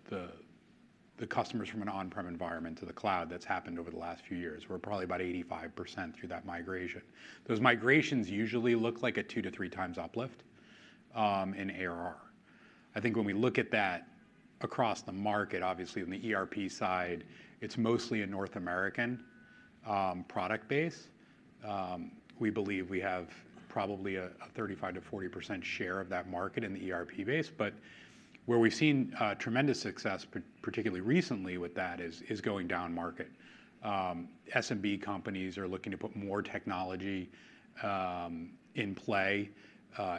customers from an on-prem environment to the cloud. That's happened over the last few years. We're probably about 85% through that migration. Those migrations usually look like a two to three times uplift in ARR. I think when we look at that across the market, obviously on the ERP side, it's mostly a North American product base. We believe we have probably a 35%-40% share of that market in the ERP base. But where we've seen tremendous success, particularly recently with that, is going down market. SMB companies are looking to put more technology in play.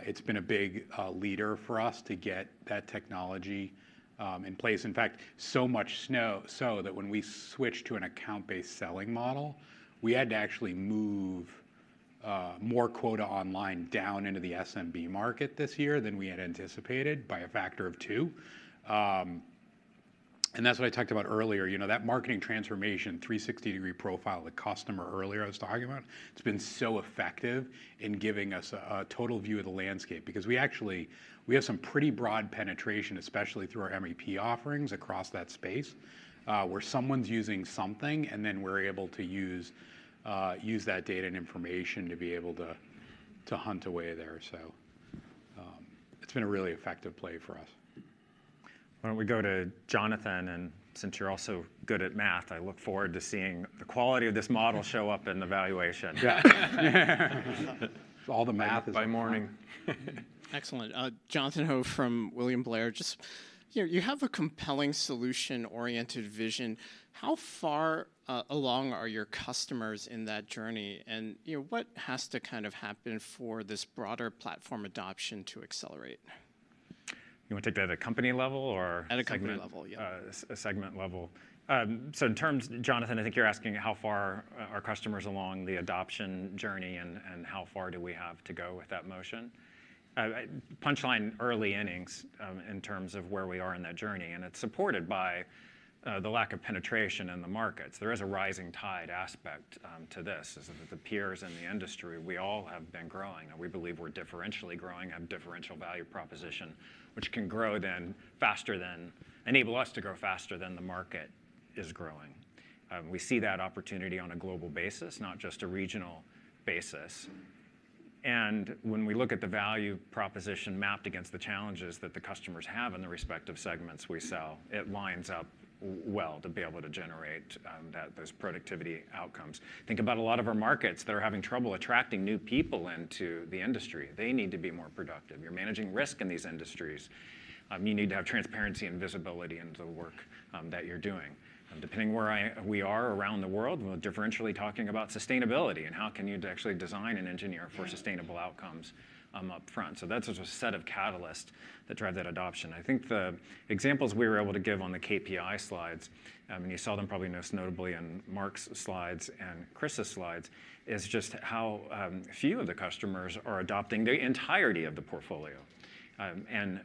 It's been a big leader for us to get that technology in place. In fact, so much so that when we switched to an account-based selling model, we had to actually move more quota online down into the SMB market this year than we had anticipated by a factor of two. And that's what I talked about earlier. That marketing transformation, 360-degree profile of the customer earlier I was talking about, it's been so effective in giving us a total view of the landscape because we actually have some pretty broad penetration, especially through our MEP offerings across that space where someone's using something, and then we're able to use that data and information to be able to hunt away there. So it's been a really effective play for us. Why don't we go to Jonathan? And since you're also good at math, I look forward to seeing the quality of this model show up in the valuation. All the math is by morning. Excellent. Jonathan Ho from William Blair, just you have a compelling solution-oriented vision. How far along are your customers in that journey? And what has to kind of happen for this broader platform adoption to accelerate? You want to take that at a company level or segment level? At a company level, yeah. So, in terms, Jonathan, I think you're asking how far are customers along the adoption journey and how far do we have to go with that motion? Punchline early innings in terms of where we are in that journey, and it's supported by the lack of penetration in the markets. There is a rising tide aspect to this as the peers in the industry. We all have been growing. We believe we're differentially growing and have differential value proposition, which can grow then faster than enable us to grow faster than the market is growing. We see that opportunity on a global basis, not just a regional basis. When we look at the value proposition mapped against the challenges that the customers have in the respective segments we sell, it lines up well to be able to generate those productivity outcomes. Think about a lot of our markets that are having trouble attracting new people into the industry. They need to be more productive. You're managing risk in these industries. You need to have transparency and visibility in the work that you're doing. Depending where we are around the world, we're differentially talking about sustainability and how can you actually design and engineer for sustainable outcomes upfront. So that's a set of catalysts that drive that adoption. I think the examples we were able to give on the KPI slides, and you saw them probably most notably on Mark's slides and Chris's slides, is just how few of the customers are adopting the entirety of the portfolio.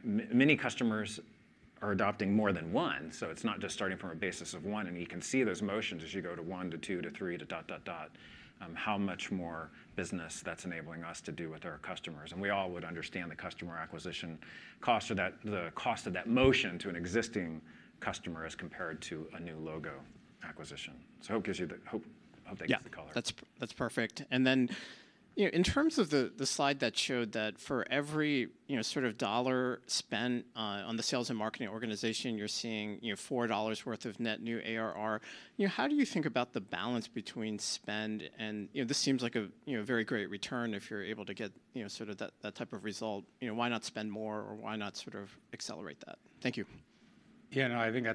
Many customers are adopting more than one. So it's not just starting from a basis of one. And you can see those motions as you go to one to two to three to dot, dot, dot, how much more business that's enabling us to do with our customers. And we all would understand the customer acquisition cost or the cost of that motion to an existing customer as compared to a new logo acquisition. So hope they get the color. That's perfect. And then in terms of the slide that showed that for every sort of dollar spent on the sales and marketing organization, you're seeing $4 worth of net new ARR. How do you think about the balance between spend? And this seems like a very great return if you're able to get sort of that type of result. Why not spend more or why not sort of accelerate that? Thank you. Yeah, no, I think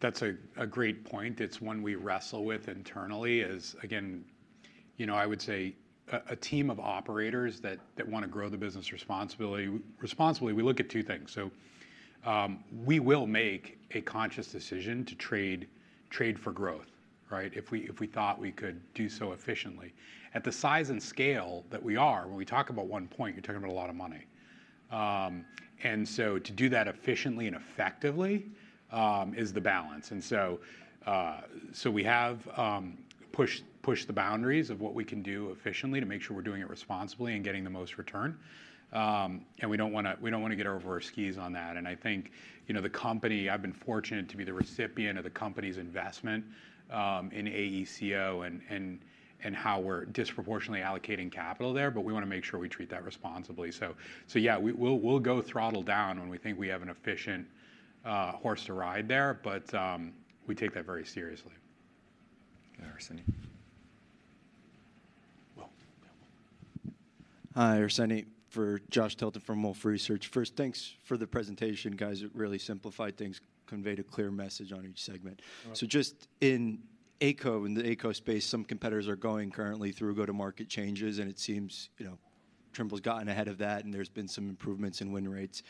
that's a great point. It's one we wrestle with internally is, again, I would say a team of operators that want to grow the business responsibly. We look at two things. So we will make a conscious decision to trade for growth, right, if we thought we could do so efficiently. At the size and scale that we are, when we talk about one point, you're talking about a lot of money. And so to do that efficiently and effectively is the balance. And so we have pushed the boundaries of what we can do efficiently to make sure we're doing it responsibly and getting the most return. And we don't want to get over our skis on that. I think the company. I've been fortunate to be the recipient of the company's investment in AECO and how we're disproportionately allocating capital there, but we want to make sure we treat that responsibly. Yeah, we'll go throttle down when we think we have an efficient horse to ride there, but we take that very seriously. Hi, [Arseni] for Josh Tilton from Wolfe Research. First, thanks for the presentation, guys. It really simplified things, conveyed a clear message on each segment. Just in AECO and the AECO space, some competitors are going currently through go-to-market changes, and it seems Trimble's gotten ahead of that, and there's been some improvements in win rates.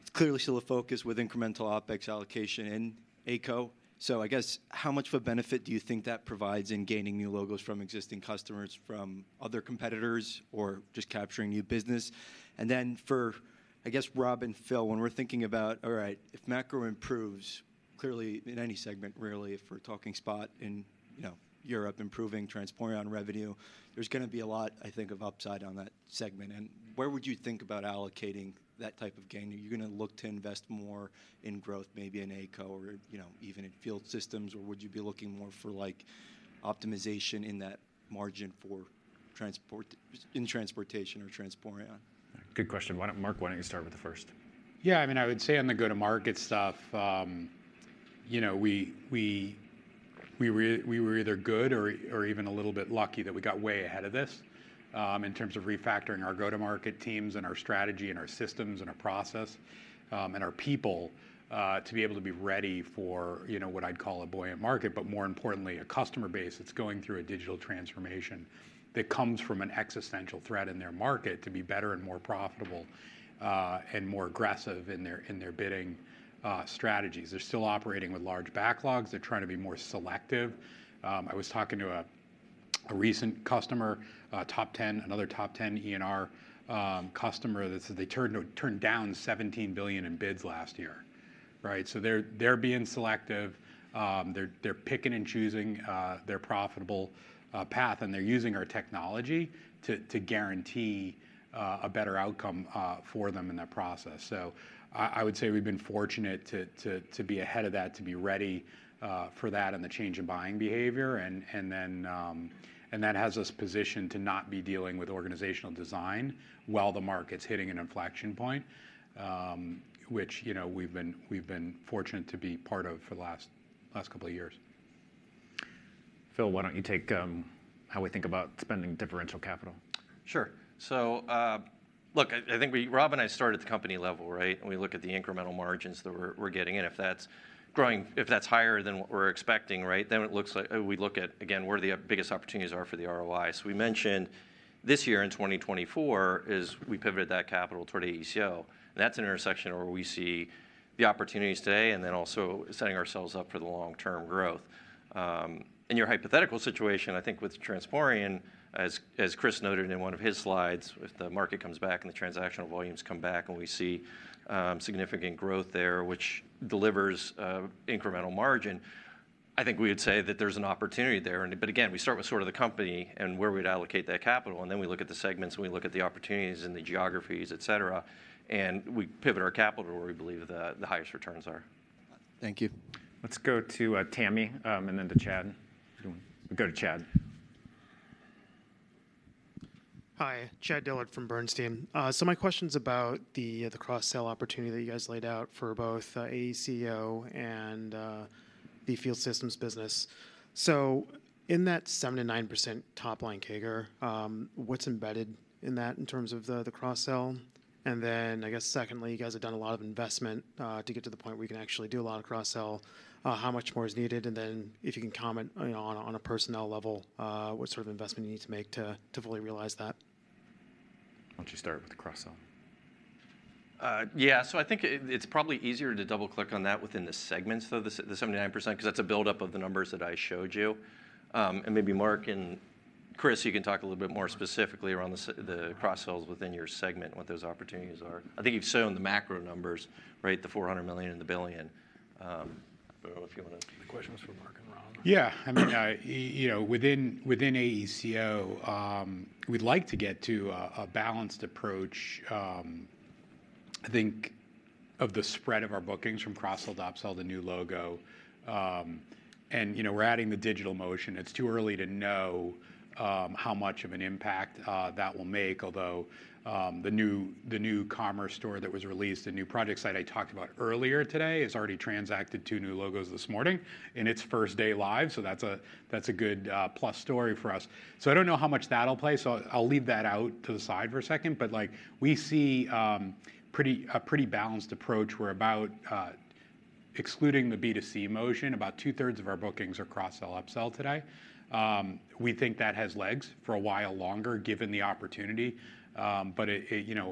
It's clearly still a focus with incremental OpEx allocation in AECO. So I guess how much of a benefit do you think that provides in gaining new logos from existing customers, from other competitors, or just capturing new business? And then for, I guess, Rob and Phil, when we're thinking about, all right, if macro improves, clearly in any segment, really, if we're talking spot in Europe, improving Transporeon revenue, there's going to be a lot, I think, of upside on that segment. And where would you think about allocating that type of gain? Are you going to look to invest more in growth, maybe in AECO or even in field systems, or would you be looking more for optimization in that margin in transportation or Transporeon? Good question. Mark, why don't you start with the first? Yeah, I mean, I would say on the go-to-market stuff, we were either good or even a little bit lucky that we got way ahead of this in terms of refactoring our go-to-market teams and our strategy and our systems and our process and our people to be able to be ready for what I'd call a buoyant market, but more importantly, a customer base that's going through a digital transformation that comes from an existential threat in their market to be better and more profitable and more aggressive in their bidding strategies. They're still operating with large backlogs. They're trying to be more selective. I was talking to a recent customer, another top 10 ENR customer that said they turned down $17 billion in bids last year, right? So they're being selective. They're picking and choosing their profitable path, and they're using our technology to guarantee a better outcome for them in that process. So I would say we've been fortunate to be ahead of that, to be ready for that and the change in buying behavior. And that has us positioned to not be dealing with organizational design while the market's hitting an inflection point, which we've been fortunate to be part of for the last couple of years. Phil, why don't you take how we think about spending differential capital? Sure. So look, I think Rob and I started at the company level, right? And we look at the incremental margins that we're getting. And if that's higher than what we're expecting, right, then it looks like we look at, again, where the biggest opportunities are for the ROI. So we mentioned this year in 2024, we pivoted that capital toward AECO. And that's an intersection where we see the opportunities today and then also setting ourselves up for the long-term growth. In your hypothetical situation, I think with Transporeon, as Chris noted in one of his slides, if the market comes back and the transactional volumes come back and we see significant growth there, which delivers incremental margin, I think we would say that there's an opportunity there. But again, we start with sort of the company and where we'd allocate that capital, and then we look at the segments and we look at the opportunities and the geographies, et cetera, and we pivot our capital where we believe the highest returns are. Thank you. Let's go to Tami and then to Chad. We go to Chad. Hi, Chad Dillard from Bernstein. So my question is about the cross-sell opportunity that you guys laid out for both AECO and the field systems business. So in that 79% top line CAGR, what's embedded in that in terms of the cross-sell? And then I guess secondly, you guys have done a lot of investment to get to the point where you can actually do a lot of cross-sell. How much more is needed? And then if you can comment on a personnel level, what sort of investment you need to make to fully realize that? Why don't you start with the cross-sell? Yeah, so I think it's probably easier to double-click on that within the segments, though, the 79%, because that's a build-up of the numbers that I showed you. And maybe Mark and Chris, you can talk a little bit more specifically around the cross-sells within your segment and what those opportunities are. I think you've shown the macro numbers, right, the $400 million and the $1 billion. I don't know if you want to. The question was for Mark and Rob. Yeah. I mean, within AECO, we'd like to get to a balanced approach, I think, of the spread of our bookings from cross-sell, up-sell, the new logo. And we're adding the digital motion. It's too early to know how much of an impact that will make, although the new commerce store that was released, the new ProjectSight I talked about earlier today, has already transacted two new logos this morning in its first day live. So that's a good plus story for us. So I don't know how much that'll play. So I'll leave that out to the side for a second. But we see a pretty balanced approach. We're about excluding the B2C motion. About two-thirds of our bookings are cross-sell, up-sell today. We think that has legs for a while longer given the opportunity. But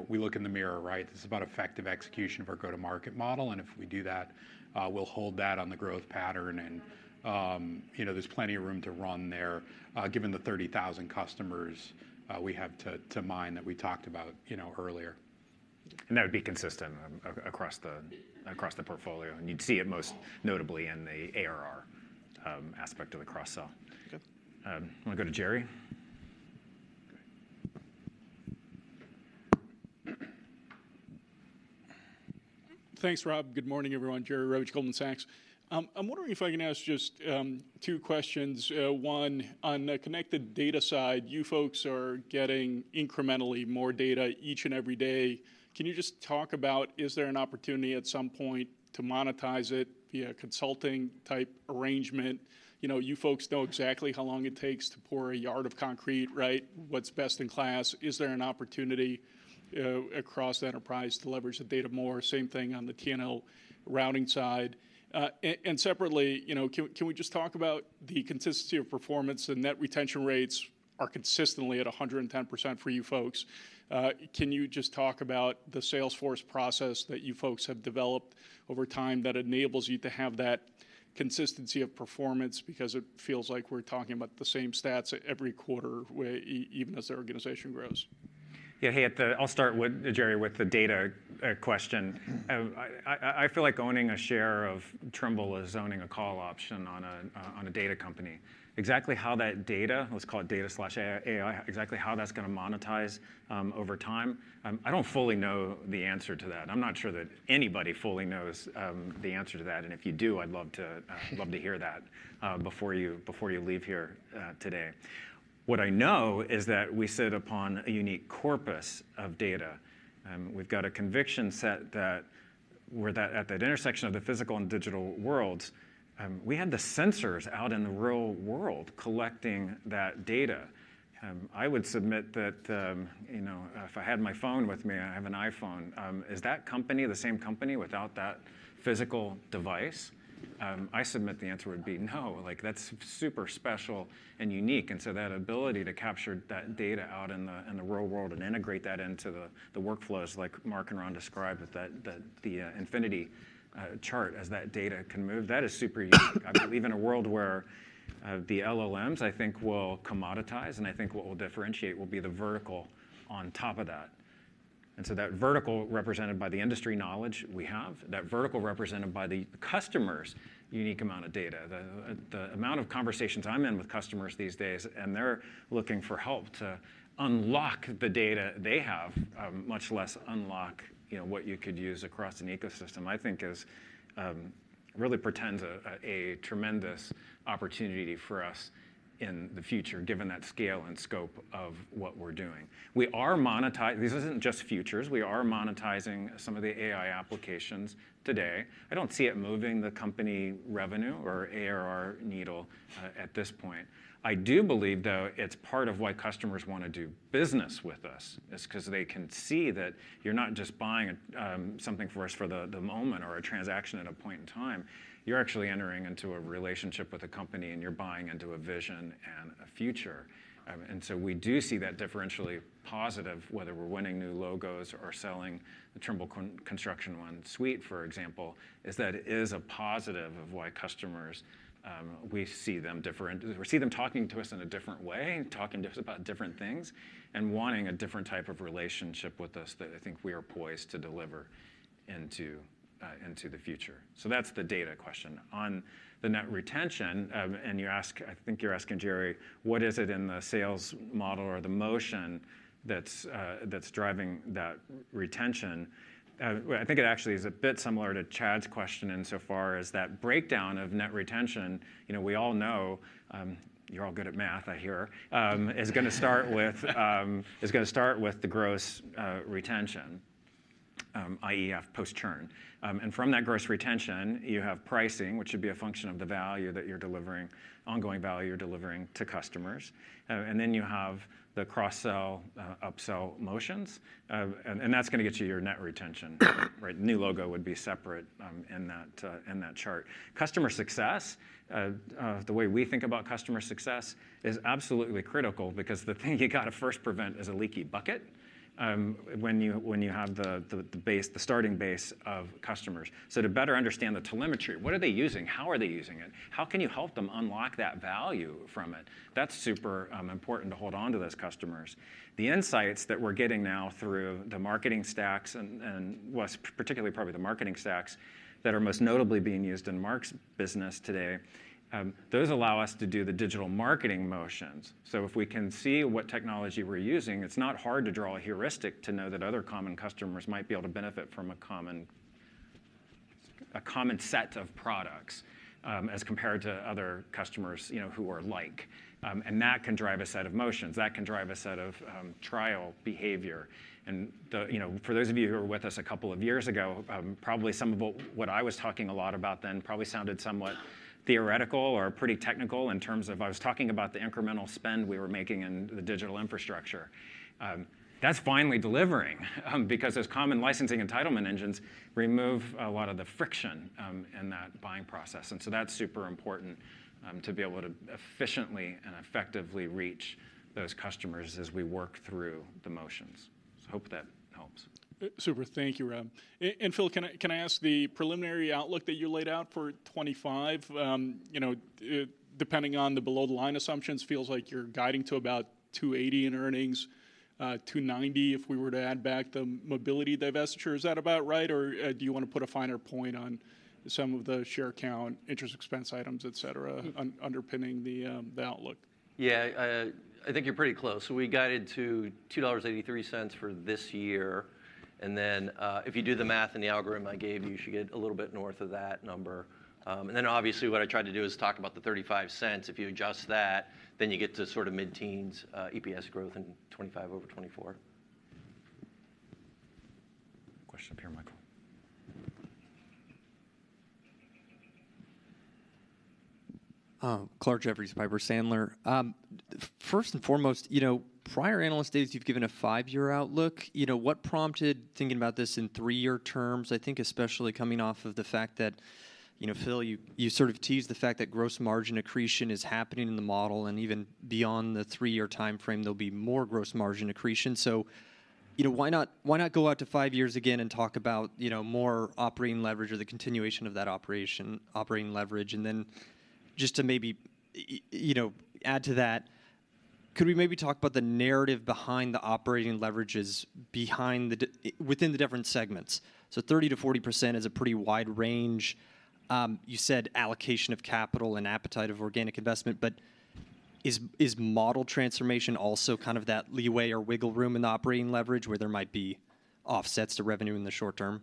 we look in the mirror, right? This is about effective execution of our go-to-market model. And if we do that, we'll hold that on the growth pattern. And there's plenty of room to run there given the 30,000 customers we have to mind that we talked about earlier. And that would be consistent across the portfolio. And you'd see it most notably in the ARR aspect of the cross-sell. I want to go to Jerry. Thanks, Rob. Good morning, everyone. Jerry Revich, Goldman Sachs. I'm wondering if I can ask just two questions. One, on the connected data side, you folks are getting incrementally more data each and every day. Can you just talk about, is there an opportunity at some point to monetize it via consulting-type arrangement? You folks know exactly how long it takes to pour a yard of concrete, right? What's best in class? Is there an opportunity across the enterprise to leverage the data more? Same thing on the T&L routing side. And separately, can we just talk about the consistency of performance and net retention rates are consistently at 110% for you folks? Can you just talk about the Salesforce process that you folks have developed over time that enables you to have that consistency of performance because it feels like we're talking about the same stats every quarter, even as the organization grows? Yeah, hey, I'll start with Jerry with the data question. I feel like owning a share of Trimble is owning a call option on a data company. Exactly how that data, let's call it data/AI, exactly how that's going to monetize over time, I don't fully know the answer to that. I'm not sure that anybody fully knows the answer to that, and if you do, I'd love to hear that before you leave here today. What I know is that we sit upon a unique corpus of data. We've got a conviction set that we're at that intersection of the physical and digital worlds. We have the sensors out in the real world collecting that data. I would submit that if I had my phone with me, I have an iPhone. Is that company the same company without that physical device? I submit the answer would be no. That's super special and unique. And so that ability to capture that data out in the real world and integrate that into the workflows like Mark and Ron described with the infinity chart as that data can move, that is super unique. I mean, even a world where the LLMs, I think, will commoditize, and I think what will differentiate will be the vertical on top of that. And so that vertical represented by the industry knowledge we have, that vertical represented by the customer's unique amount of data, the amount of conversations I'm in with customers these days, and they're looking for help to unlock the data they have, much less unlock what you could use across an ecosystem, I think really presents a tremendous opportunity for us in the future, given that scale and scope of what we're doing. We are monetizing. This isn't just futures. We are monetizing some of the AI applications today. I don't see it moving the company revenue or ARR needle at this point. I do believe, though, it's part of why customers want to do business with us is because they can see that you're not just buying something for us for the moment or a transaction at a point in time. You're actually entering into a relationship with a company, and you're buying into a vision and a future. And so we do see that differentially positive, whether we're winning new logos or selling the Trimble Construction One suite, for example, is that it is a positive of why customers, we see them talking to us in a different way, talking to us about different things, and wanting a different type of relationship with us that I think we are poised to deliver into the future. So that's the data question. On the net retention, and I think you're asking Jerry, what is it in the sales model or the motion that's driving that retention? I think it actually is a bit similar to Chad's question insofar as that breakdown of net retention. We all know, you're all good at math, I hear, is going to start with the gross retention, i.e., post churn. And from that gross retention, you have pricing, which should be a function of the value that you're delivering, ongoing value you're delivering to customers. And then you have the cross-sell, up-sell motions. And that's going to get you your net retention. New logo would be separate in that chart. Customer success, the way we think about customer success, is absolutely critical because the thing you got to first prevent is a leaky bucket when you have the starting base of customers. To better understand the telemetry, what are they using? How are they using it? How can you help them unlock that value from it? That's super important to hold on to those customers. The insights that we're getting now through the marketing stacks and particularly probably the marketing stacks that are most notably being used in Mark's business today, those allow us to do the digital marketing motions. If we can see what technology we're using, it's not hard to draw a heuristic to know that other common customers might be able to benefit from a common set of products as compared to other customers who are alike. That can drive a set of motions. That can drive a set of trial behavior. For those of you who were with us a couple of years ago, probably some of what I was talking a lot about then probably sounded somewhat theoretical or pretty technical, in terms of I was talking about the incremental spend we were making in the digital infrastructure. That's finally delivering because those common licensing entitlement engines remove a lot of the friction in that buying process. And so that's super important to be able to efficiently and effectively reach those customers as we work through the motions. So hope that helps. Super. Thank you, Rob. And Phil, can I ask the preliminary outlook that you laid out for 2025? Depending on the below-the-line assumptions, feels like you're guiding to about $2.80 in earnings, $2.90 if we were to add back the mobility divestiture. Is that about right? Or do you want to put a finer point on some of the share count, interest expense items, et cetera, underpinning the outlook? Yeah, I think you're pretty close. We guided to $2.83 for this year. And then if you do the math and the algorithm I gave you, you should get a little bit north of that number. And then obviously what I tried to do is talk about the $0.35. If you adjust that, then you get to sort of mid-teens EPS growth in 2025 over 2024. Question up here, Michael. Clarke Jeffries, Piper Sandler. First and foremost, prior analyst days you've given a five-year outlook. What prompted thinking about this in three-year terms? I think especially coming off of the fact that, Phil, you sort of teased the fact that gross margin accretion is happening in the model. Even beyond the three-year time frame, there'll be more gross margin accretion. So why not go out to five years again and talk about more operating leverage or the continuation of that operating leverage? And then just to maybe add to that, could we maybe talk about the narrative behind the operating leverages within the different segments? So 30%-40% is a pretty wide range. You said allocation of capital and appetite of organic investment. But is model transformation also kind of that leeway or wiggle room in the operating leverage where there might be offsets to revenue in the short term?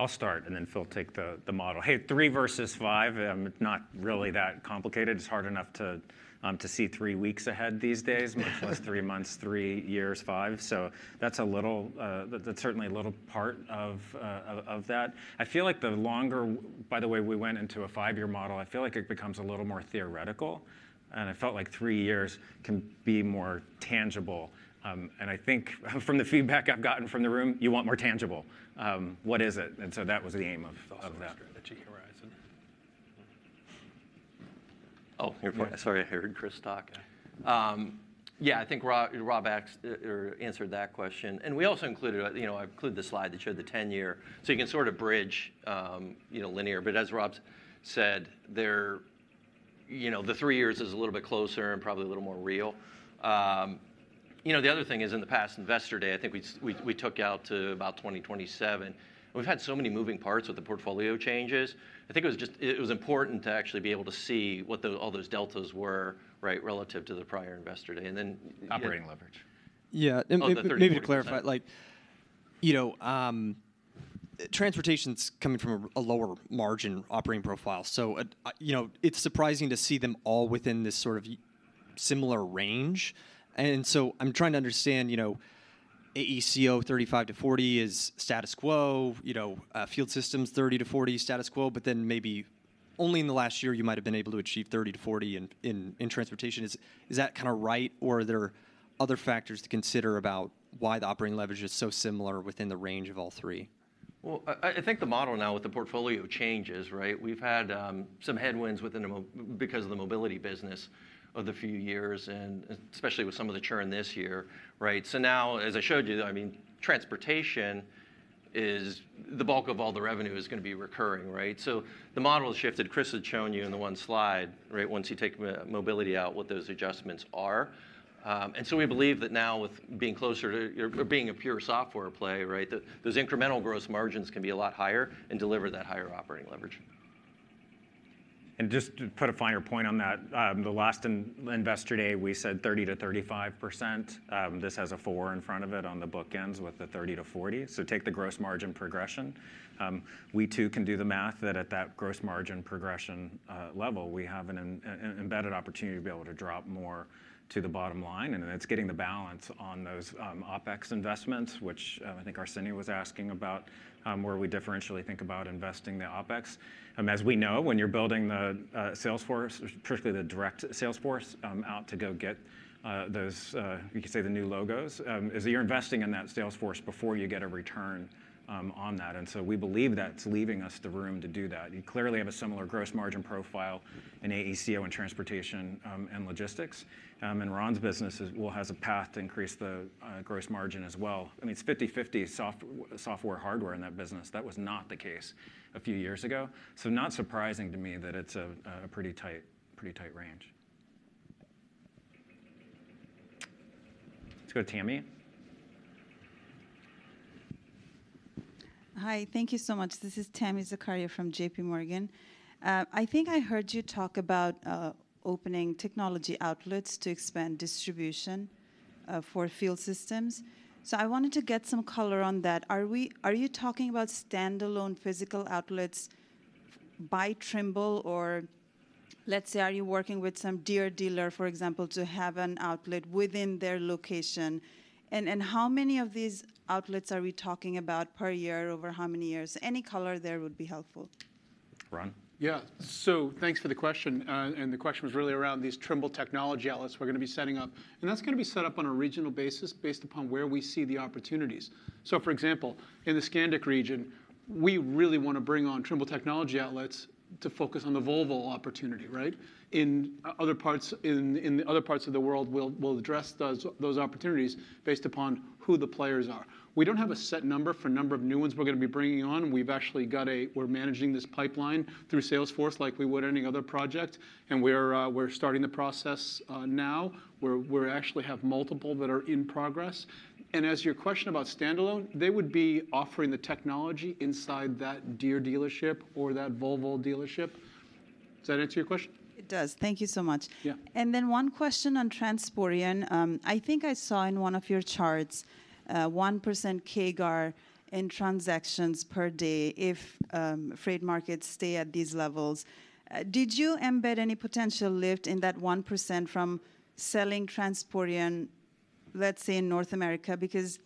I'll start, and then Phil will take the model. Hey, three versus five, it's not really that complicated. It's hard enough to see three weeks ahead these days, much less three months, three years, five. So that's certainly a little part of that. I feel like the longer, by the way, we went into a five-year model, I feel like it becomes a little more theoretical, and I felt like three years can be more tangible. I think from the feedback I've gotten from the room, you want more tangible. What is it? So that was the aim of that. Oh, sorry, I heard Chris talk. Yeah, I think Rob answered that question, and we also included the slide that showed the 10-year. So you can sort of bridge linear. But as Rob said, the three years is a little bit closer and probably a little more real. The other thing is in the past investor day, I think we took out to about 2027, and we've had so many moving parts with the portfolio changes. I think it was important to actually be able to see what all those deltas were relative to the prior investor day. And then, operating leverage. Yeah. Maybe to clarify, transportation's coming from a lower margin operating profile. So it's surprising to see them all within this sort of similar range. And so I'm trying to understand AECO 35%-40% is status quo, field systems 30%-40% status quo. But then maybe only in the last year you might have been able to achieve 30%-40% in transportation. Is that kind of right? Or are there other factors to consider about why the operating leverage is so similar within the range of all three? Well, I think the model now with the portfolio changes, right? We've had some headwinds because of the mobility business of the few years, and especially with some of the churn this year. So now, as I showed you, I mean, transportation, the bulk of all the revenue is going to be recurring, right? So the model has shifted. Chris had shown you in the one slide, once you take mobility out, what those adjustments are. And so we believe that now with being closer to or being a pure software play, those incremental gross margins can be a lot higher and deliver that higher operating leverage. And just to put a finer point on that, the last investor day, we said 30%-35%. This has a 4 in front of it on the bookends with the 30%-40%. So take the gross margin progression. We too can do the math that at that gross margin progression level, we have an embedded opportunity to be able to drop more to the bottom line. It's getting the balance on those OpEx investments, which I think Arseni was asking about, where we differentially think about investing the OpEx. As we know, when you're building the sales force, particularly the direct sales force out to go get those, you could say the new logos, is that you're investing in that sales force before you get a return on that. And so we believe that's leaving us the room to do that. You clearly have a similar gross margin profile in AECO and transportation and logistics. And Ron's business has a path to increase the gross margin as well. I mean, it's 50/50 software/hardware in that business. That was not the case a few years ago. So not surprising to me that it's a pretty tight range. Let's go to Tami. Hi, thank you so much. This is Tami Zakaria from JPMorgan. I think I heard you talk about opening technology outlets to expand distribution for field systems. So I wanted to get some color on that. Are you talking about standalone physical outlets by Trimble? Or let's say, are you working with some dealer, for example, to have an outlet within their location? And how many of these outlets are we talking about per year over how many years? Any color there would be helpful. Ron? Yeah, so thanks for the question. And the question was really around these Trimble technology outlets we're going to be setting up. And that's going to be set up on a regional basis based upon where we see the opportunities. So for example, in the Scandic region, we really want to bring on Trimble technology outlets to focus on the Volvo opportunity, right? In other parts of the world, we'll address those opportunities based upon who the players are. We don't have a set number for number of new ones we're going to be bringing on. We're actually managing this pipeline through Salesforce like we would any other project, and we're starting the process now. We actually have multiple that are in progress. To your question about standalone, they would be offering the technology inside that dealer dealership or that Volvo dealership. Does that answer your question? It does. Thank you so much. And then one question on Transporeon. I think I saw in one of your charts 1% CAGR in transactions per day if freight markets stay at these levels. Did you embed any potential lift in that 1% from selling Transporeon, let's say, in North America? Because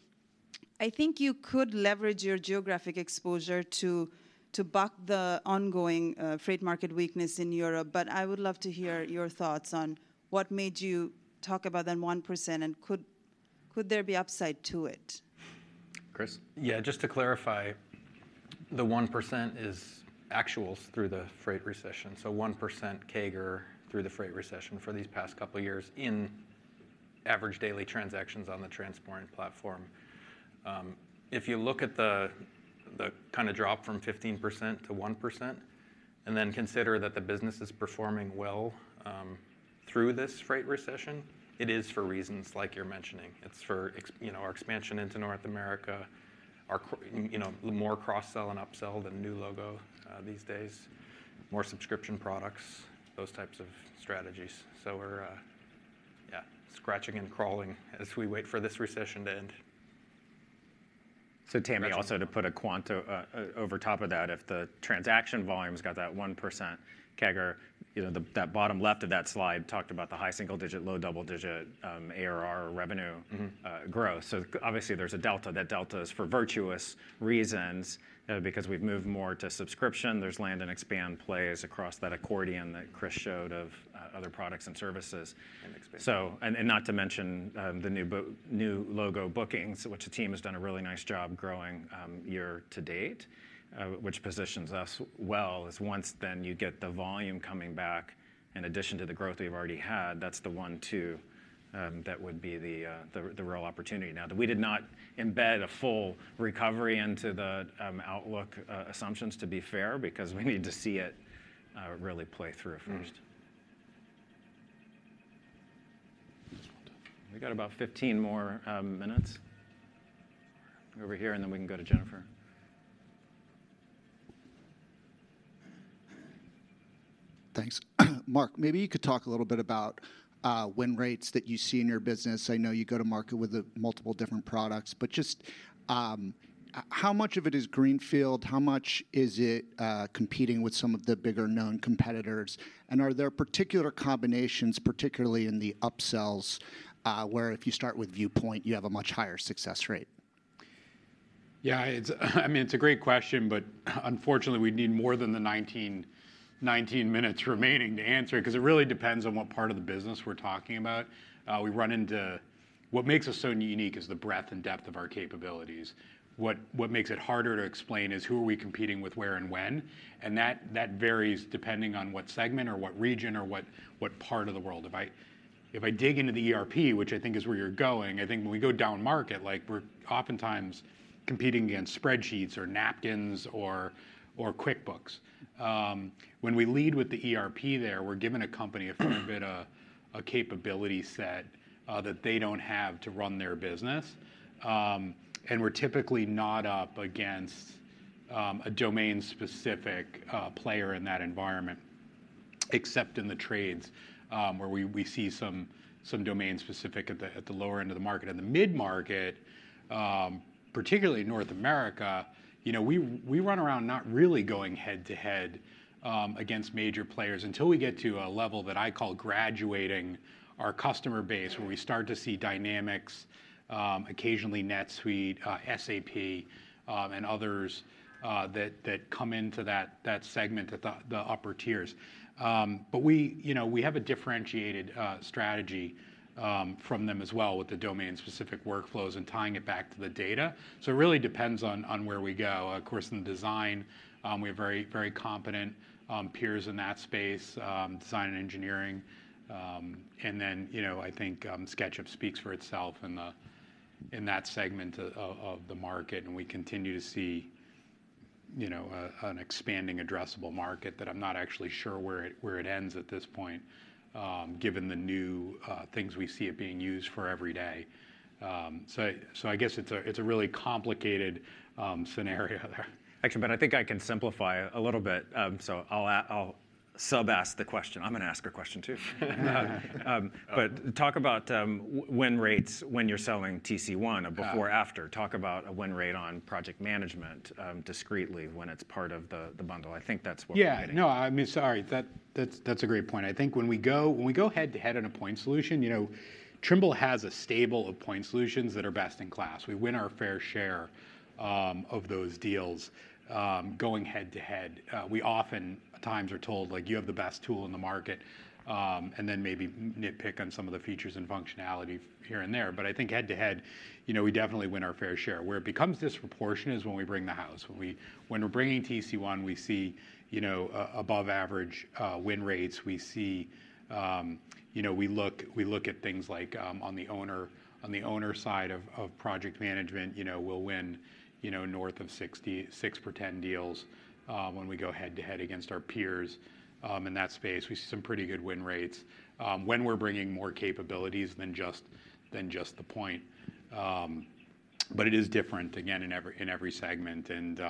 I think you could leverage your geographic exposure to buck the ongoing freight market weakness in Europe. But I would love to hear your thoughts on what made you talk about that 1% and could there be upside to it? Chris? Yeah, just to clarify, the 1% is actuals through the freight recession. So 1% CAGR through the freight recession for these past couple of years in average daily transactions on the Transporeon platform. If you look at the kind of drop from 15% to 1% and then consider that the business is performing well through this freight recession, it is for reasons like you're mentioning. It's for our expansion into North America, the more cross-sell and up-sell than new logo these days, more subscription products, those types of strategies. So we're, yeah, scratching and clawing as we wait for this recession to end. So Tammy, also to put a quant over top of that, if the transaction volume's got that 1% CAGR, that bottom left of that slide talked about the high single-digit, low double-digit ARR revenue growth. So obviously, there's a delta. That delta is for virtuous reasons because we've moved more to subscription. There's land and expand plays across that accordion that Chris showed of other products and services. And not to mention the new logo bookings, which the team has done a really nice job growing year to date, which positions us well. Once then you get the volume coming back in addition to the growth we've already had, that's the one too that would be the real opportunity. Now, we did not embed a full recovery into the outlook assumptions, to be fair, because we need to see it really play through first. We got about 15 more minutes over here, and then we can go to Jennifer. Thanks. Mark, maybe you could talk a little bit about win rates that you see in your business. I know you go to market with multiple different products. But just how much of it is greenfield? How much is it competing with some of the bigger known competitors? And are there particular combinations, particularly in the upsells, where if you start with Viewpoint, you have a much higher success rate? Yeah, I mean, it's a great question. But unfortunately, we need more than the 19 minutes remaining to answer it because it really depends on what part of the business we're talking about. We run into what makes us so unique is the breadth and depth of our capabilities. What makes it harder to explain is who are we competing with, where, and when. And that varies depending on what segment or what region or what part of the world. If I dig into the ERP, which I think is where you're going, I think when we go down market, we're oftentimes competing against spreadsheets or napkins or QuickBooks. When we lead with the ERP there, we're given a company a fair bit of a capability set that they don't have to run their business. And we're typically not up against a domain-specific player in that environment, except in the trades where we see some domain-specific at the lower end of the market. In the mid-market, particularly North America, we run around not really going head-to-head against major players until we get to a level that I call graduating our customer base, where we start to see Dynamics, occasionally NetSuite, SAP, and others that come into that segment, the upper tiers. But we have a differentiated strategy from them as well with the domain-specific workflows and tying it back to the data. So it really depends on where we go. Of course, in design, we have very competent peers in that space, design and engineering. And then I think SketchUp speaks for itself in that segment of the market. And we continue to see an expanding addressable market that I'm not actually sure where it ends at this point, given the new things we see it being used for every day. So I guess it's a really complicated scenario there. Actually, but I think I can simplify a little bit. So I'll sub-ask the question. I'm going to ask a question, too. But talk about win rates when you're selling TC1, a before/after. Talk about a win rate on project management discretely when it's part of the bundle. I think that's what we're getting. Yeah, no, I mean, sorry. That's a great point. I think when we go head-to-head in a point solution, Trimble has a stable of point solutions that are best in class. We win our fair share of those deals going head-to-head. We oftentimes are told, like, you have the best tool in the market, and then maybe nitpick on some of the features and functionality here and there. But I think head-to-head, we definitely win our fair share. Where it becomes disproportionate is when we bring the house. When we're bringing TC1, we see above-average win rates. We look at things like on the owner side of project management, we'll win north of six for 10 deals when we go head-to-head against our peers in that space. We see some pretty good win rates when we're bringing more capabilities than just the point. But it is different, again, in every segment. And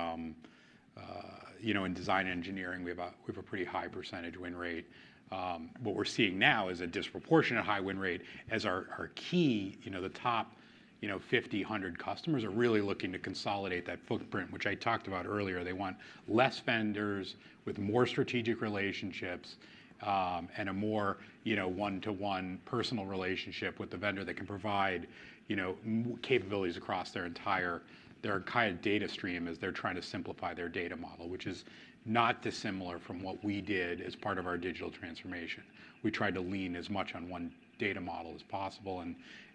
in design engineering, we have a pretty high percentage win rate. What we're seeing now is a disproportionate high win rate as our key, the top 50, 100 customers are really looking to consolidate that footprint, which I talked about earlier. They want less vendors with more strategic relationships and a more one-to-one personal relationship with the vendor that can provide capabilities across their entire data stream as they're trying to simplify their data model, which is not dissimilar from what we did as part of our digital transformation. We tried to lean as much on one data model as possible.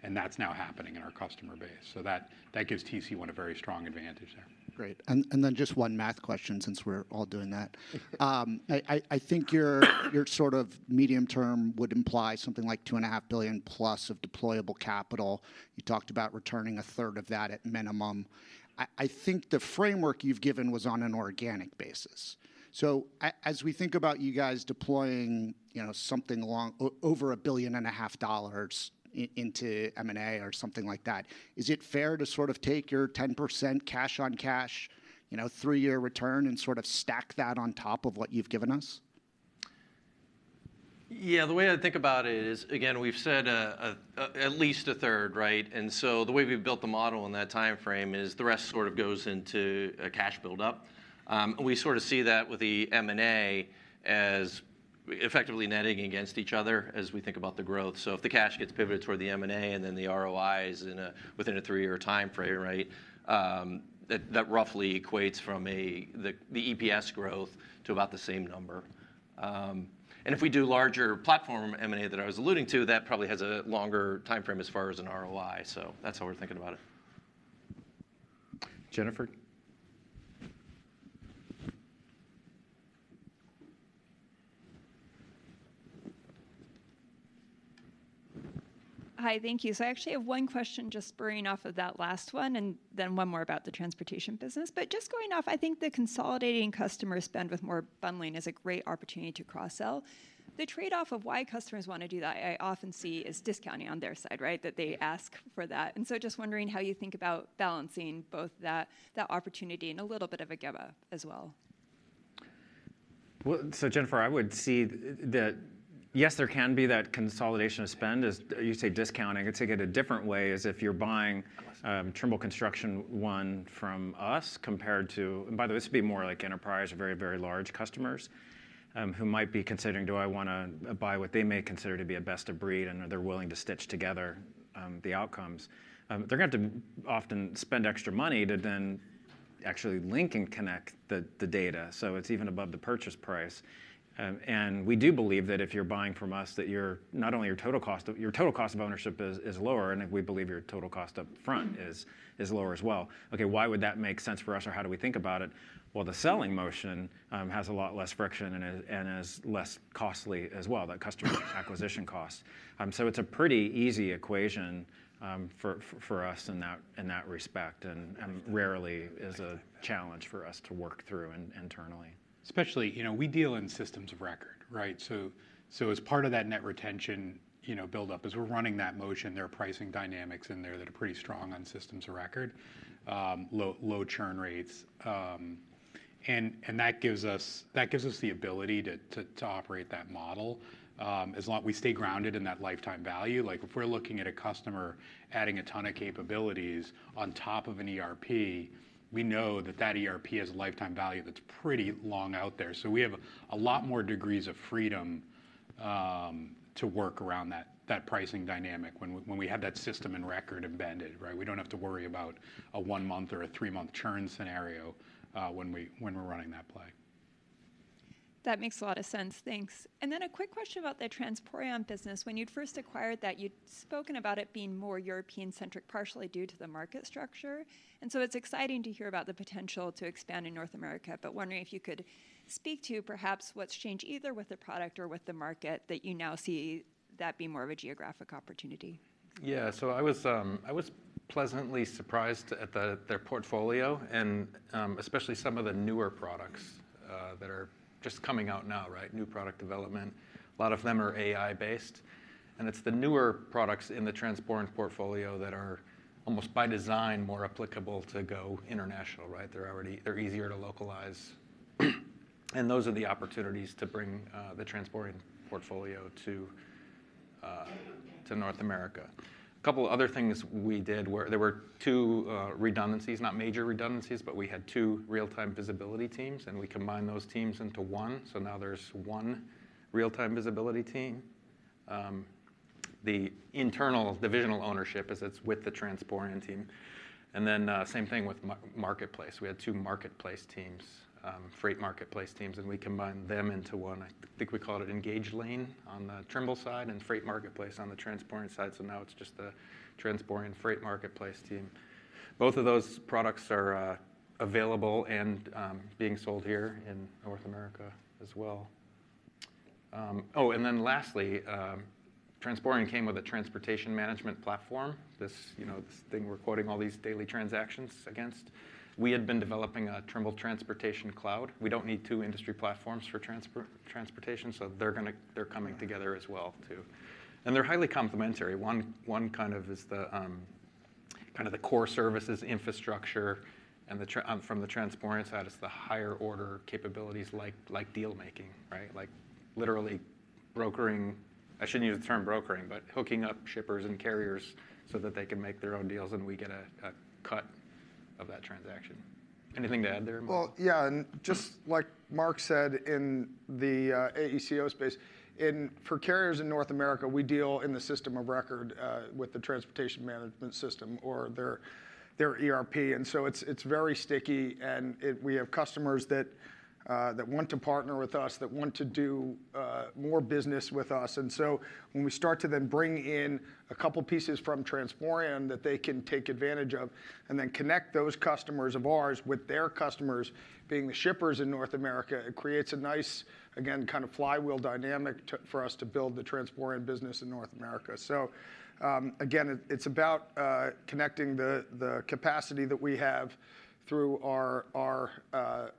And that's now happening in our customer base. So that gives TC1 a very strong advantage there. Great. And then just one math question since we're all doing that. I think your sort of medium term would imply something like $2.5+ billiion of deployable capital. You talked about returning a third of that at minimum. I think the framework you've given was on an organic basis. So as we think about you guys deploying something along over $1.5 billion into M&A or something like that, is it fair to sort of take your 10% cash-on-cash three-year return and sort of stack that on top of what you've given us? Yeah, the way I think about it is, again, we've said at least a third, right? The way we've built the model in that time frame is the rest sort of goes into a cash buildup. We sort of see that with the M&A as effectively netting against each other as we think about the growth. So if the cash gets pivoted toward the M&A and then the ROI is within a three-year time frame, right, that roughly equates from the EPS growth to about the same number. And if we do larger platform M&A that I was alluding to, that probably has a longer time frame as far as an ROI. So that's how we're thinking about it. Jennifer? Hi, thank you. So I actually have one question just springing off of that last one and then one more about the transportation business. But just going off, I think the consolidating customer spend with more bundling is a great opportunity to cross-sell. The trade-off of why customers want to do that I often see is discounting on their side, right, that they ask for that. And so, just wondering how you think about balancing both that opportunity and a little bit of a give-up as well. So, Jennifer, I would see that, yes, there can be that consolidation of spend. You say discounting. I'd say get a different way is if you're buying Trimble Construction One from us compared to, and by the way, this would be more like enterprise, very, very large customers who might be considering, do I want to buy what they may consider to be a best of breed and are they willing to stitch together the outcomes? They're going to have to often spend extra money to then actually link and connect the data. So it's even above the purchase price. And we do believe that if you're buying from us, that not only your total cost, your total cost of ownership is lower, and we believe your total cost upfront is lower as well. Okay, why would that make sense for us or how do we think about it? Well, the selling motion has a lot less friction and is less costly as well, that customer acquisition cost. So it's a pretty easy equation for us in that respect and rarely is a challenge for us to work through internally. Especially, we deal in systems of record, right? So as part of that net retention buildup, as we're running that motion, there are pricing dynamics in there that are pretty strong on systems of record, low churn rates. And that gives us the ability to operate that model as long as we stay grounded in that lifetime value. Like if we're looking at a customer adding a ton of capabilities on top of an ERP, we know that that ERP has a lifetime value that's pretty long out there. So we have a lot more degrees of freedom to work around that pricing dynamic when we have that system in record embedded, right? We don't have to worry about a one-month or a three-month churn scenario when we're running that play. That makes a lot of sense. Thanks. And then a quick question about the Transporeon business. When you'd first acquired that, you'd spoken about it being more European-centric partially due to the market structure. And so it's exciting to hear about the potential to expand in North America. But wondering if you could speak to perhaps what's changed either with the product or with the market that you now see that be more of a geographic opportunity. Yeah, so I was pleasantly surprised at their portfolio, and especially some of the newer products that are just coming out now, right, new product development. A lot of them are AI-based. And it's the newer products in the Transporeon portfolio that are almost by design more applicable to go international, right? They're easier to localize. And those are the opportunities to bring the Transporeon portfolio to North America. A couple of other things we did, there were two redundancies, not major redundancies, but we had two real-time visibility teams, and we combined those teams into one. So now there's one real-time visibility team. The internal divisional ownership is with the Transporeon team. And then same thing with Marketplace. We had two Marketplace teams, freight Marketplace teams, and we combined them into one. I think we called it Engage Lane on the Trimble side and Freight Marketplace on the Transporeon side. So now it's just the Transporeon Freight Marketplace team. Both of those products are available and being sold here in North America as well. Oh, and then lastly, Transporeon came with a transportation management platform, this thing we're quoting all these daily transactions against. We had been developing a Trimble Transportation Cloud. We don't need two industry platforms for transportation. So they're coming together as well too. And they're highly complementary. One kind of is kind of the core services infrastructure from the Transporeon side is the higher order capabilities like dealmaking, right? Like literally brokering, I shouldn't use the term brokering, but hooking up shippers and carriers so that they can make their own deals and we get a cut of that transaction. Anything to add there? Yeah, and just like Mark said in the AECO space, for carriers in North America, we deal in the system of record with the transportation management system or their ERP. And so it's very sticky. And we have customers that want to partner with us, that want to do more business with us. And so when we start to then bring in a couple of pieces from Transporeon that they can take advantage of and then connect those customers of ours with their customers being the shippers in North America, it creates a nice, again, kind of flywheel dynamic for us to build the Transporeon business in North America. So again, it's about connecting the capacity that we have through our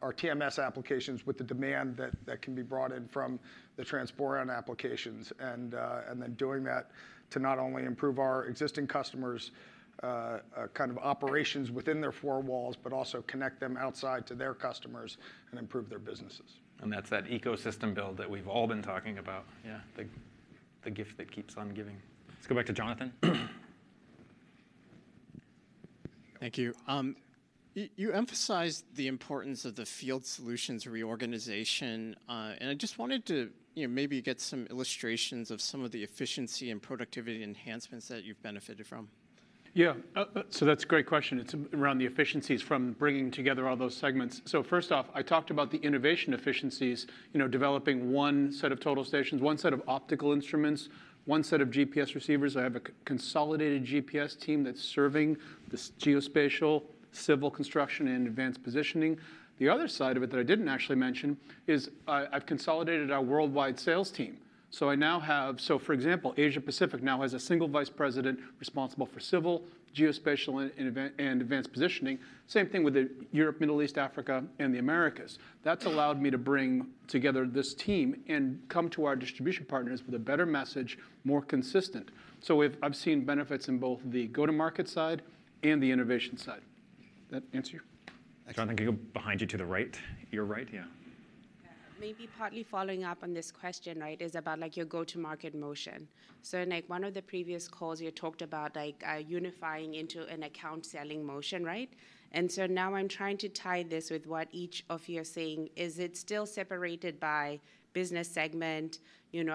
TMS applications with the demand that can be brought in from the Transporeon applications and then doing that to not only improve our existing customers' kind of operations within their four walls, but also connect them outside to their customers and improve their businesses. And that's that ecosystem build that we've all been talking about, yeah, the gift that keeps on giving. Let's go back to Jonathan. Thank you. You emphasized the importance of the field solutions reorganization. And I just wanted to maybe get some illustrations of some of the efficiency and productivity enhancements that you've benefited from. Yeah, so that's a great question. It's around the efficiencies from bringing together all those segments. So first off, I talked about the innovation efficiencies, developing one set of total stations, one set of optical instruments, one set of GPS receivers. I have a consolidated GPS team that's serving the geospatial, civil construction, and advanced positioning. The other side of it that I didn't actually mention is I've consolidated our worldwide sales team. So I now have, so for example, Asia-Pacific now has a single vice president responsible for civil, geospatial, and advanced positioning. Same thing with the Europe, Middle East, Africa, and the Americas. That's allowed me to bring together this team and come to our distribution partners with a better message, more consistent. So I've seen benefits in both the go-to-market side and the innovation side. Did that answer you? Jonathan, can you go behind you to the right? You're right, yeah. Maybe partly following up on this question, right, is about your go-to-market motion. So in one of the previous calls, you talked about unifying into an account selling motion, right? And so now I'm trying to tie this with what each of you are saying. Is it still separated by business segment?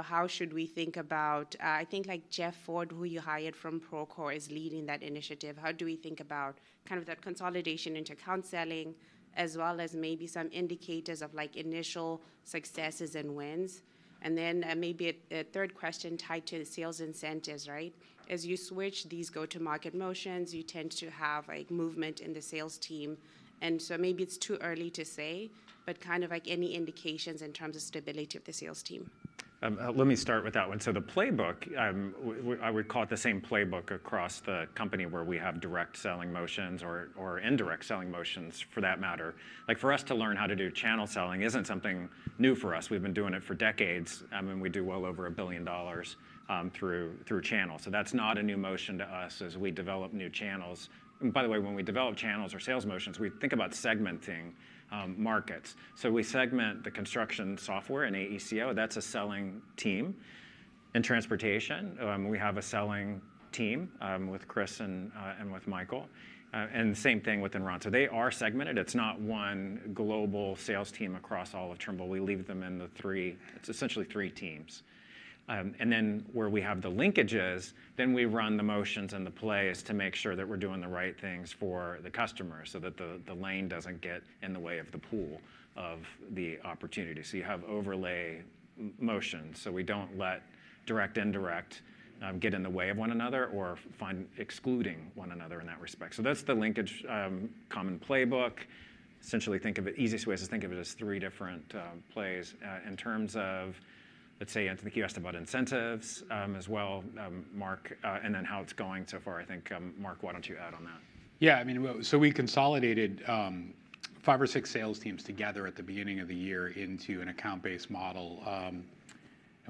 How should we think about, I think like Jeff Ford, who you hired from Procore is leading that initiative. How do we think about kind of that consolidation into account selling as well as maybe some indicators of initial successes and wins? And then maybe a third question tied to sales incentives, right? As you switch these go-to-market motions, you tend to have movement in the sales team. And so maybe it's too early to say, but kind of like any indications in terms of stability of the sales team. Let me start with that one. The playbook, I would call it the same playbook across the company where we have direct selling motions or indirect selling motions for that matter. Like for us to learn how to do channel selling isn't something new for us. We've been doing it for decades. I mean, we do well over $1 billion through channels. That's not a new motion to us as we develop new channels. By the way, when we develop channels or sales motions, we think about segmenting markets. We segment the construction software and AECO. That's a selling team. In transportation, we have a selling with Chris and with Michael. And same thing with Ron. They are segmented. It's not one global sales team across all of Trimble. We leave them in the three. It's essentially three teams. And then where we have the linkages, then we run the motions and the plays to make sure that we're doing the right things for the customer so that the lane doesn't get in the way of the pool of the opportunity. So you have overlay motions. So we don't let direct, indirect get in the way of one another or find excluding one another in that respect. So that's the linkage common playbook. Essentially, think of it, easiest way is to think of it as three different plays in terms of, let's say, I think you asked about incentives as well, Mark, and then how it's going so far. I think, Mark, why don't you add on that? Yeah, I mean, so we consolidated five or six sales teams together at the beginning of the year into an account-based model. And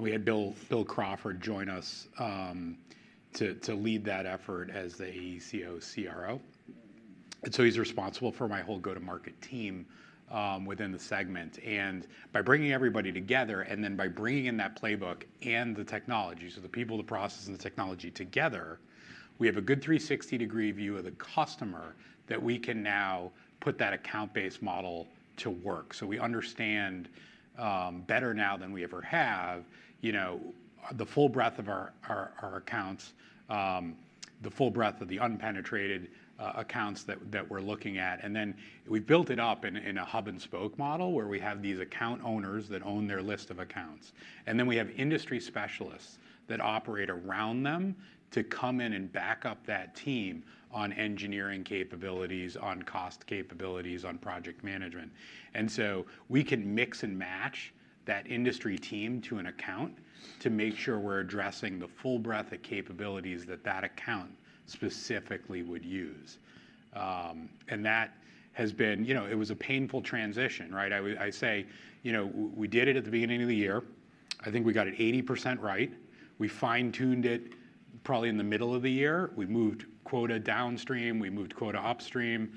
we had Bill Crawford join us to lead that effort as the AECO CRO. And so he's responsible for my whole go-to-market team within the segment. And by bringing everybody together and then by bringing in that playbook and the technology, so the people, the process, and the technology together, we have a good 360-degree view of the customer that we can now put that account-based model to work. So we understand better now than we ever have the full breadth of our accounts, the full breadth of the unpenetrated accounts that we're looking at. And then we built it up in a hub-and-spoke model where we have these account owners that own their list of accounts. And then we have industry specialists that operate around them to come in and back up that team on engineering capabilities, on cost capabilities, on project management. And so we can mix and match that industry team to an account to make sure we're addressing the full breadth of capabilities that that account specifically would use. And that has been, it was a painful transition, right? I say we did it at the beginning of the year. I think we got it 80% right. We fine-tuned it probably in the middle of the year. We moved quota downstream. We moved quota upstream.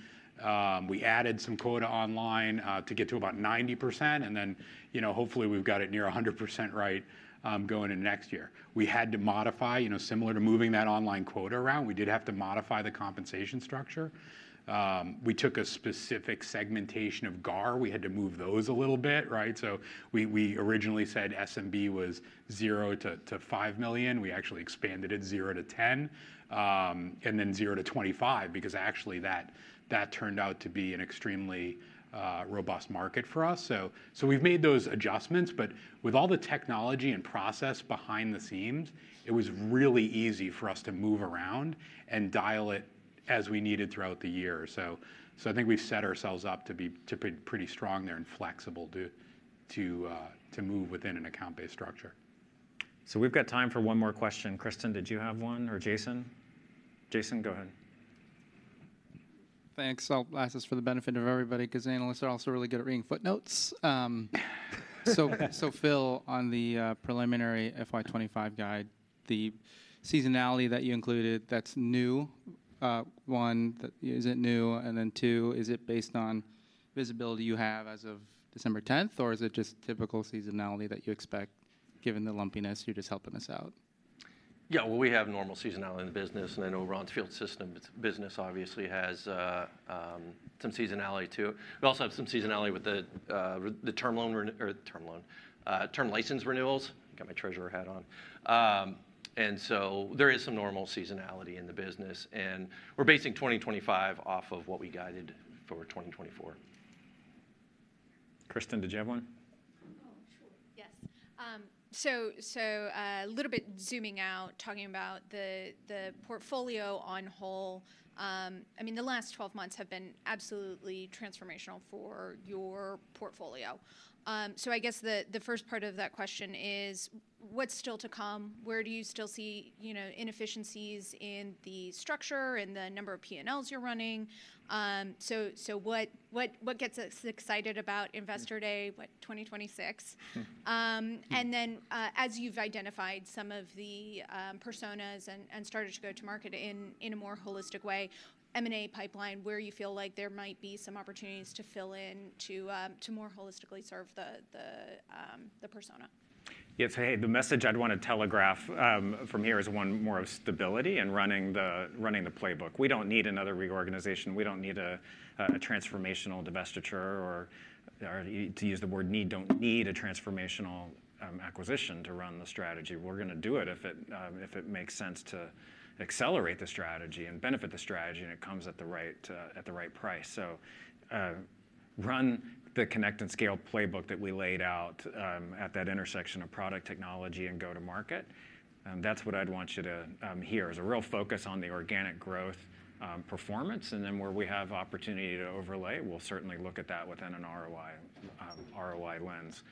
We added some quota online to get to about 90%. And then hopefully we've got it near 100% right going into next year. We had to modify, similar to moving that online quota around, we did have to modify the compensation structure. We took a specific segmentation of GAR. We had to move those a little bit, right? So we originally said SMB was zero to five million. We actually expanded it zero to 10, and then zero to 25 because actually that turned out to be an extremely robust market for us. So we've made those adjustments, but with all the technology and process behind the scenes, it was really easy for us to move around and dial it as we needed throughout the year. So I think we've set ourselves up to be pretty strong there and flexible to move within an account-based structure. So we've got time for one more question. Kristen, did you have one or Jason? Jason, go ahead. Thanks. I'll ask this for the benefit of everybody because analysts are also really good at reading footnotes. So Phil, on the preliminary FY25 guide, the seasonality that you included, that's new. One, is it new? And then two, is it based on visibility you have as of December 10th, or is it just typical seasonality that you expect given the lumpiness you're just helping us out? Yeah, well, we have normal seasonality in the business. I know Ron's Field Systems business obviously has some seasonality too. We also have some seasonality with the term license renewals. Got my treasurer hat on. So there is some normal seasonality in the business. We're basing 2025 off of what we guided for 2024. Kristen, did you have one? Oh, sure. Yes. So a little bit zooming out, talking about the portfolio as a whole, I mean, the last 12 months have been absolutely transformational for your portfolio. So I guess the first part of that question is, what's still to come? Where do you still see inefficiencies in the structure and the number of P&Ls you're running? So what gets us excited about Investor Day, what, 2026? And then as you've identified some of the personas and started to go to market in a more holistic way, M&A pipeline, where you feel like there might be some opportunities to fill in to more holistically serve the persona. Yeah, so hey, the message I'd want to telegraph from here is one more of stability and running the playbook. We don't need another reorganization. We don't need a transformational divestiture or, to use the word need, don't need a transformational acquisition to run the strategy. We're going to do it if it makes sense to accelerate the strategy and benefit the strategy and it comes at the right price. So, run the Connect and Scale playbook that we laid out at that intersection of product, technology, and go-to-market. That's what I'd want you to hear is a real focus on the organic growth performance. And then, where we have opportunity to overlay, we'll certainly look at that within an ROI lens.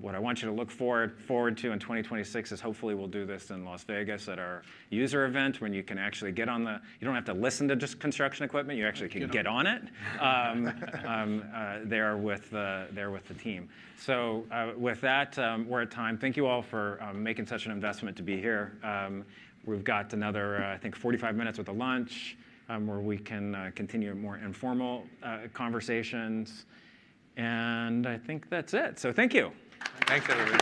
What I want you to look forward to in 2026 is, hopefully, we'll do this in Las Vegas at our user event when you can actually get on the. You don't have to listen to just construction equipment. You actually can get on it there with the team. So, with that, we're at time. Thank you all for making such an investment to be here. We've got another, I think, 45 minutes with a lunch where we can continue more informal conversations. And I think that's it. So thank you. Thanks, everyone.